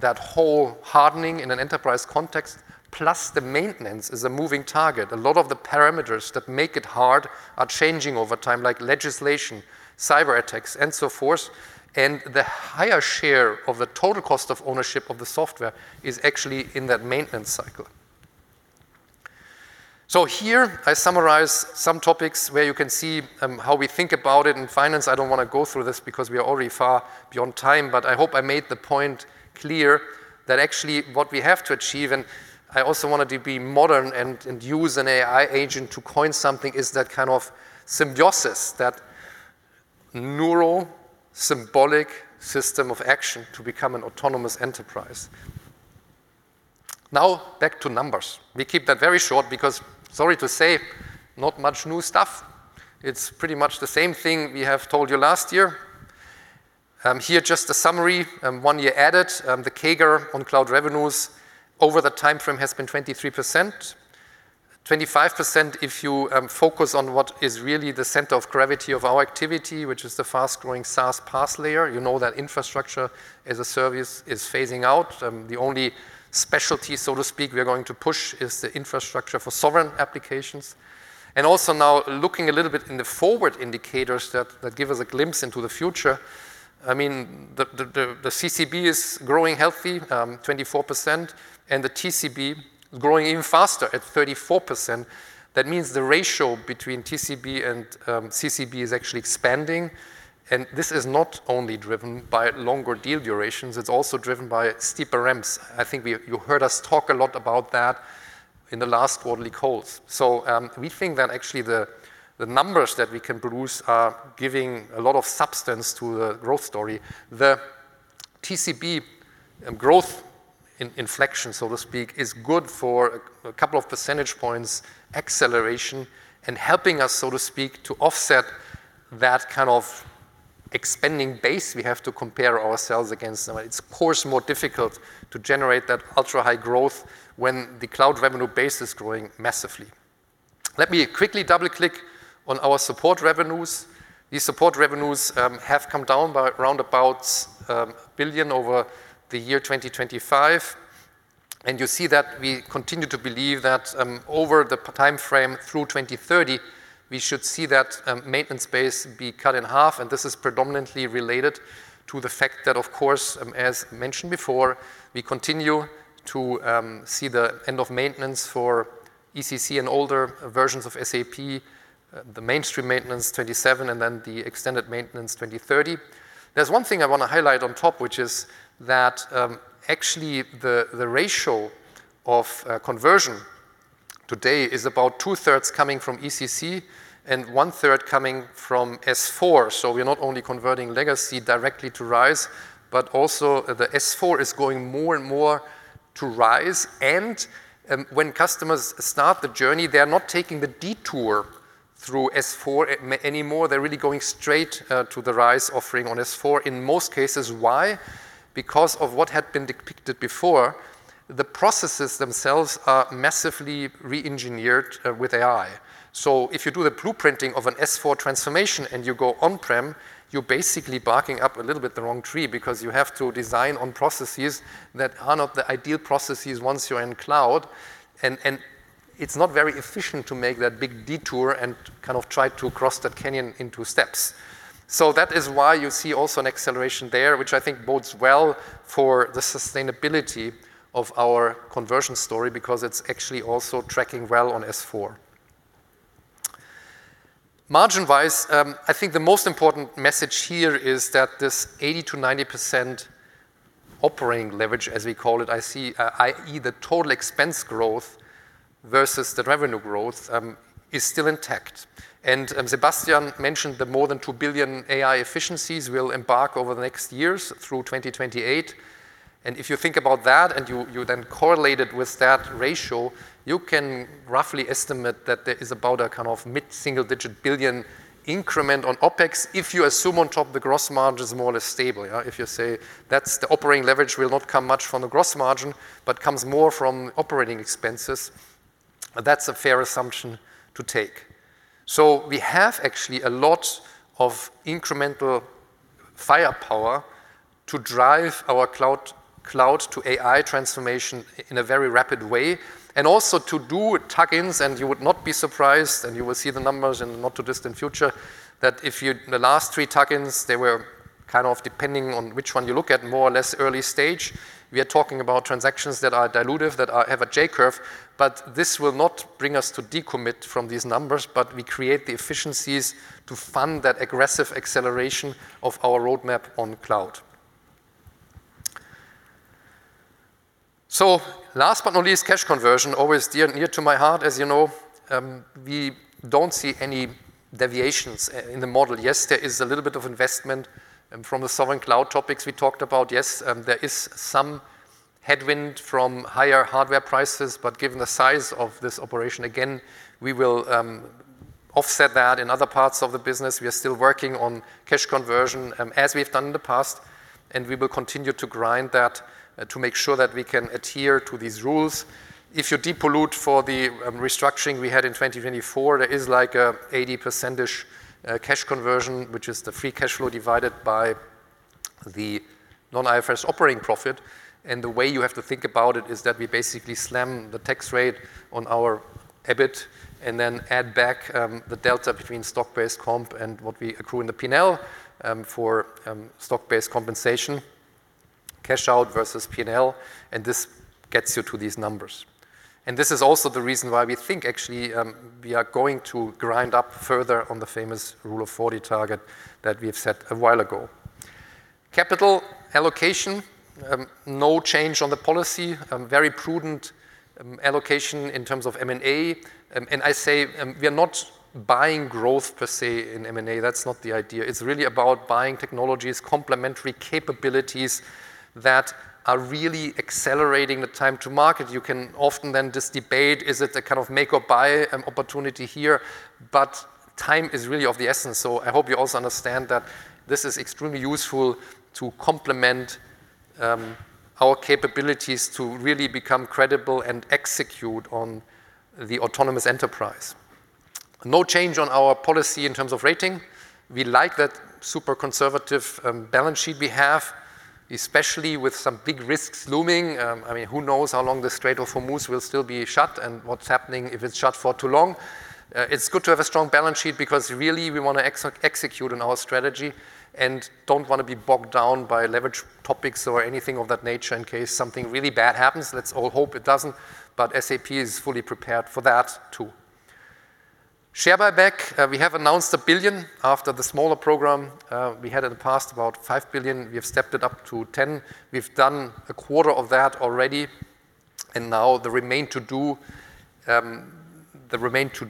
that whole hardening in an enterprise context, plus the maintenance is a moving target. A lot of the parameters that make it hard are changing over time, like legislation, cyber attacks, and so forth. The higher share of the total cost of ownership of the software is actually in that maintenance cycle. Here I summarize some topics where you can see how we think about it in finance. I don't wanna go through this because we are already far beyond time, but I hope I made the point clear that actually what we have to achieve, and I also wanted to be modern and use an AI agent to coin something, is that kind of symbiosis, that neural symbolic system of action to become an autonomous enterprise. Back to numbers. We keep that very short because, sorry to say, not much new stuff. It's pretty much the same thing we have told you last year. Here just a summary, one year added. The CAGR on cloud revenues over the timeframe has been 23%. 25% if you focus on what is really the center of gravity of our activity, which is the fast-growing SaaS PaaS layer. You know that infrastructure as a service is phasing out. The only specialty, so to speak, we are going to push is the infrastructure for sovereign applications. Also now looking a little bit in the forward indicators that give us a glimpse into the future. I mean, the CCB is growing healthy, 24%, and the TCB growing even faster at 34%. That means the ratio between TCB and CCB is actually expanding, and this is not only driven by longer deal durations, it's also driven by steeper ramps. I think you heard us talk a lot about that in the last quarterly calls. We think that actually the numbers that we can produce are giving a lot of substance to the growth story. The TCB growth in, inflection, so to speak, is good for a 2 percentage points acceleration and helping us, so to speak, to offset that kind of expanding base we have to compare ourselves against. It's of course more difficult to generate that ultra-high growth when the cloud revenue base is growing massively. Let me quickly double-click on our support revenues. These support revenues have come down by around about 1 billion over the year 2025. You see that we continue to believe that over the time frame through 2030, we should see that maintenance base be cut in half. This is predominantly related to the fact that of course, as mentioned before, we continue to see the end of maintenance for ECC and older versions of SAP, the mainstream maintenance, 2027, and then the extended maintenance, 2030. There's one thing I want to highlight on top, which is that actually the ratio of conversion today is about two-thirds coming from ECC and one-third coming from S4. We are not only converting legacy directly to RISE, but also the S4 is going more and more to RISE. When customers start the journey, they are not taking the detour through S4 anymore. They're really going straight to the RISE offering on S4 in most cases. Why? Because of what had been depicted before. The processes themselves are massively re-engineered with AI. If you do the blueprinting of an S4 transformation, and you go on-prem, you're basically barking up a little bit the wrong tree because you have to design on processes that are not the ideal processes once you're in cloud and it's not very efficient to make that big detour and kind of try to cross that canyon in two steps. That is why you see also an acceleration there, which I think bodes well for the sustainability of our conversion story because it's actually also tracking well on S4. Margin-wise, I think the most important message here is that this 80%-90% operating leverage, as we call it, I see, i.e. the total expense growth versus the revenue growth, is still intact. Sebastian mentioned the more than 2 billion AI efficiencies will embark over the next years through 2028. If you think about that and you then correlate it with that ratio, you can roughly estimate that there is about a kind of mid-single digit billion increment on OpEx if you assume on top the gross margin is more or less stable, yeah. If you say that's the operating leverage will not come much from the gross margin but comes more from operating expenses, that's a fair assumption to take. We have actually a lot of incremental firepower to drive our cloud to AI transformation in a very rapid way, and also to do tuck-ins, and you would not be surprised, and you will see the numbers in the not too distant future, that the last three tuck-ins, they were kind of depending on which one you look at, more or less early stage. We are talking about transactions that are dilutive, have a J-curve, but this will not bring us to decommit from these numbers, but we create the efficiencies to fund that aggressive acceleration of our roadmap on cloud. Last but not least, cash conversion, always dear and dear to my heart. As you know, we don't see any deviations in the model. Yes, there is a little bit of investment from the sovereign cloud topics we talked about. Yes, there is some headwind from higher hardware prices, but given the size of this operation, again, we will offset that in other parts of the business. We are still working on cash conversion, as we've done in the past, and we will continue to grind that, to make sure that we can adhere to these rules. If you depollute for the restructuring we had in 2024, there is like a 80%-ish cash conversion, which is the free cash flow divided by the non-IFRS operating profit. The way you have to think about it is that we basically slam the tax rate on our EBIT and then add back the delta between stock-based comp and what we accrue in the P&L for stock-based compensation, cash out versus P&L, and this gets you to these numbers. This is also the reason why we think actually, we are going to grind up further on the famous rule of forty target that we have set a while ago. Capital allocation, no change on the policy. I say, we are not buying growth per se in M&A. That's not the idea. It's really about buying technologies, complementary capabilities that are really accelerating the time to market. You can often then just debate, is it a kind of make or buy, opportunity here? Time is really of the essence. I hope you also understand that this is extremely useful to complement, our capabilities to really become credible and execute on the autonomous enterprise. No change on our policy in terms of rating. We like that super conservative balance sheet we have, especially with some big risks looming. I mean, who knows how long the Strait of Hormuz will still be shut and what's happening if it's shut for too long. It's good to have a strong balance sheet because really we want to execute on our strategy and don't want to be bogged down by leverage topics or anything of that nature in case something really bad happens. Let's all hope it doesn't, but SAP is fully prepared for that too. Share buyback, we have announced 1 billion after the smaller program we had in the past, about 5 billion. We have stepped it up to 10 billion. We've done a quarter of that already, and now the remain to do,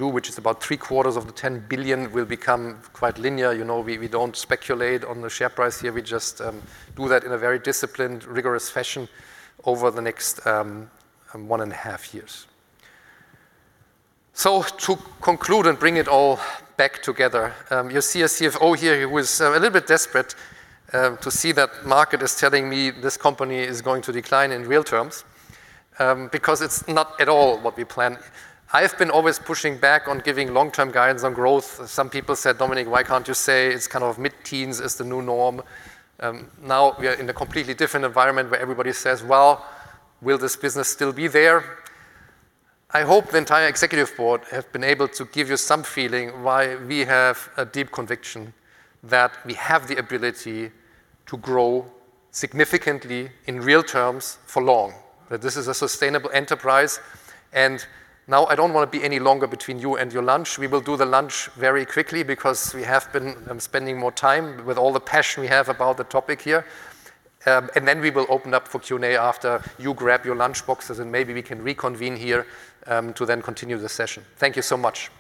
which is about three quarters of the 10 billion, will become quite linear. You know, we don't speculate on the share price here. We just do that in a very disciplined, rigorous fashion over the next one and a half years. To conclude and bring it all back together, you see a CFO here who is a little bit desperate to see that market is telling me this company is going to decline in real terms because it's not at all what we plan. I've been always pushing back on giving long-term guidance on growth. Some people said, "Dominik Asam, why can't you say it's kind of mid-teens is the new norm?" Now we are in a completely different environment where everybody says, "Well, will this business still be there?" I hope the entire executive board have been able to give you some feeling why we have a deep conviction that we have the ability to grow significantly in real terms for long, that this is a sustainable enterprise. Now I don't want to be any longer between you and your lunch. We will do the lunch very quickly because we have been spending more time with all the passion we have about the topic here. Then we will open up for Q&A after you grab your lunch boxes, and maybe we can reconvene here, to then continue the session. Thank you so much.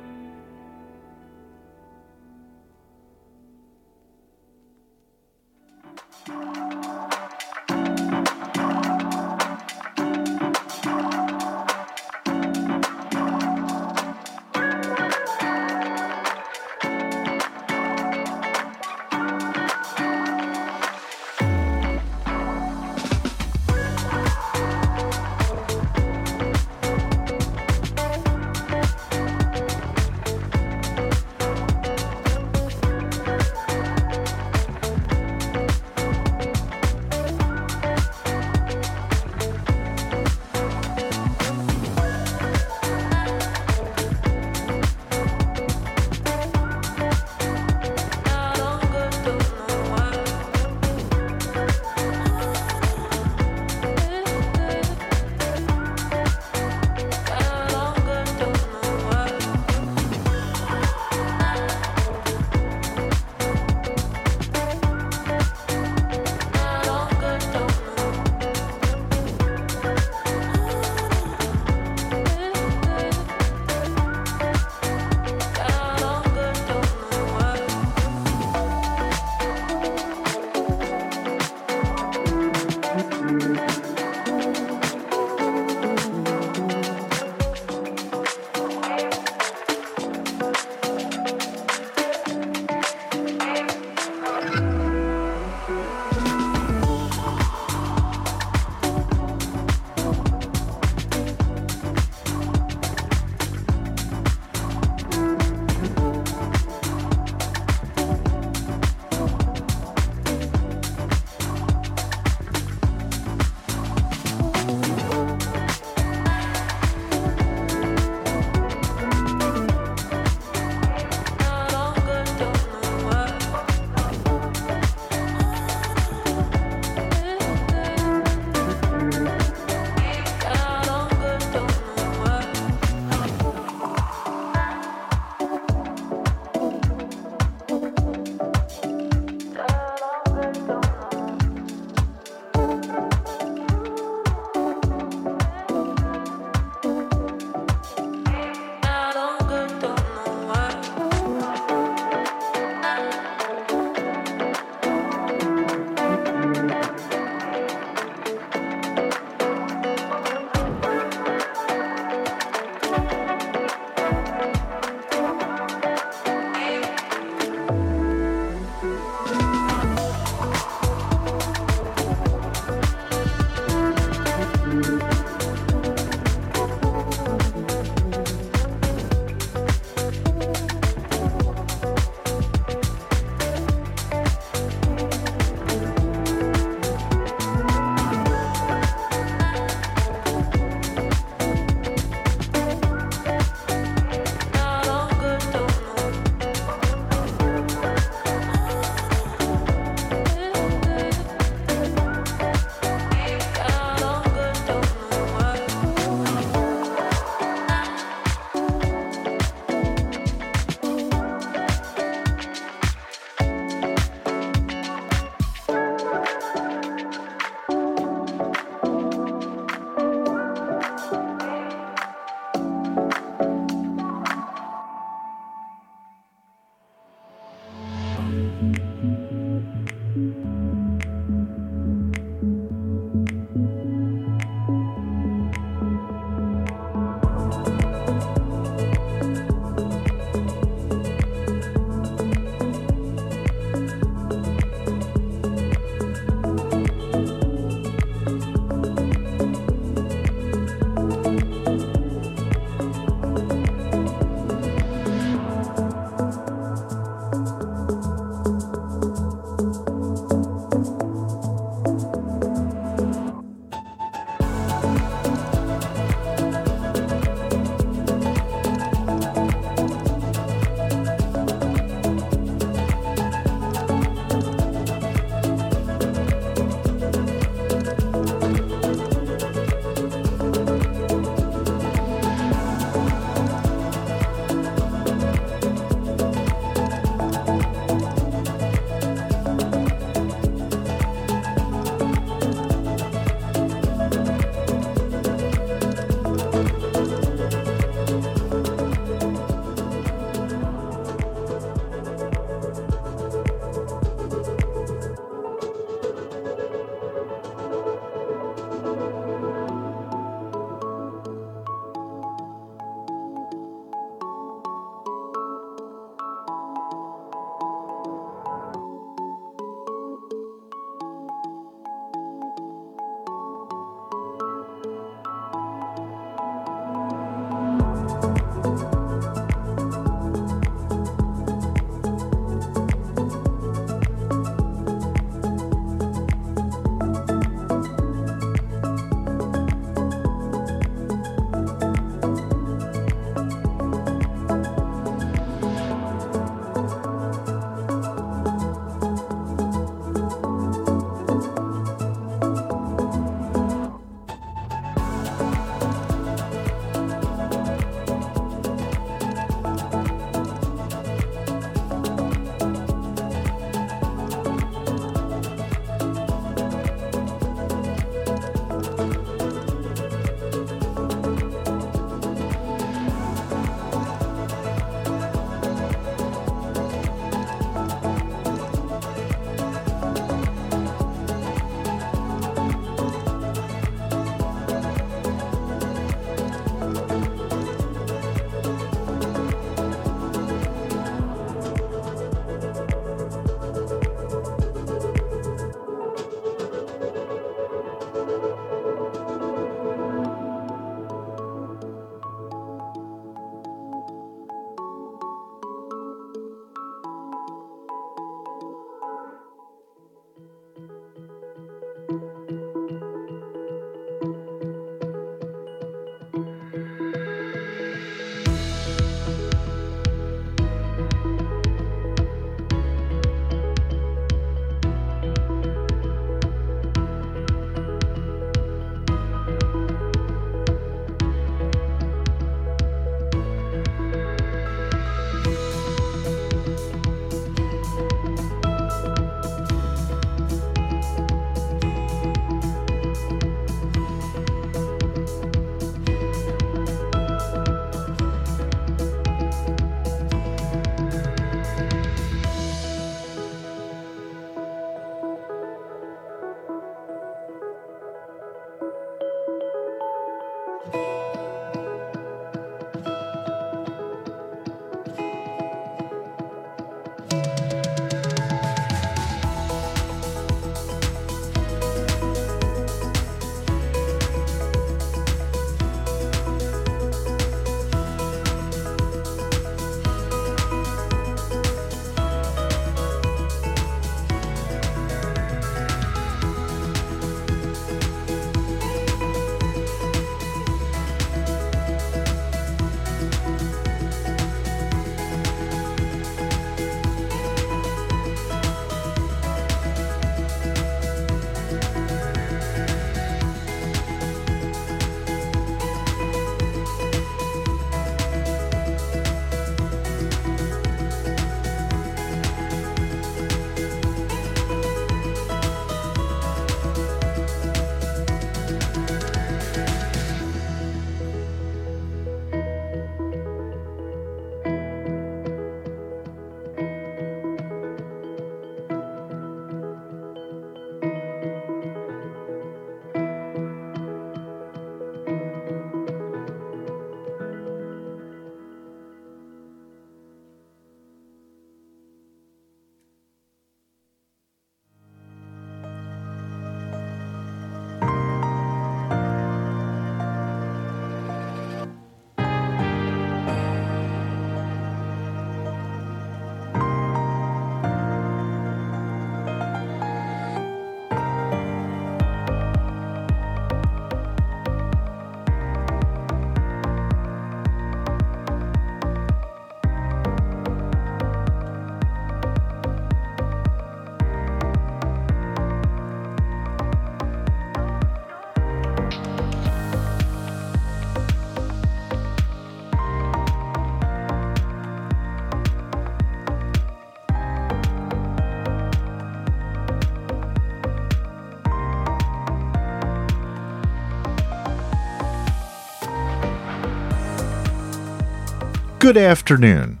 Good afternoon.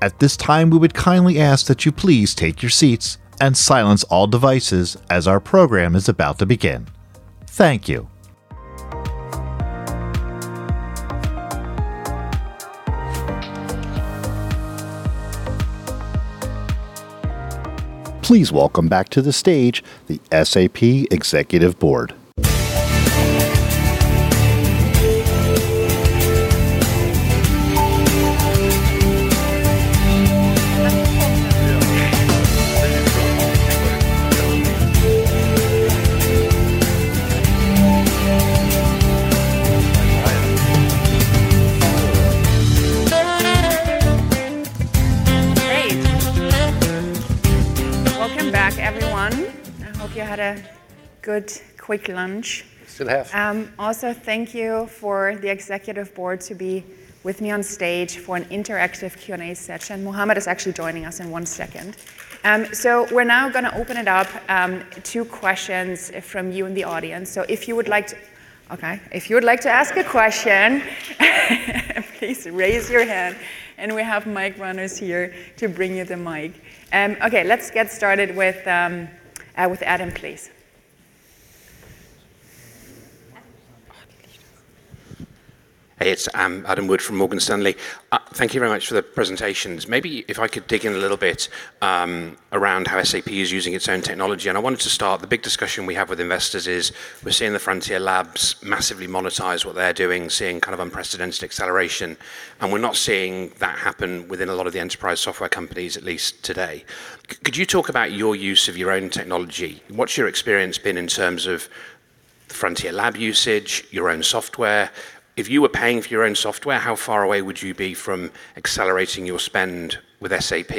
At this time, we would kindly ask that you please take your seats and silence all devices as our program is about to begin. Thank you. Please welcome back to the stage the SAP executive board. Great. Welcome back, everyone. I hope you had a good, quick lunch. Still have. Also thank you for the Executive Board to be with me on stage for an interactive Q&A session. Muhammad is actually joining us in one second. We're now gonna open it up to questions from you in the audience. If you would like to ask a question, please raise your hand, and we have mic runners here to bring you the mic. Let's get started with Adam, please. Hey, it's Adam Wood from Morgan Stanley. Thank you very much for the presentations. Maybe if I could dig in a little bit around how SAP is using its own technology, I wanted to start, the big discussion we have with investors is we're seeing the Frontier labs massively monetize what they're doing, seeing kind of unprecedented acceleration, and we're not seeing that happen within a lot of the enterprise software companies, at least today. Could you talk about your use of your own technology? What's your experience been in terms of Frontier lab usage, your own software? If you were paying for your own software, how far away would you be from accelerating your spend with SAP?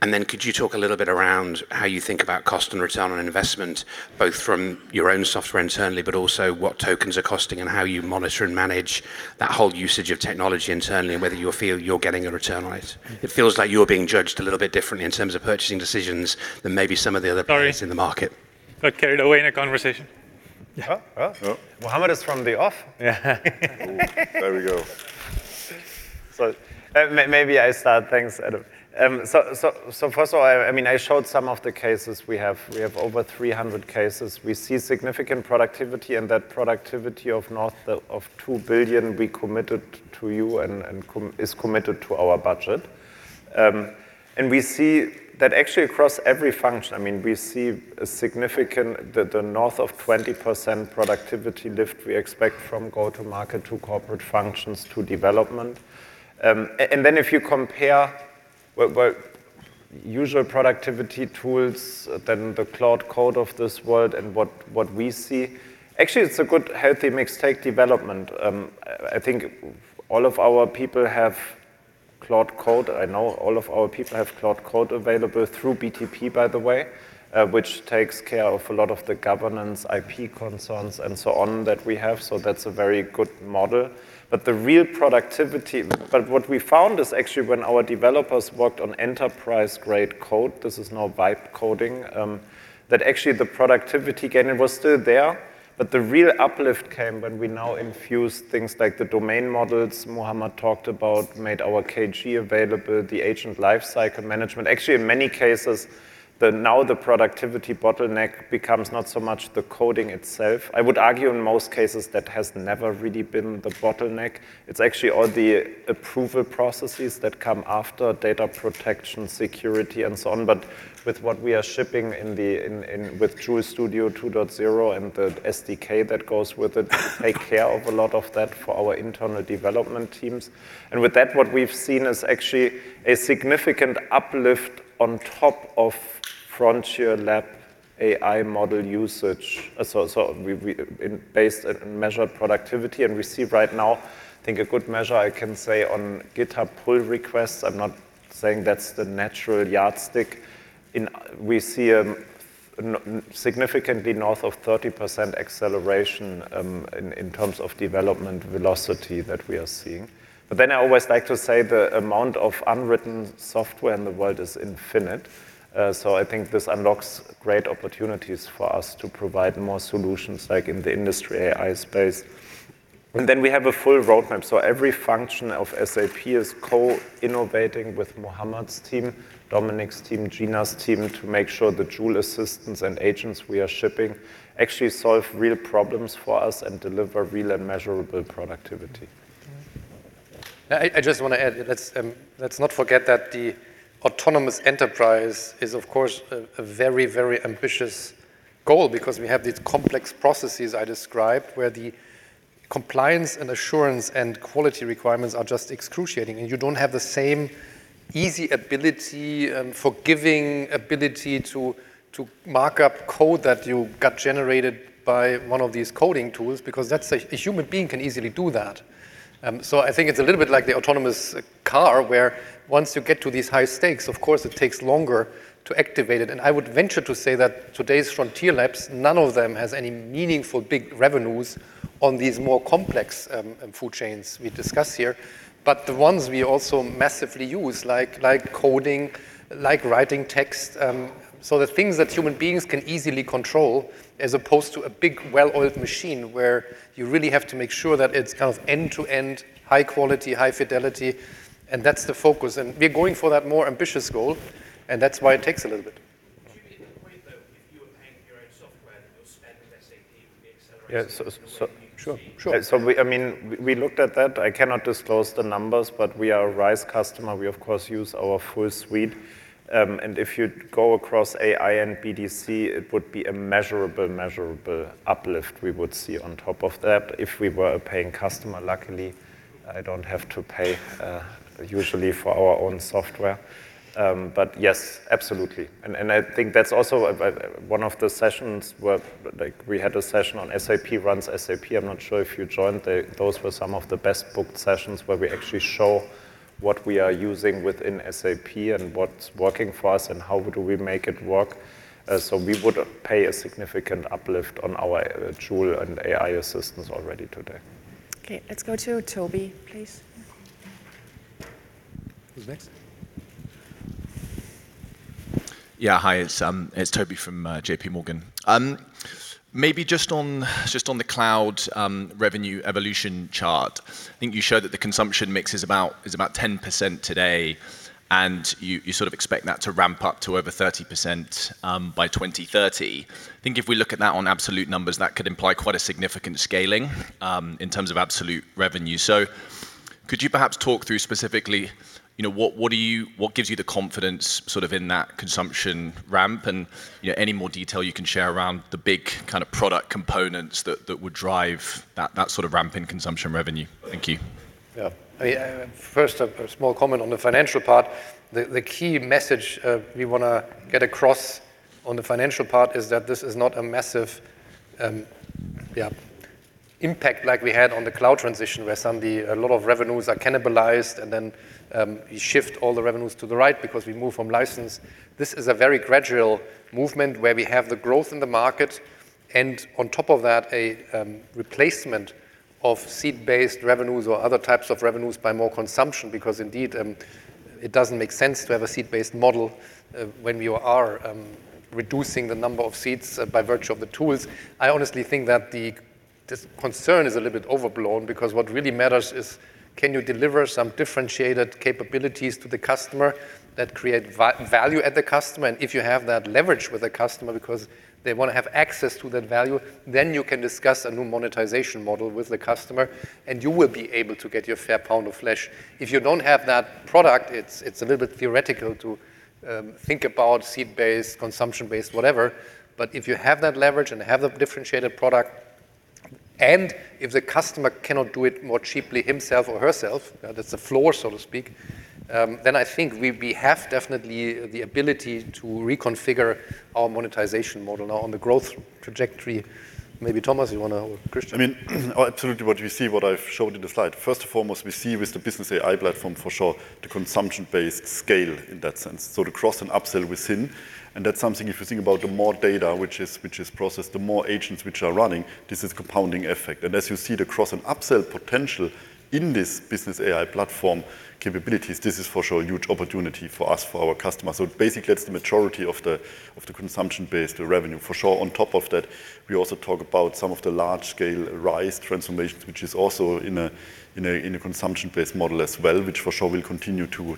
Could you talk a little bit around how you think about cost and return on investment, both from your own software internally, but also what tokens are costing and how you monitor and manage that whole usage of technology internally, and whether you feel you're getting a return on it? It feels like you're being judged a little bit differently in terms of purchasing decisions than maybe some of the other players. Sorry in the market. Got carried away in a conversation. Yeah. Well Muhammad is from the off. Yeah. There we go. Maybe I start things, Adam. First of all, I mean, I showed some of the cases we have. We have over 300 cases. We see significant productivity, and that productivity of north of 2 billion we committed to you and is committed to our budget. We see that actually across every function, I mean, we see a significant north of 20% productivity lift we expect from go-to-market to corporate functions to development. And then if you compare usual productivity tools, the Claude Code of this world and what we see, actually, it's a good, healthy mix tech development. I think all of our people have Claude Code. I know all of our people have Claude Code available through BTP, by the way, which takes care of a lot of the governance, IP concerns, and so on that we have, so that's a very good model. What we found is actually when our developers worked on enterprise-grade code, this is now vibe coding, that actually the productivity gain was still there, but the real uplift came when we now infused things like the domain models Muhammad talked about, made our KG available, the agent lifecycle management. In many cases, the now the productivity bottleneck becomes not so much the coding itself. I would argue in most cases that has never really been the bottleneck. It's actually all the approval processes that come after data protection, security, and so on. With what we are shipping in the, with Joule Studio 2.0 and the SDK that goes with it, we take care of a lot of that for our internal development teams. With that, what we've seen is actually a significant uplift on top of Frontier lab AI model usage. We based and measured productivity, and we see right now, I think a good measure, I can say, on GitHub pull requests, I'm not saying that's the natural yardstick. We see significantly north of 30% acceleration in terms of development velocity that we are seeing. Then I always like to say the amount of unwritten software in the world is infinite. I think this unlocks great opportunities for us to provide more solutions like in the industry AI space. We have a full roadmap, so every function of SAP is co-innovating with Muhammad's team, Dominik's team, Gina's team, to make sure the Joule assistants and agents we are shipping actually solve real problems for us and deliver real and measurable productivity. I just want to add, let's not forget that the autonomous enterprise is of course a very ambitious goal because we have these complex processes I described where the compliance and assurance and quality requirements are just excruciating, and you don't have the same easy ability, forgiving ability to mark up code that you got generated by one of these coding tools because that's a human being can easily do that. So I think it's a little bit like the autonomous car, where once you get to these high stakes, of course it takes longer to activate it. I would venture to say that today's Frontier labs, none of them has any meaningful big revenues on these more complex food chains we discuss here. The ones we also massively use, like coding, like writing text, so the things that human beings can easily control as opposed to a big well-oiled machine where you really have to make sure that it's kind of end-to-end, high quality, high fidelity, and that's the focus. We're going for that more ambitious goal, and that's why it takes a little bit. You made the point, though, if you were paying for your own software that your spend with SAP would be accelerating- Yeah, so. in a way you wouldn't. Sure, sure. I mean, we looked at that. I cannot disclose the numbers, but we are a RISE customer. We, of course, use our full suite. If you go across AI and BDC, it would be a measurable uplift we would see on top of that if we were a paying customer. Luckily, I don't have to pay usually for our own software. Yes, absolutely. I think that's also one of the sessions where, like, we had a session on SAP runs SAP. I'm not sure if you joined. Those were some of the best booked sessions where we actually show what we are using within SAP and what's working for us and how do we make it work. We would pay a significant uplift on our Joule and AI assistance already today. Okay, let's go to Toby, please. Who's next? Hi, it's Toby from JPMorgan. Maybe just on the cloud revenue evolution chart, I think you showed that the consumption mix is about 10% today, and you sort of expect that to ramp up to over 30% by 2030. I think if we look at that on absolute numbers, that could imply quite a significant scaling in terms of absolute revenue. Could you perhaps talk through specifically, you know, what gives you the confidence sort of in that consumption ramp and, you know, any more detail you can share around the big kind of product components that would drive that sort of ramp in consumption revenue? Thank you. Yeah. I first a small comment on the financial part. The key message we wanna get across on the financial part is that this is not a massive impact like we had on the cloud transition, where suddenly a lot of revenues are cannibalized and then you shift all the revenues to the right because we move from license. This is a very gradual movement where we have the growth in the market and on top of that a replacement of seat-based revenues or other types of revenues by more consumption because indeed it doesn't make sense to have a seat-based model when you are reducing the number of seats by virtue of the tools. I honestly think that this concern is a little bit overblown because what really matters is can you deliver some differentiated capabilities to the customer that create value at the customer. If you have that leverage with the customer because they wanna have access to that value, then you can discuss a new monetization model with the customer, and you will be able to get your fair pound of flesh. If you don't have that product, it's a little bit theoretical to think about seat-based, consumption-based, whatever. If you have that leverage and have a differentiated product, and if the customer cannot do it more cheaply himself or herself, that's the floor, so to speak, then I think we have definitely the ability to reconfigure our monetization model. Now, on the growth trajectory, maybe Thomas, you wanna, or Christian? I mean, absolutely what we see, what I've showed in the slide. First and foremost, we see with the Business AI platform for sure the consumption-based scale in that sense, so the cross and upsell within. That's something if you think about the more data which is processed, the more agents which are running, this is compounding effect. As you see the cross and upsell potential in this Business AI platform capabilities, this is for sure a huge opportunity for us, for our customers. Basically, that's the majority of the consumption-based revenue, for sure. On top of that, we also talk about some of the large scale RISE transformations, which is also in a consumption-based model as well, which for sure will continue to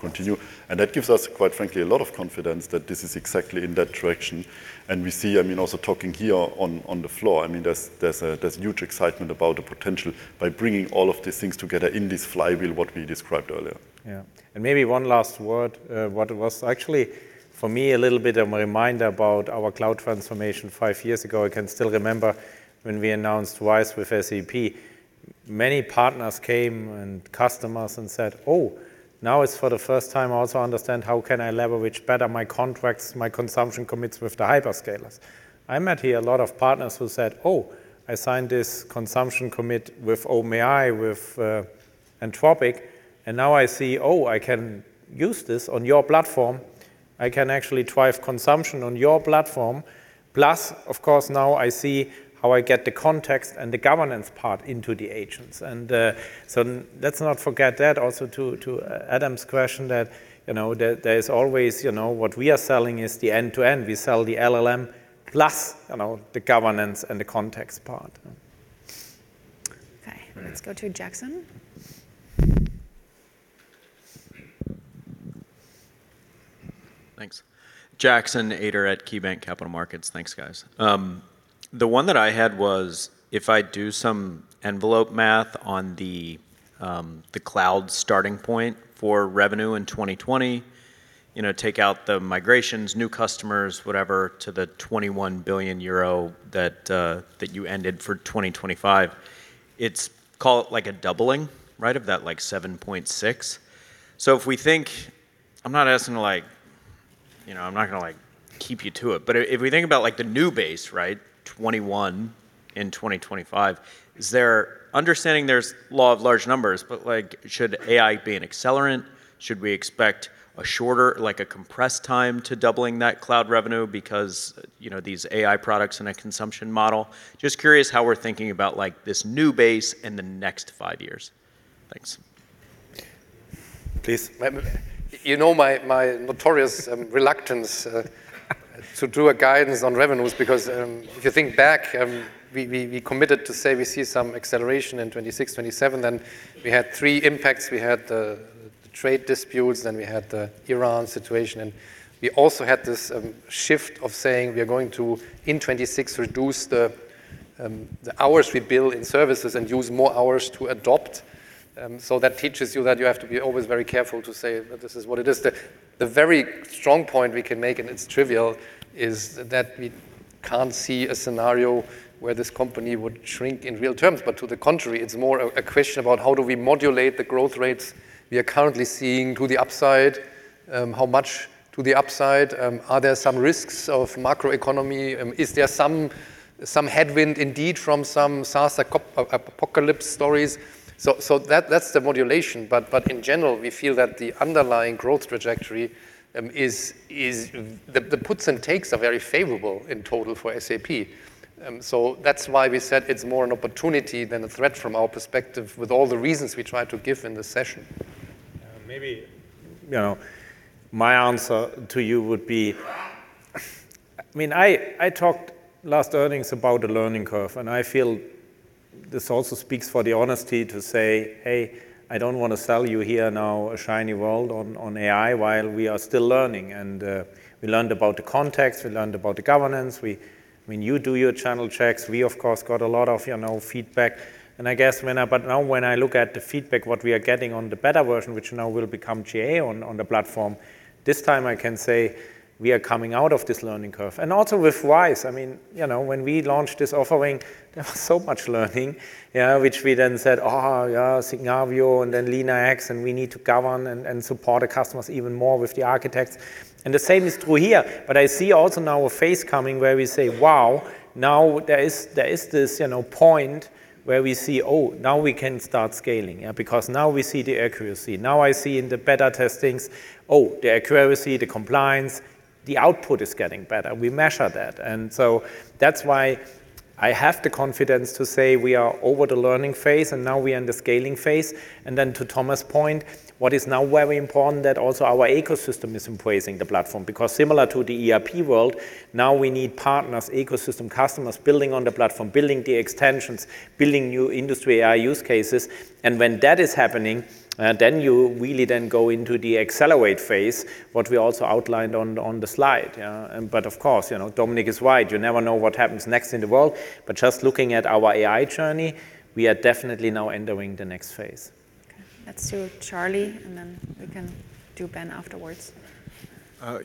continue. That gives us, quite frankly, a lot of confidence that this is exactly in that direction. We see, I mean, also talking here on the floor, I mean, there's huge excitement about the potential by bringing all of these things together in this flywheel what we described earlier. Yeah. Maybe one last word, what was actually for me a little bit of a reminder about our cloud transformation five years ago. I can still remember when we announced RISE with SAP, many partners came and customers and said, "Oh, now it's for the first time I also understand how can I leverage better my contracts, my consumption commits with the hyperscalers." I met here a lot of partners who said, "Oh, I signed this consumption commit with OpenAI, with Anthropic, and now I see, oh, I can use this on your platform. I can actually drive consumption on your platform. Plus, of course, now I see how I get the context and the governance part into the agents." Let's not forget that. Also to Adam's question that, you know, there's always, you know, what we are selling is the end-to-end. We sell the LLM plus, you know, the governance and the context part. Okay. All right. Let's go to Jackson. Thanks. Jackson Ader at KeyBanc Capital Markets. Thanks, guys. The one that I had was if I do some envelope math on the cloud starting point for revenue in 2020, you know, take out the migrations, new customers, whatever, to the 21 billion euro that you ended for 2025, it's, call it like a doubling, right, of that, like, 7.6. If we think I'm not asking to, like, you know, I'm not gonna, like, keep you to it, but if we think about, like, the new base, right, 21 in 2025, is there, understanding there's law of large numbers, but, like, should AI be an accelerant? Should we expect a shorter, like a compressed time to doubling that cloud revenue because, you know, these AI products in a consumption model? Just curious how we're thinking about, like, this new base in the next five years? Thanks. Please. You know my notorious reluctance to do a guidance on revenues because if you think back we committed to say we see some acceleration in 2026, 2027, then we had three impacts. We had the trade disputes, then we had the Iran situation, and we also had this shift of saying we are going to, in 2026, reduce the hours we bill in services and use more hours to adopt. That teaches you that you have to be always very careful to say that this is what it is. The very strong point we can make, and it's trivial, is that we can't see a scenario where this company would shrink in real terms. To the contrary, it's more a question about how do we modulate the growth rates we are currently seeing to the upside, how much to the upside, are there some risks of macroeconomy, is there some headwind indeed from some SaaS apocalypse stories? That's the modulation. In general, we feel that the underlying growth trajectory is. The puts and takes are very favorable in total for SAP. That's why we said it's more an opportunity than a threat from our perspective with all the reasons we tried to give in the session. Maybe, you know, my answer to you would be I mean, I talked last earnings about the learning curve, and I feel this also speaks for the honesty to say, "Hey, I don't want to sell you here now a shiny world on AI while we are still learning." We learned about the context, we learned about the governance. We, I mean, you do your channel checks. We of course got a lot of, you know, feedback. I guess now when I look at the feedback, what we are getting on the beta version, which now will become GA on the platform, this time I can say we are coming out of this learning curve. also with Wise, I mean, you know, when we launched this offering, there was so much learning you know, which we then said, "Oh, yeah, Signavio and then LeanIX, and we need to govern and support the customers even more with the architects." The same is true here, but I see also now a phase coming where we say, "Wow, now there is this, you know, point where we see, oh, now we can start scaling." Yeah? Because now we see the accuracy. Now I see in the beta testings, oh, the accuracy, the compliance, the output is getting better. We measure that. That's why I have the confidence to say we are over the learning phase, and now we are in the scaling phase. To Thomas' point, what is now very important, that also our ecosystem is embracing the platform because similar to the ERP world, now we need partners, ecosystem customers building on the platform, building the extensions, building new industry AI use cases. When that is happening, then you really then go into the accelerate phase, what we also outlined on the slide, yeah? Of course, you know, Dominik is right. You never know what happens next in the world. Just looking at our AI journey, we are definitely now entering the next phase. Okay. Let's do Charlie, and then we can do Ben afterwards.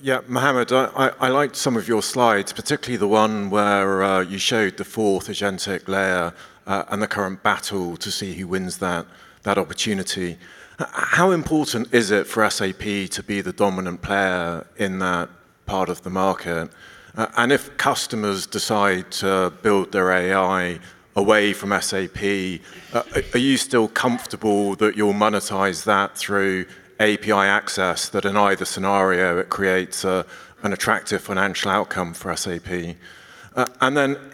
Yeah, Muhammed, I liked some of your slides, particularly the one where you showed the fourth agentic layer, and the current battle to see who wins that opportunity. How important is it for SAP to be the dominant player in that part of the market? If customers decide to build their AI away from SAP, are you still comfortable that you'll monetize that through API access that in either scenario it creates an attractive financial outcome for SAP?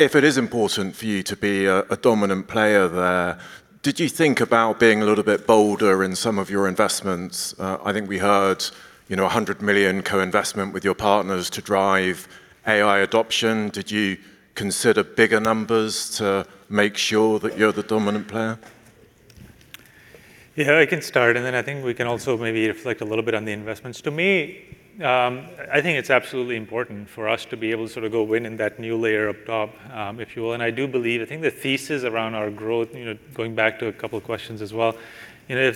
If it is important for you to be a dominant player there, did you think about being a little bit bolder in some of your investments? I think we heard, you know, 100 million co-investment with your partners to drive AI adoption. Did you consider bigger numbers to make sure that you're the dominant player? Yeah, I can start, and then I think we can also maybe reflect a little bit on the investments. To me, I think it's absolutely important for us to be able to sort of go win in that new layer up top, if you will. I do believe, I think the thesis around our growth, you know, going back to a couple questions as well, you know,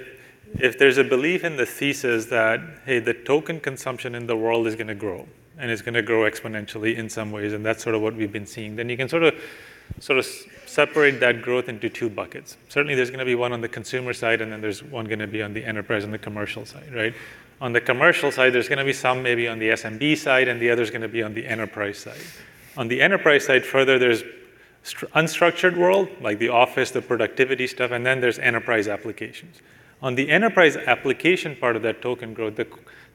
if there's a belief in the thesis that, hey, the token consumption in the world is gonna grow and is gonna grow exponentially in some ways, and that's sort of what we've been seeing, then you can sort of separate that growth into two buckets. Certainly, there's gonna be one on the consumer side, and then there's one gonna be on the enterprise and the commercial side, right? On the commercial side, there's gonna be some maybe on the SMB side, and the other's gonna be on the enterprise side. On the enterprise side, further, there's unstructured world, like the office, the productivity stuff, and then there's enterprise applications. On the enterprise application part of that token growth,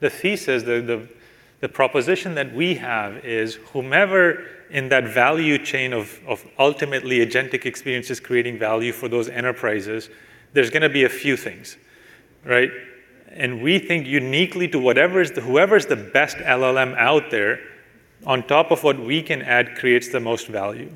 the thesis, the proposition that we have is whomever in that value chain of ultimately agentic experience is creating value for those enterprises, there's gonna be a few things, right? We think uniquely to whatever's the best LLM out there on top of what we can add creates the most value.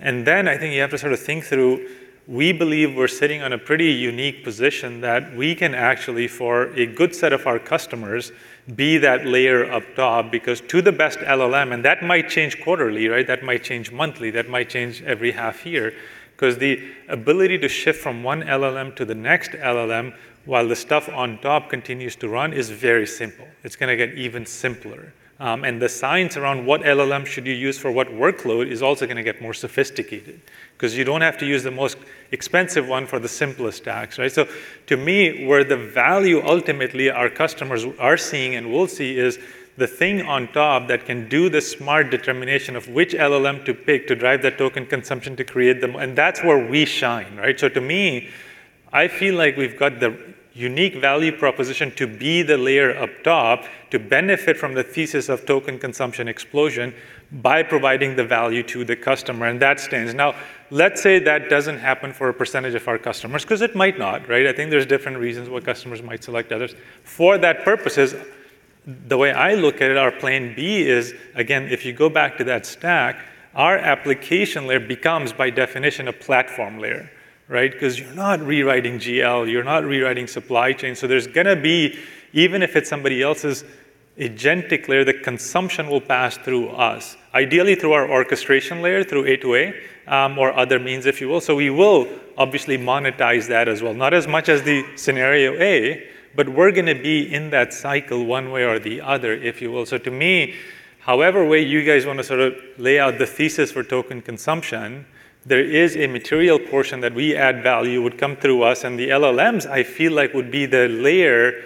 I think you have to sort of think through, we believe we're sitting on a pretty unique position that we can actually, for a good set of our customers, be that layer up top because to the best LLM, and that might change quarterly, right? That might change monthly. That might change every half year, 'cause the ability to shift from one LLM to the next LLM while the stuff on top continues to run is very simple. It's gonna get even simpler. The science around what LLM should you use for what workload is also gonna get more sophisticated 'cause you don't have to use the most expensive one for the simplest tasks, right? to me, where the value ultimately our customers are seeing and will see is the thing on top that can do the smart determination of which LLM to pick to drive that token consumption to create the. That's where we shine, right? to me, I feel like we've got the unique value proposition to be the layer up top to benefit from the thesis of token consumption explosion by providing the value to the customer, and that stands. Now, let's say that doesn't happen for a percentage of our customers, 'cause it might not, right? I think there's different reasons why customers might select others. For that purposes. The way I look at it, our plan B is, again, if you go back to that stack, our application layer becomes by definition a platform layer, right? Because you're not rewriting GL, you're not rewriting supply chain. there's gonna be, even if it's somebody else's agentic layer, the consumption will pass through us, ideally through our orchestration layer, through A2A, or other means, if you will. We will obviously monetize that as well. Not as much as the scenario A, but we're gonna be in that cycle one way or the other, if you will. To me, however way you guys want to sort of lay out the thesis for token consumption, there is a material portion that we add value would come through us, and the LLMs, I feel like, would be the layer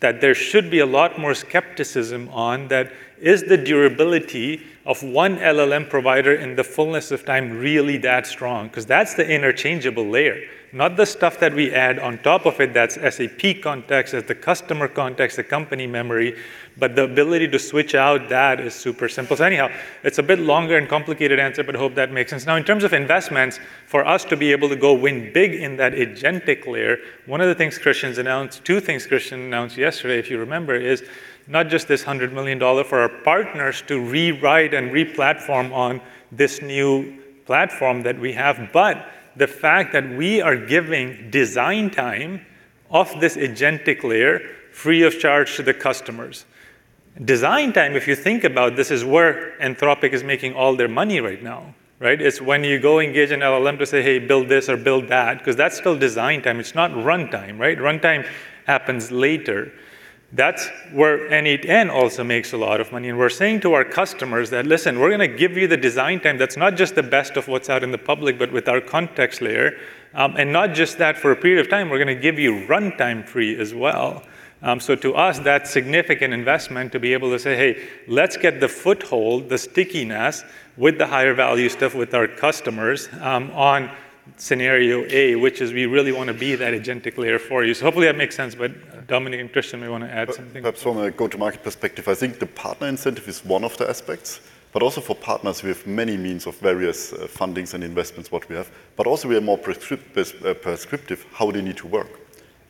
that there should be a lot more skepticism on that is the durability of one LLM provider in the fullness of time really that strong, because that's the interchangeable layer, not the stuff that we add on top of it that's SAP context, that's the customer context, the company memory, but the ability to switch out that is super simple. anyhow, it's a bit longer and complicated answer, but hope that makes sense. Now, in terms of investments, for us to be able to go win big in that agentic layer, one of the things Christian's announced, two things Christian announced yesterday, if you remember, is not just this 100 million dollar for our partners to rewrite and re-platform on this new platform that we have, but the fact that we are giving design time of this agentic layer free of charge to the customers. Design time, if you think about this, is where Anthropic is making all their money right now, right? It's when you go engage an LLM to say, "Hey, build this or build that," because that's still design time. It's not runtime, right? Runtime happens later. That's where N8N also makes a lot of money. We're saying to our customers that, "Listen, we're gonna give you the design time that's not just the best of what's out in the public, but with our context layer, and not just that for a period of time, we're gonna give you runtime free as well." To us, that's significant investment to be able to say, "Hey, let's get the foothold, the stickiness with the higher value stuff with our customers, on scenario A, which is we really wanna be that agentic layer for you." Hopefully that makes sense. Dominik and Christian may want to add something. Perhaps from a go-to-market perspective, I think the partner incentive is one of the aspects, but also for partners, we have many means of various fundings and investments what we have. Also we are more prescriptive how they need to work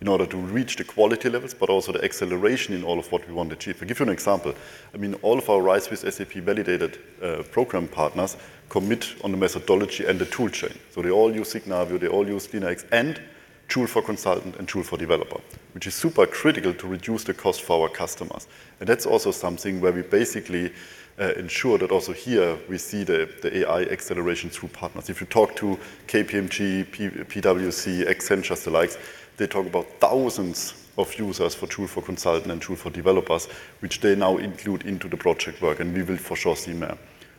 in order to reach the quality levels, but also the acceleration in all of what we want to achieve. I'll give you an example. I mean, all of our RISE with SAP validated program partners commit on the methodology and the tool chain. They all use Signavio, they all use LeanIX, and Joule for consultant and Joule for developer, which is super critical to reduce the cost for our customers. That's also something where we basically ensure that also here we see the AI acceleration through partners. If you talk to KPMG, PwC, Accenture, the likes, they talk about thousands of users for Joule for consultant and Joule for developers, which they now include into the project work, and we will for sure see more.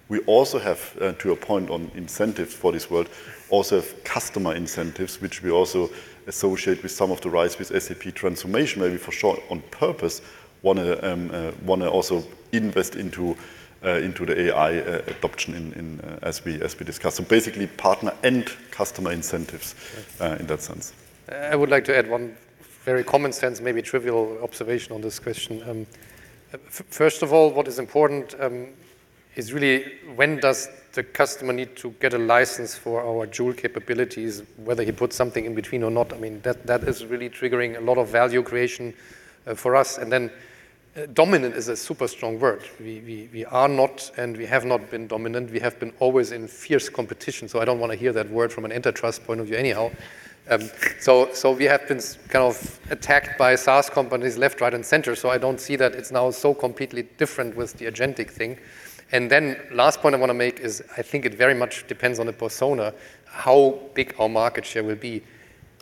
We also have to a point on incentives for this world, also have customer incentives, which we also associate with some of the RISE with SAP transformation, maybe for short on purpose, wanna also invest into the AI adoption in as we discuss. Basically partner and customer incentives in that sense. I would like to add one very common sense, maybe trivial observation on this question. First of all, what is important, is really when does the customer need to get a license for our Joule capabilities, whether he puts something in between or not. I mean, that is really triggering a lot of value creation, for us. Dominant is a super strong word. We are not and we have not been dominant. We have been always in fierce competition, so I don't wanna hear that word from an antitrust point of view anyhow. We have been kind of attacked by SaaS companies left, right, and center, so I don't see that it's now so completely different with the agentic thing. Last point I wanna make is I think it very much depends on the persona how big our market share will be.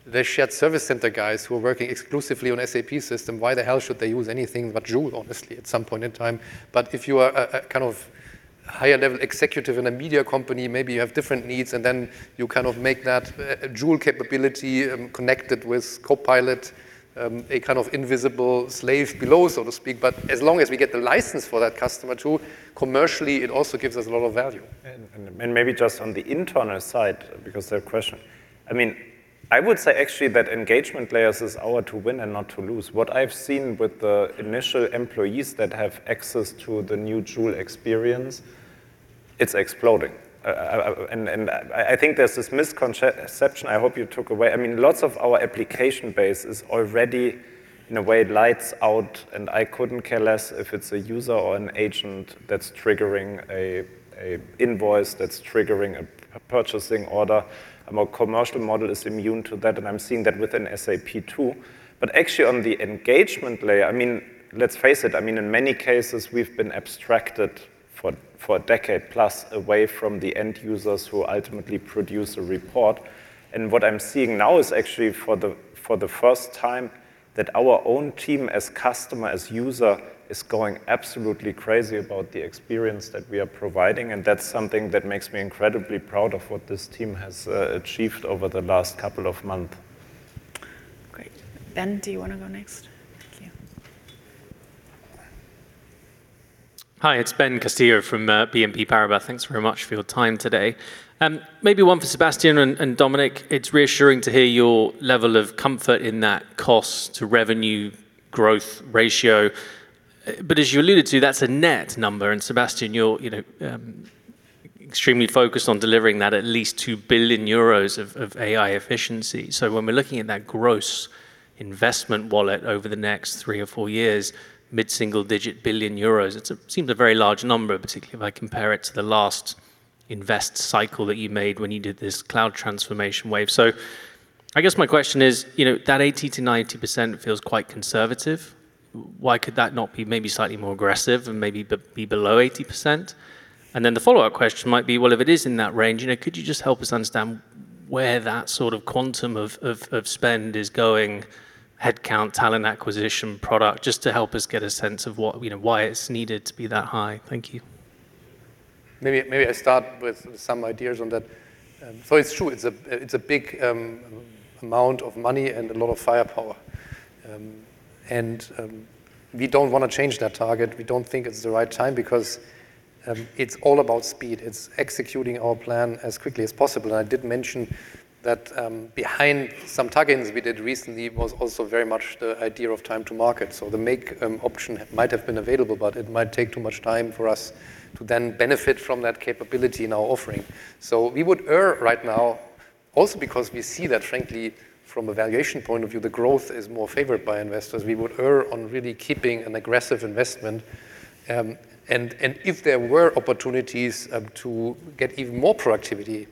The shared service center guys who are working exclusively on SAP system, why the hell should they use anything but Joule, honestly, at some point in time? If you are a kind of higher level executive in a media company, maybe you have different needs, and then you kind of make that Joule capability connected with Copilot a kind of invisible slave below, so to speak. As long as we get the license for that customer too, commercially, it also gives us a lot of value. Maybe just on the internal side, because the question, I mean, I would say actually that engagement layers is ours to win and not to lose. What I've seen with the initial employees that have access to the new Joule experience, it's exploding. I think there's this misconception I hope you took away. I mean, lots of our application base is already, in a way, lights out, and I couldn't care less if it's a user or an agent that's triggering an invoice, that's triggering a purchasing order. Our commercial model is immune to that, and I'm seeing that within SAP too. Actually, on the engagement layer, I mean, let's face it, I mean, in many cases, we've been abstracted for a decade plus away from the end users who ultimately produce a report. What I'm seeing now is actually for the first time that our own team as customer, as user, is going absolutely crazy about the experience that we are providing, and that's something that makes me incredibly proud of what this team has achieved over the last couple of month. Great. Ben, do you wanna go next? Thank you. Hi, it's Ben Castillo from BNP Paribas. Thanks very much for your time today. Maybe one for Sebastian and Dominik. It's reassuring to hear your level of comfort in that cost to revenue growth ratio. But as you alluded to, that's a net number, and Sebastian, you're, you know, extremely focused on delivering that at least 2 billion euros of AI efficiency. When we're looking at that gross investment wallet over the next three or four years, mid-single digit billion EUR, it seems a very large number, particularly if I compare it to the last invest cycle that you made when you did this cloud transformation wave. I guess my question is, you know, that 80%-90% feels quite conservative. Why could that not be maybe slightly more aggressive and maybe be below 80%? The follow-up question might be, well, if it is in that range, you know, could you just help us understand where that sort of quantum of spend is going, headcount, talent acquisition, product, just to help us get a sense of what, you know, why it's needed to be that high? Thank you. Maybe, maybe I start with some ideas on that. It's true, it's a big amount of money and a lot of firepower. We don't wanna change that target. We don't think it's the right time because it's all about speed. It's executing our plan as quickly as possible. I did mention that behind some tag-ins we did recently was also very much the idea of time to market. The make option might have been available, but it might take too much time for us to then benefit from that capability in our offering. We would err right now also because we see that frankly, from a valuation point of view, the growth is more favored by investors. We would err on really keeping an aggressive investment, and if there were opportunities, to get even more productivity,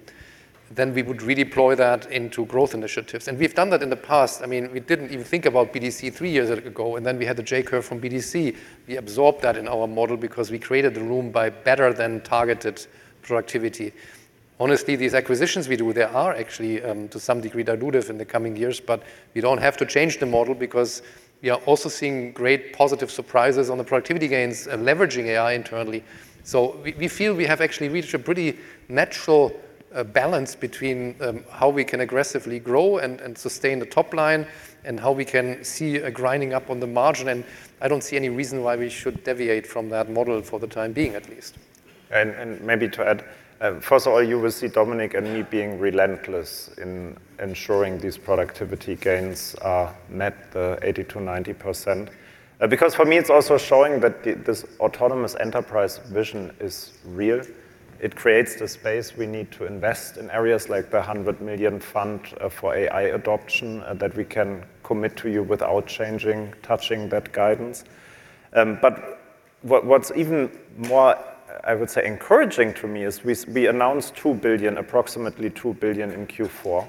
then we would redeploy that into growth initiatives. We've done that in the past. I mean, we didn't even think about BDC three years ago, and then we had the J curve from BDC. We absorbed that in our model because we created the room by better than targeted productivity. Honestly, these acquisitions we do, they are actually, to some degree dilutive in the coming years, but we don't have to change the model because we are also seeing great positive surprises on the productivity gains and leveraging AI internally. We feel we have actually reached a pretty natural balance between how we can aggressively grow and sustain the top line and how we can see a grinding up on the margin, and I don't see any reason why we should deviate from that model for the time being at least. Maybe to add, first of all, you will see Dominik and me being relentless in ensuring these productivity gains are net 80% to 90%. Because for me, it's also showing that this autonomous enterprise vision is real. It creates the space we need to invest in areas like the 100 million fund for AI adoption that we can commit to you without changing, touching that guidance. What's even more, I would say, encouraging to me is we announced 2 billion, approximately 2 billion in Q4.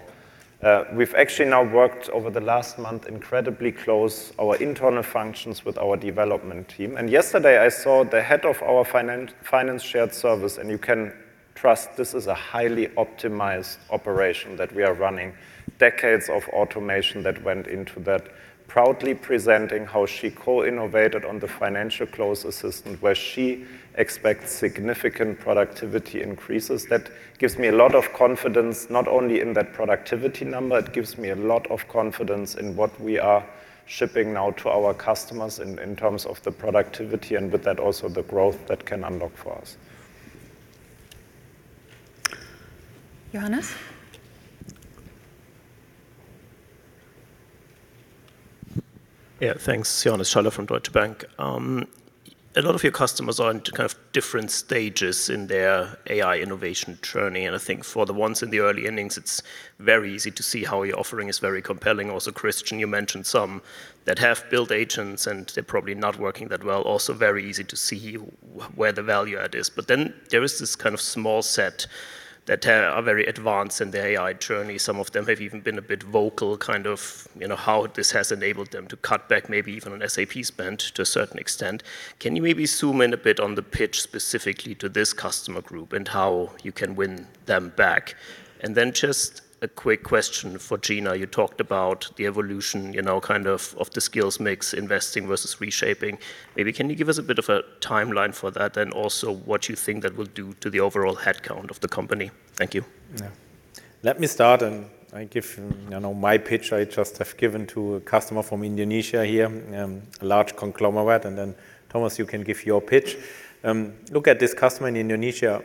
We've actually now worked over the last month incredibly close our internal functions with our development team. Yesterday I saw the head of our finance shared service, you can trust this is a highly optimized operation that we are running, decades of automation that went into that, proudly presenting how she co-innovated on the financial close assistant, where she expects significant productivity increases. That gives me a lot of confidence, not only in that productivity number, it gives me a lot of confidence in what we are shipping now to our customers in terms of the productivity and with that also the growth that can unlock for us. Johannes? Yeah, thanks. Johannes Schaller from Deutsche Bank. A lot of your customers are in kind of different stages in their AI innovation journey, and I think for the ones in the early innings, it's very easy to see how your offering is very compelling. Also, Christian, you mentioned some that have built agents, and they're probably not working that well. Also very easy to see where the value add is. There is this kind of small set that are very advanced in their AI journey. Some of them have even been a bit vocal, kind of, you know, how this has enabled them to cut back maybe even on SAP spend to a certain extent. Can you maybe zoom in a bit on the pitch specifically to this customer group and how you can win them back? Just a quick question for Gina. You talked about the evolution, you know, kind of the skills mix, investing versus reshaping. Maybe can you give us a bit of a timeline for that and also what you think that will do to the overall headcount of the company? Thank you. Yeah. Let me start, and I give, you know, my pitch I just have given to a customer from Indonesia here, a large conglomerate, and then Thomas, you can give your pitch. Look at this customer in Indonesia.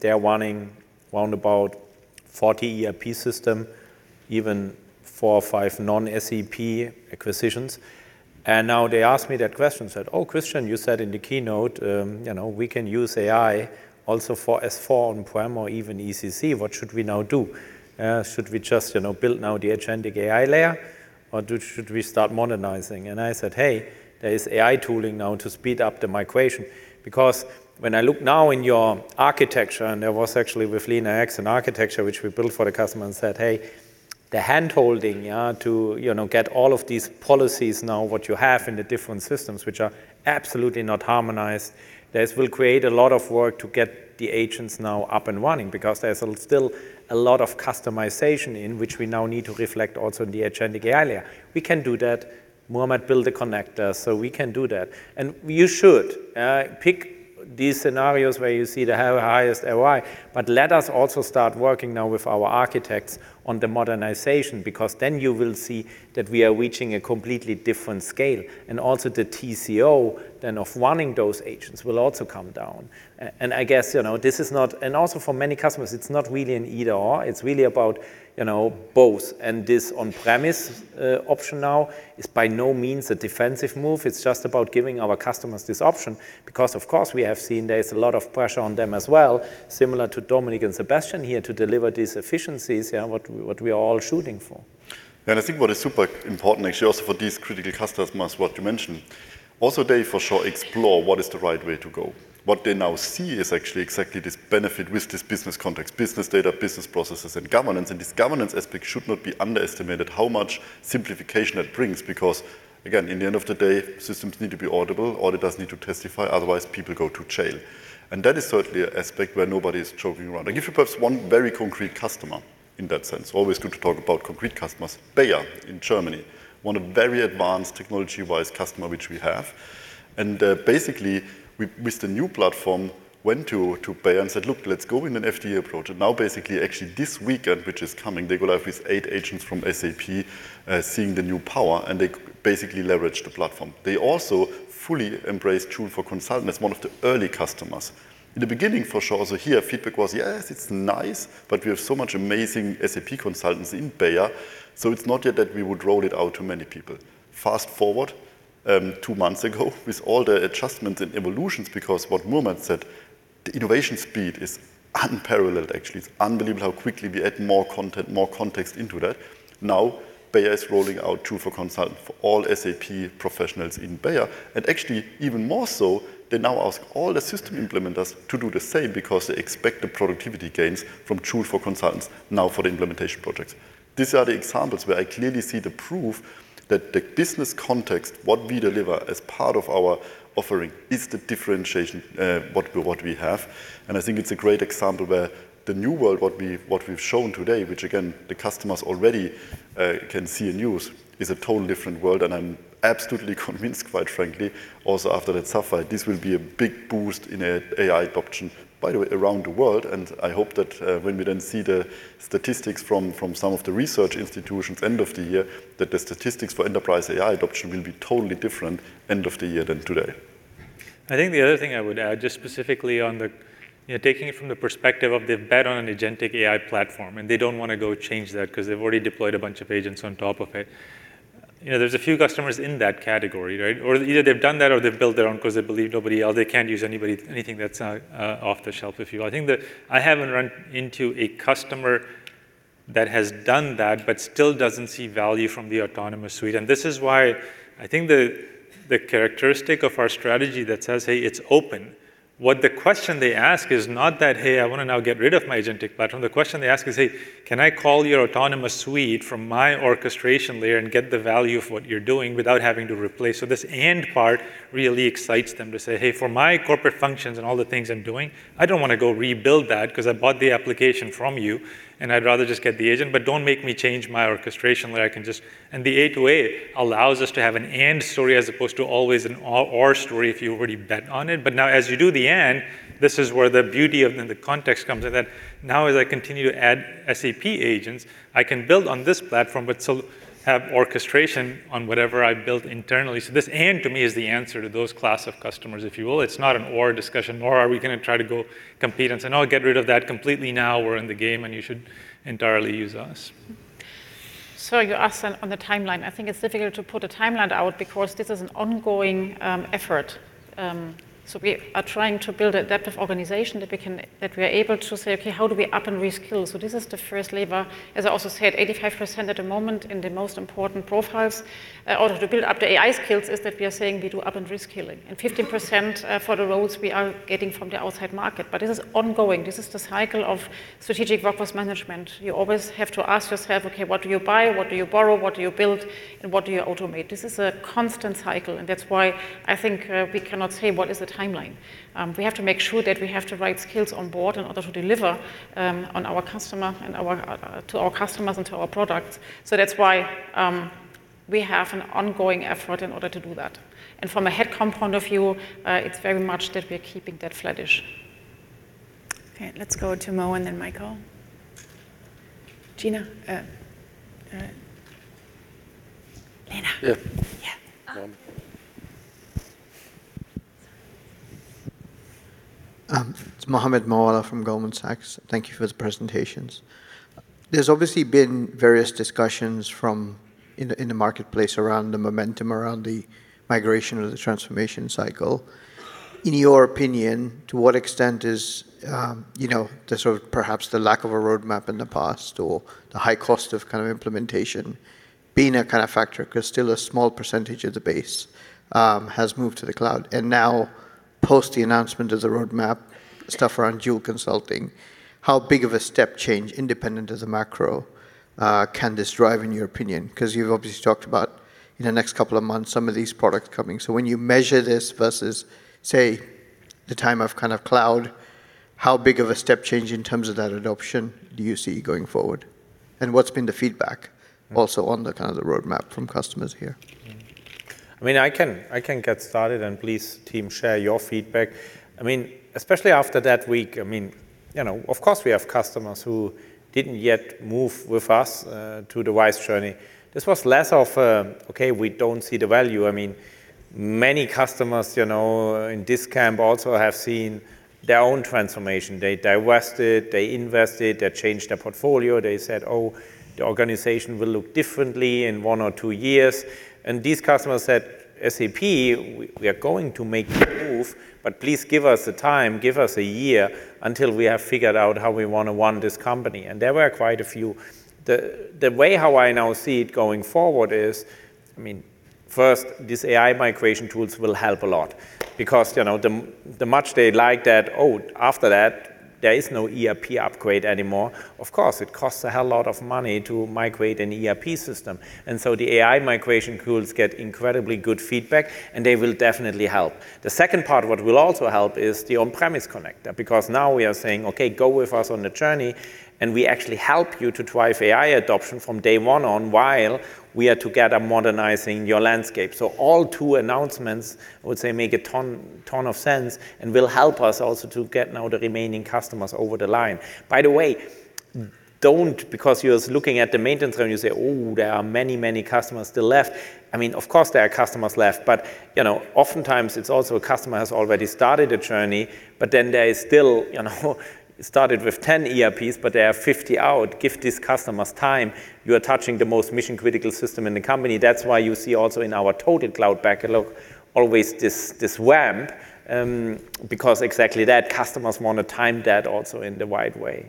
They're running round about 40 ERP system, even four or five non-SAP acquisitions. Now they ask me that question, said, "Oh, Christian, you said in the keynote, you know, we can use AI also for S/4 on-prem or even ECC. What should we now do? should we just, you know, build now the agentic AI layer, or should we start modernizing?" I said, "Hey, there is AI tooling now to speed up the migration." Because when I look now in your architecture, and there was actually with LeanIX an architecture which we built for the customer and said, "Hey, the hand-holding, yeah, to, you know, get all of these policies now what you have in the different systems, which are absolutely not harmonized, this will create a lot of work to get the agents now up and running because there's still a lot of customization in which we now need to reflect also in the agentic AI layer. We can do that. Muhammad built a connector, so we can do that. You should pick. These scenarios where you see the highest ROI, but let us also start working now with our architects on the modernization because then you will see that we are reaching a completely different scale and also the TCO then of running those agents will also come down. I guess, you know, this is not. Also for many customers, it's not really an either/or, it's really about, you know, both. This on-premise option now is by no means a defensive move. It's just about giving our customers this option because, of course, we have seen there is a lot of pressure on them as well, similar to Dominik and Sebastian here, to deliver these efficiencies, yeah, what we are all shooting for. I think what is super important actually also for these critical customers, what you mentioned, also they for sure explore what is the right way to go. What they now see is actually exactly this benefit with this business context, business data, business processes, and governance. This governance aspect should not be underestimated how much simplification it brings, because again, in the end of the day, systems need to be auditable, audit does need to testify, otherwise people go to jail. That is certainly an aspect where nobody is joking around. I give you perhaps one very concrete customer in that sense. Always good to talk about concrete customers. Bayer in Germany, 1 of very advanced technology-wise customer which we have. Basically we, with the new platform, went to Bayer and said, "Look, let's go in an FDA approach." Now basically actually this weekend, which is coming, they go live with 8 agents from SAP, seeing the new power, and they basically leverage the platform. They also fully embrace Joule for Consultant as one of the early customers. In the beginning, for sure, also here feedback was, "Yes, it's nice, but we have so much amazing SAP consultants in Bayer, so it's not yet that we would roll it out to many people." Fast-forward, two months ago with all the adjustments and evolutions, because what Mumu had said, the innovation speed is unparalleled actually. It's unbelievable how quickly we add more content, more context into that. Now Bayer is rolling out Joule for Consultant for all SAP professionals in Bayer. Actually even more so, they now ask all the system implementers to do the same because they expect the productivity gains from Joule for Consultants now for the implementation projects. These are the examples where I clearly see the proof that the business context, what we deliver as part of our offering, is the differentiation, what we have. I think it's a great example where the new world, what we've shown today, which again, the customers already can see and use, is a total different world. I'm absolutely convinced, quite frankly, also after that SAP Sapphire, this will be a big boost in AI adoption, by the way, around the world. I hope that, when we then see the statistics from some of the research institutions end of the year, that the statistics for Enterprise AI adoption will be totally different end of the year than today. I think the other thing I would add, just specifically on the, you know, taking it from the perspective of they've bet on an agentic AI platform. They don't want to go change that because they've already deployed a bunch of agents on top of it. You know, there's a few customers in that category, right? Either they've done that or they've built their own because they believe nobody, or they can't use anybody, anything that's off the shelf, if you will. I think that I haven't run into a customer that has done that but still doesn't see value from the autonomous suite. This is why I think the characteristic of our strategy that says, "Hey, it's open," what the question they ask is not that, "Hey, I want to now get rid of my agentic platform." The question they ask is, "Hey, can I call your autonomous suite from my orchestration layer and get the value of what you're doing without having to replace?" This and part really excites them to say, "Hey, for my corporate functions and all the things I'm doing, I don't want to go rebuild that because I bought the application from you, and I'd rather just get the agent, but don't make me change my orchestration layer." The A2A allows us to have an and story as opposed to always an or story if you already bet on it. Now as you do the and, this is where the beauty of, and the context comes in that now as I continue to add SAP agents, I can build on this platform but still have orchestration on whatever I built internally. This and to me is the answer to those class of customers, if you will. It's not an or discussion, or are we going to try to go compete and say, "No, get rid of that completely now we're in the game and you should entirely use us. You asked on the timeline. I think it's difficult to put a timeline out because this is an ongoing effort. We are trying to build a depth of organization that we can, that we are able to say, "Okay, how do we up and reskill?" This is the first labor. As I also said, 85% at the moment in the most important profiles, in order to build up the AI skills is that we are saying we do up and reskilling. 15% for the roles we are getting from the outside market. This is ongoing. This is the cycle of strategic workforce management. You always have to ask yourself, okay, what do you buy? What do you borrow? What do you build? What do you automate? This is a constant cycle. I think we cannot say what is the timeline. We have to make sure that we have the right skills on board in order to deliver to our customers and to our products. We have an ongoing effort in order to do that. From a head count point of view, it's very much that we're keeping that flourish. Okay, let's go to Mo and then Michael. Gina, Lena. Yeah. Yeah. It's Mohammed Moawalla from Goldman Sachs. Thank you for the presentations. There's obviously been various discussions in the marketplace around the momentum, around the migration or the transformation cycle. In your opinion, to what extent is, you know, the sort of perhaps the lack of a roadmap in the past or the high cost of kind of implementation being a kind of factor, because still a small percentage of the base has moved to the cloud. Now post the announcement of the roadmap, stuff around Joule Consulting, how big of a step change independent of the macro can this drive in your opinion? Because you've obviously talked about in the next couple of months some of these products coming. When you measure this versus, say, the time of kind of cloud, how big of a step change in terms of that adoption do you see going forward? What's been the feedback also on the kind of the roadmap from customers here? I can get started, please, team, share your feedback. I mean, especially after that week, I mean, you know, of course, we have customers who didn't yet move with us to the RISE journey. This was less of a, "Okay, we don't see the value." I mean, many customers, you know, in this camp also have seen their own transformation. They divested, they invested, they changed their portfolio. They said, "Oh, the organization will look differently in one or two years." These customers said, "SAP, we are going to make the move, please give us the time, give us a year until we have figured out how we wanna run this company." There were quite a few. The way how I now see it going forward is, I mean, first, these AI migration tools will help a lot because, you know, the much they like that, "Oh, after that, there is no ERP upgrade anymore," of course, it costs a hell lot of money to migrate an ERP system. The AI migration tools get incredibly good feedback, and they will definitely help. The second part what will also help is the on-premise connector because now we are saying, "Okay, go with us on the journey, and we actually help you to drive AI adoption from day one on while we are together modernizing your landscape." All two announcements, I would say, make a ton of sense and will help us also to get now the remaining customers over the line. By the way, don't Because you're looking at the maintenance and you say, Oh, there are many, many customers still left, I mean, of course, there are customers left. You know, oftentimes it's also a customer has already started a journey. Then there is still, you know, started with 10 ERPs, but they have 50 out. Give these customers time. You are touching the most mission-critical system in the company. That's why you see also in our total cloud backlog always this ramp, because exactly that. Customers wanna time that also in the right way.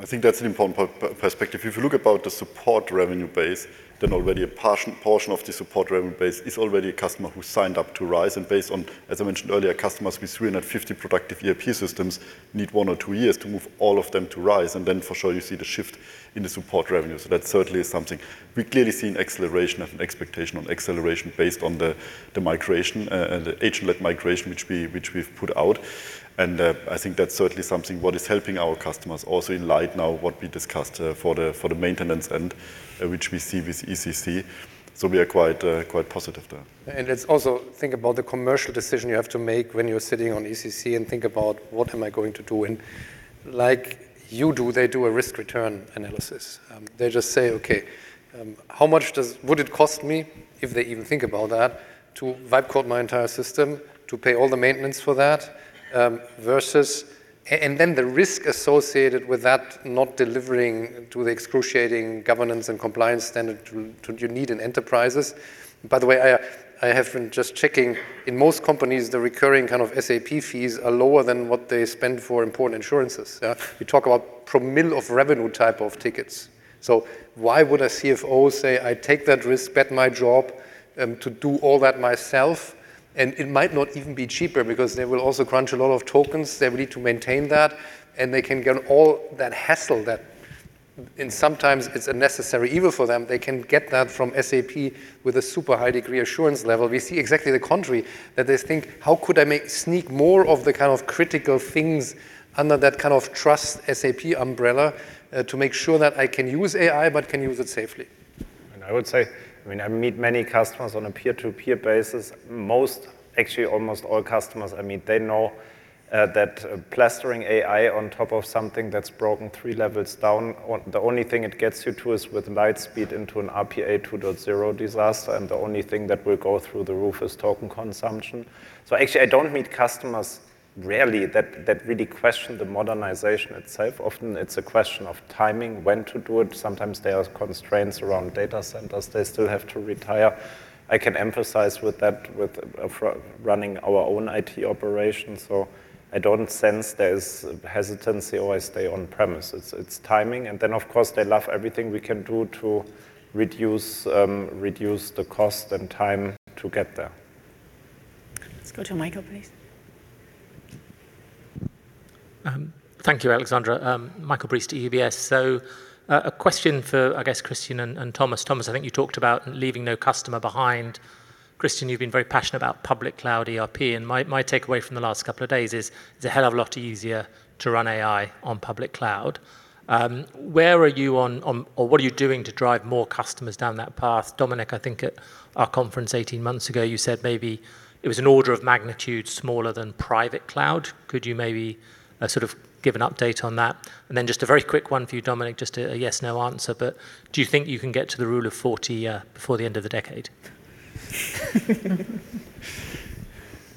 I think that's an important perspective. If you look about the support revenue base, already a portion of the support revenue base is already a customer who signed up to RISE. Based on, as I mentioned earlier, customers with 350 productive ERP systems need one or two years to move all of them to RISE. For sure you see the shift in the support revenue. That certainly is something. We've clearly seen acceleration of, and expectation on acceleration based on the migration, the agent-led migration which we've put out. I think that's certainly something what is helping our customers also in light now what we discussed for the maintenance end which we see with ECC. We are quite positive there. It's also, think about the commercial decision you have to make when you're sitting on ECC and think about, "What am I going to do?" Like you do, they do a risk-return analysis. They just say, "Okay, how much would it cost me," if they even think about that, "to vibe code my entire system, to pay all the maintenance for that, versus and then the risk associated with that not delivering to the excruciating governance and compliance standard to you need in enterprises." By the way, I have been just checking. In most companies, the recurring kind of SAP fees are lower than what they spend for important insurances. We talk about per mil of revenue type of tickets. Why would a CFO say, "I take that risk, bet my job, to do all that myself"? It might not even be cheaper because they will also crunch a lot of tokens. They will need to maintain that, and they can get all that hassle that, and sometimes it is a necessary evil for them. They can get that from SAP with a super high degree assurance level. We see exactly the contrary, that they think, "How could I sneak more of the kind of critical things under that kind of trust SAP umbrella to make sure that I can use AI but can use it safely? I mean, I meet many customers on a peer-to-peer basis. Most, actually, almost all customers I meet, they know that plastering AI on top of something that's broken three levels down on the only thing it gets you to is with light speed into an RPA 2.0 disaster, and the only thing that will go through the roof is token consumption. Actually, I don't meet customers, rarely, that really question the modernization itself. Often, it's a question of timing, when to do it. Sometimes there are constraints around data centers they still have to retire. I can empathize with that with for running our own IT operations. I don't sense there's hesitancy always stay on-premise. It's timing. Then, of course, they love everything we can do to reduce the cost and time to get there. Let's go to Michael, please. Thank you, Alexandra. Michael Briest to UBS. A question for, I guess, Christian and Thomas. Thomas, I think you talked about leaving no customer behind. Christian, you've been very passionate about public cloud ERP, and my takeaway from the last couple of days is, it's a hell of a lot easier to run AI on public cloud. Where are you on or what are you doing to drive more customers down that path? Dominik, I think at our conference 18 months ago, you said maybe it was an order of magnitude smaller than private cloud. Could you maybe sort of give an update on that? Just a very quick one for you, Dominik, just a yes, no answer, but do you think you can get to the rule of 40 before the end of the decade?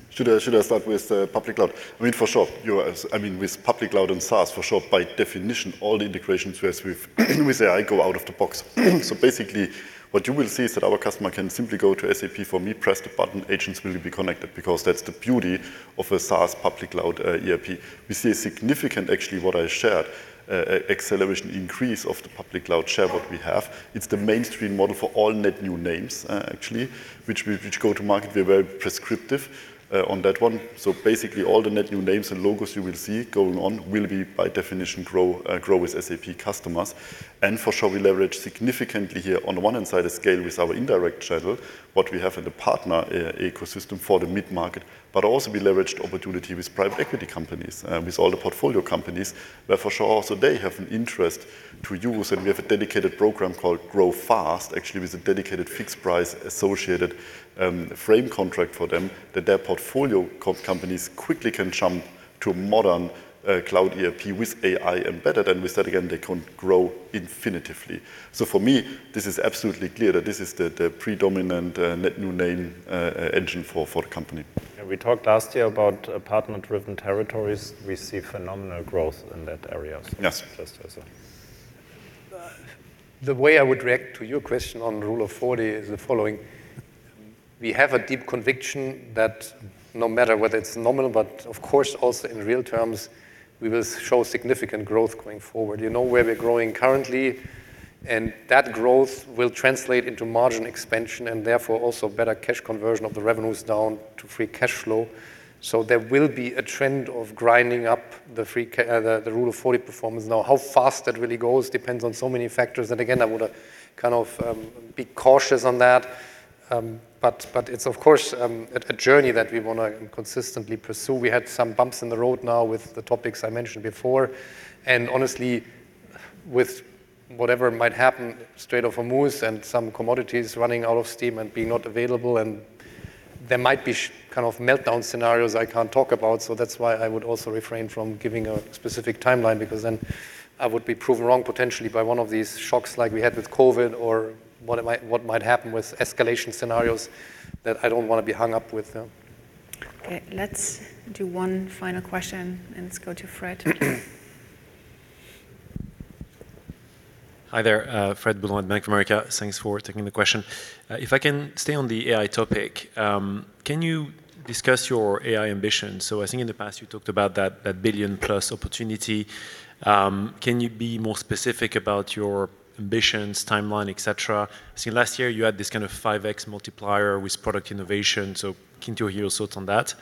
Should I start with public cloud? I mean, for sure, I mean, with public cloud and SaaS, for sure, by definition, all the integrations we have with AI go out of the box. Basically, what you will see is that our customer can simply go to SAP for Me, press the button, agents will be connected, because that's the beauty of a SaaS public cloud ERP. We see a significant, actually, what I shared, acceleration increase of the public cloud share what we have. It's the mainstream model for all net new names, actually, which we go to market. We're very prescriptive on that one. Basically, all the net new names and logos you will see going on will be by definition GROW with SAP customers. For sure we leverage significantly here on the one hand side of scale with our indirect channel, what we have in the partner ecosystem for the mid-market. Also, we leveraged opportunity with private equity companies, with all the portfolio companies, where for sure also they have an interest to use, and we have a dedicated program called Grow Fast, actually, with a dedicated fixed price associated, frame contract for them, that their portfolio companies quickly can jump to a modern, cloud ERP with AI embedded. With that, again, they can grow infinitively. For me, this is absolutely clear that this is the predominant, net new name, engine for the company. We talked last year about apartment-driven territories. We see phenomenal growth in that area. Yes as well. The way I would react to your question on rule of forty is the following. We have a deep conviction that no matter whether it's nominal, but of course also in real terms, we will show significant growth going forward. You know where we're growing currently, and that growth will translate into margin expansion and therefore also better cash conversion of the revenues down to free cash flow. There will be a trend of grinding up the rule of forty performance. Now, how fast that really goes depends on so many factors. Again, I would kind of be cautious on that. It's of course a journey that we wanna consistently pursue. We had some bumps in the road now with the topics I mentioned before. Honestly, with whatever might happen Strait of Hormuz and some commodities running out of steam and being not available, and there might be some kind of meltdown scenarios I can't talk about. That's why I would also refrain from giving a specific timeline because then I would be proven wrong potentially by one of these shocks like we had with COVID or what might happen with escalation scenarios that I don't wanna be hung up with them. Okay, let's do one final question, and let's go to Fred. Hi there. Frederic Boulan, Bank of America. Thanks for taking the question. If I can stay on the AI topic, can you discuss your AI ambition? I think in the past, you talked about that billion plus opportunity. Can you be more specific about your ambitions, timeline, et cetera? I think last year you had this kind of 5x multiplier with product innovation. Keen to hear your thoughts on that.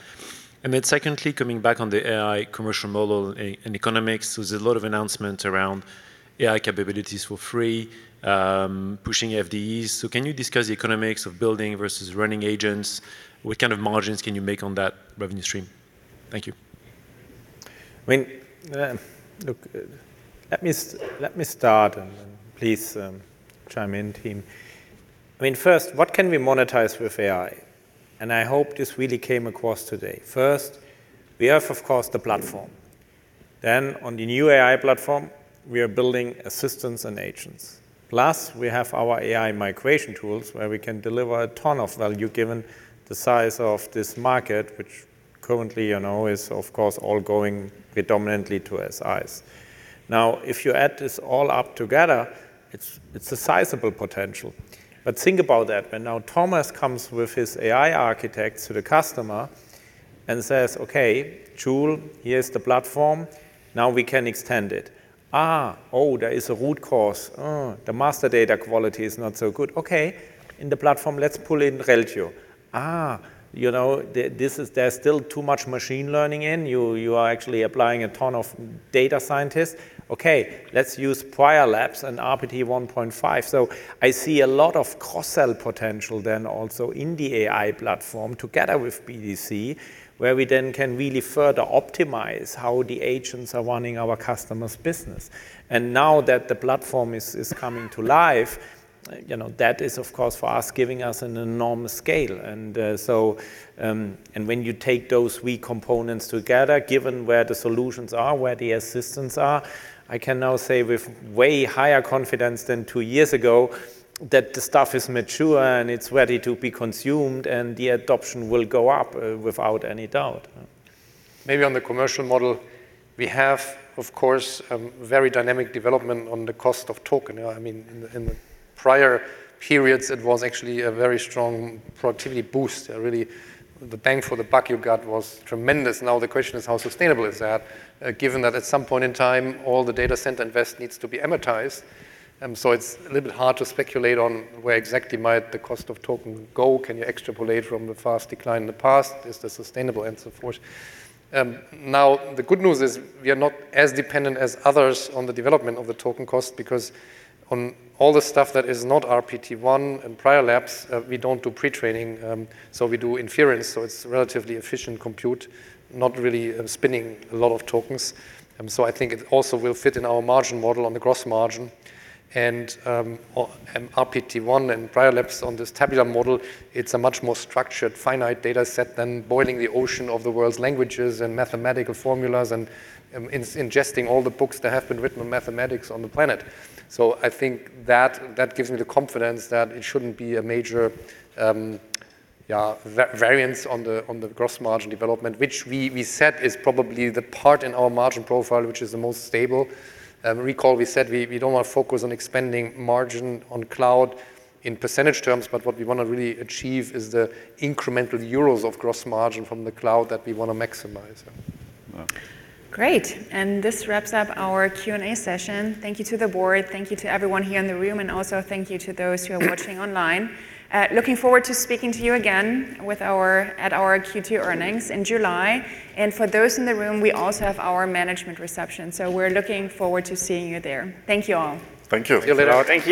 Secondly, coming back on the AI commercial model and economics, there's a lot of announcements around AI capabilities for free, pushing FDEs. Can you discuss the economics of building versus running agents? What kind of margins can you make on that revenue stream? Thank you. I mean, look, let me start and please chime in team. I mean, first, what can we monetize with AI? I hope this really came across today. First, we have, of course, the platform. On the new AI platform, we are building assistance and agents. Plus, we have our AI migration tools where we can deliver a ton of value given the size of this market, which currently, you know, is of course all going predominantly to SIs. If you add this all up together, it's a sizable potential. Think about that. When now Thomas comes with his AI architects to the customer and says, "Okay, Joule, here's the platform. Now we can extend it." There is a root cause. The master data quality is not so good. Okay. In the platform, let's pull in Reltio. You know, this is. There's still too much machine learning in. You are actually applying a ton of data scientists. Okay. Let's use Prior Labs and RPT-1.5. I see a lot of cross-sell potential then also in the AI platform together with BDC, where we then can really further optimize how the agents are running our customers' business. Now that the platform is coming to life, you know, that is, of course, for us, giving us an enormous scale. When you take those weak components together, given where the solutions are, where the assistants are, I can now say with way higher confidence than two years ago that the stuff is mature, and it's ready to be consumed, and the adoption will go up without any doubt. Maybe on the commercial model, we have, of course, a very dynamic development on the cost of token. You know, I mean, in the prior periods, it was actually a very strong productivity boost. Really, the bang for the buck you got was tremendous. Now, the question is how sustainable is that, given that at some point in time, all the data center invest needs to be amortized. It's a little bit hard to speculate on where exactly might the cost of token go. Can you extrapolate from the fast decline in the past? Is this sustainable? so forth. Now, the good news is we are not as dependent as others on the development of the token cost because on all the stuff that is not RPT one and Aleph Alpha, we don't do pre-training, so we do inference, so it's relatively efficient compute, not really, spinning a lot of tokens. So I think it also will fit in our margin model on the gross margin. RPT one and Aleph Alpha on this tabular model, it's a much more structured finite data set than boiling the ocean of the world's languages and mathematical formulas and ingesting all the books that have been written on mathematics on the planet. I think that gives me the confidence that it shouldn't be a major variance on the gross margin development, which we said is probably the part in our margin profile which is the most stable. Recall we said we don't want to focus on expanding margin on cloud in percentage terms, but what we wanna really achieve is the incremental euros of gross margin from the cloud that we wanna maximize. Great. This wraps up our Q&A session. Thank you to the board. Thank you to everyone here in the room, and also thank you to those who are watching online. Looking forward to speaking to you again at our Q2 earnings in July. For those in the room, we also have our management reception, so we're looking forward to seeing you there. Thank you all. Thank you. Thank you.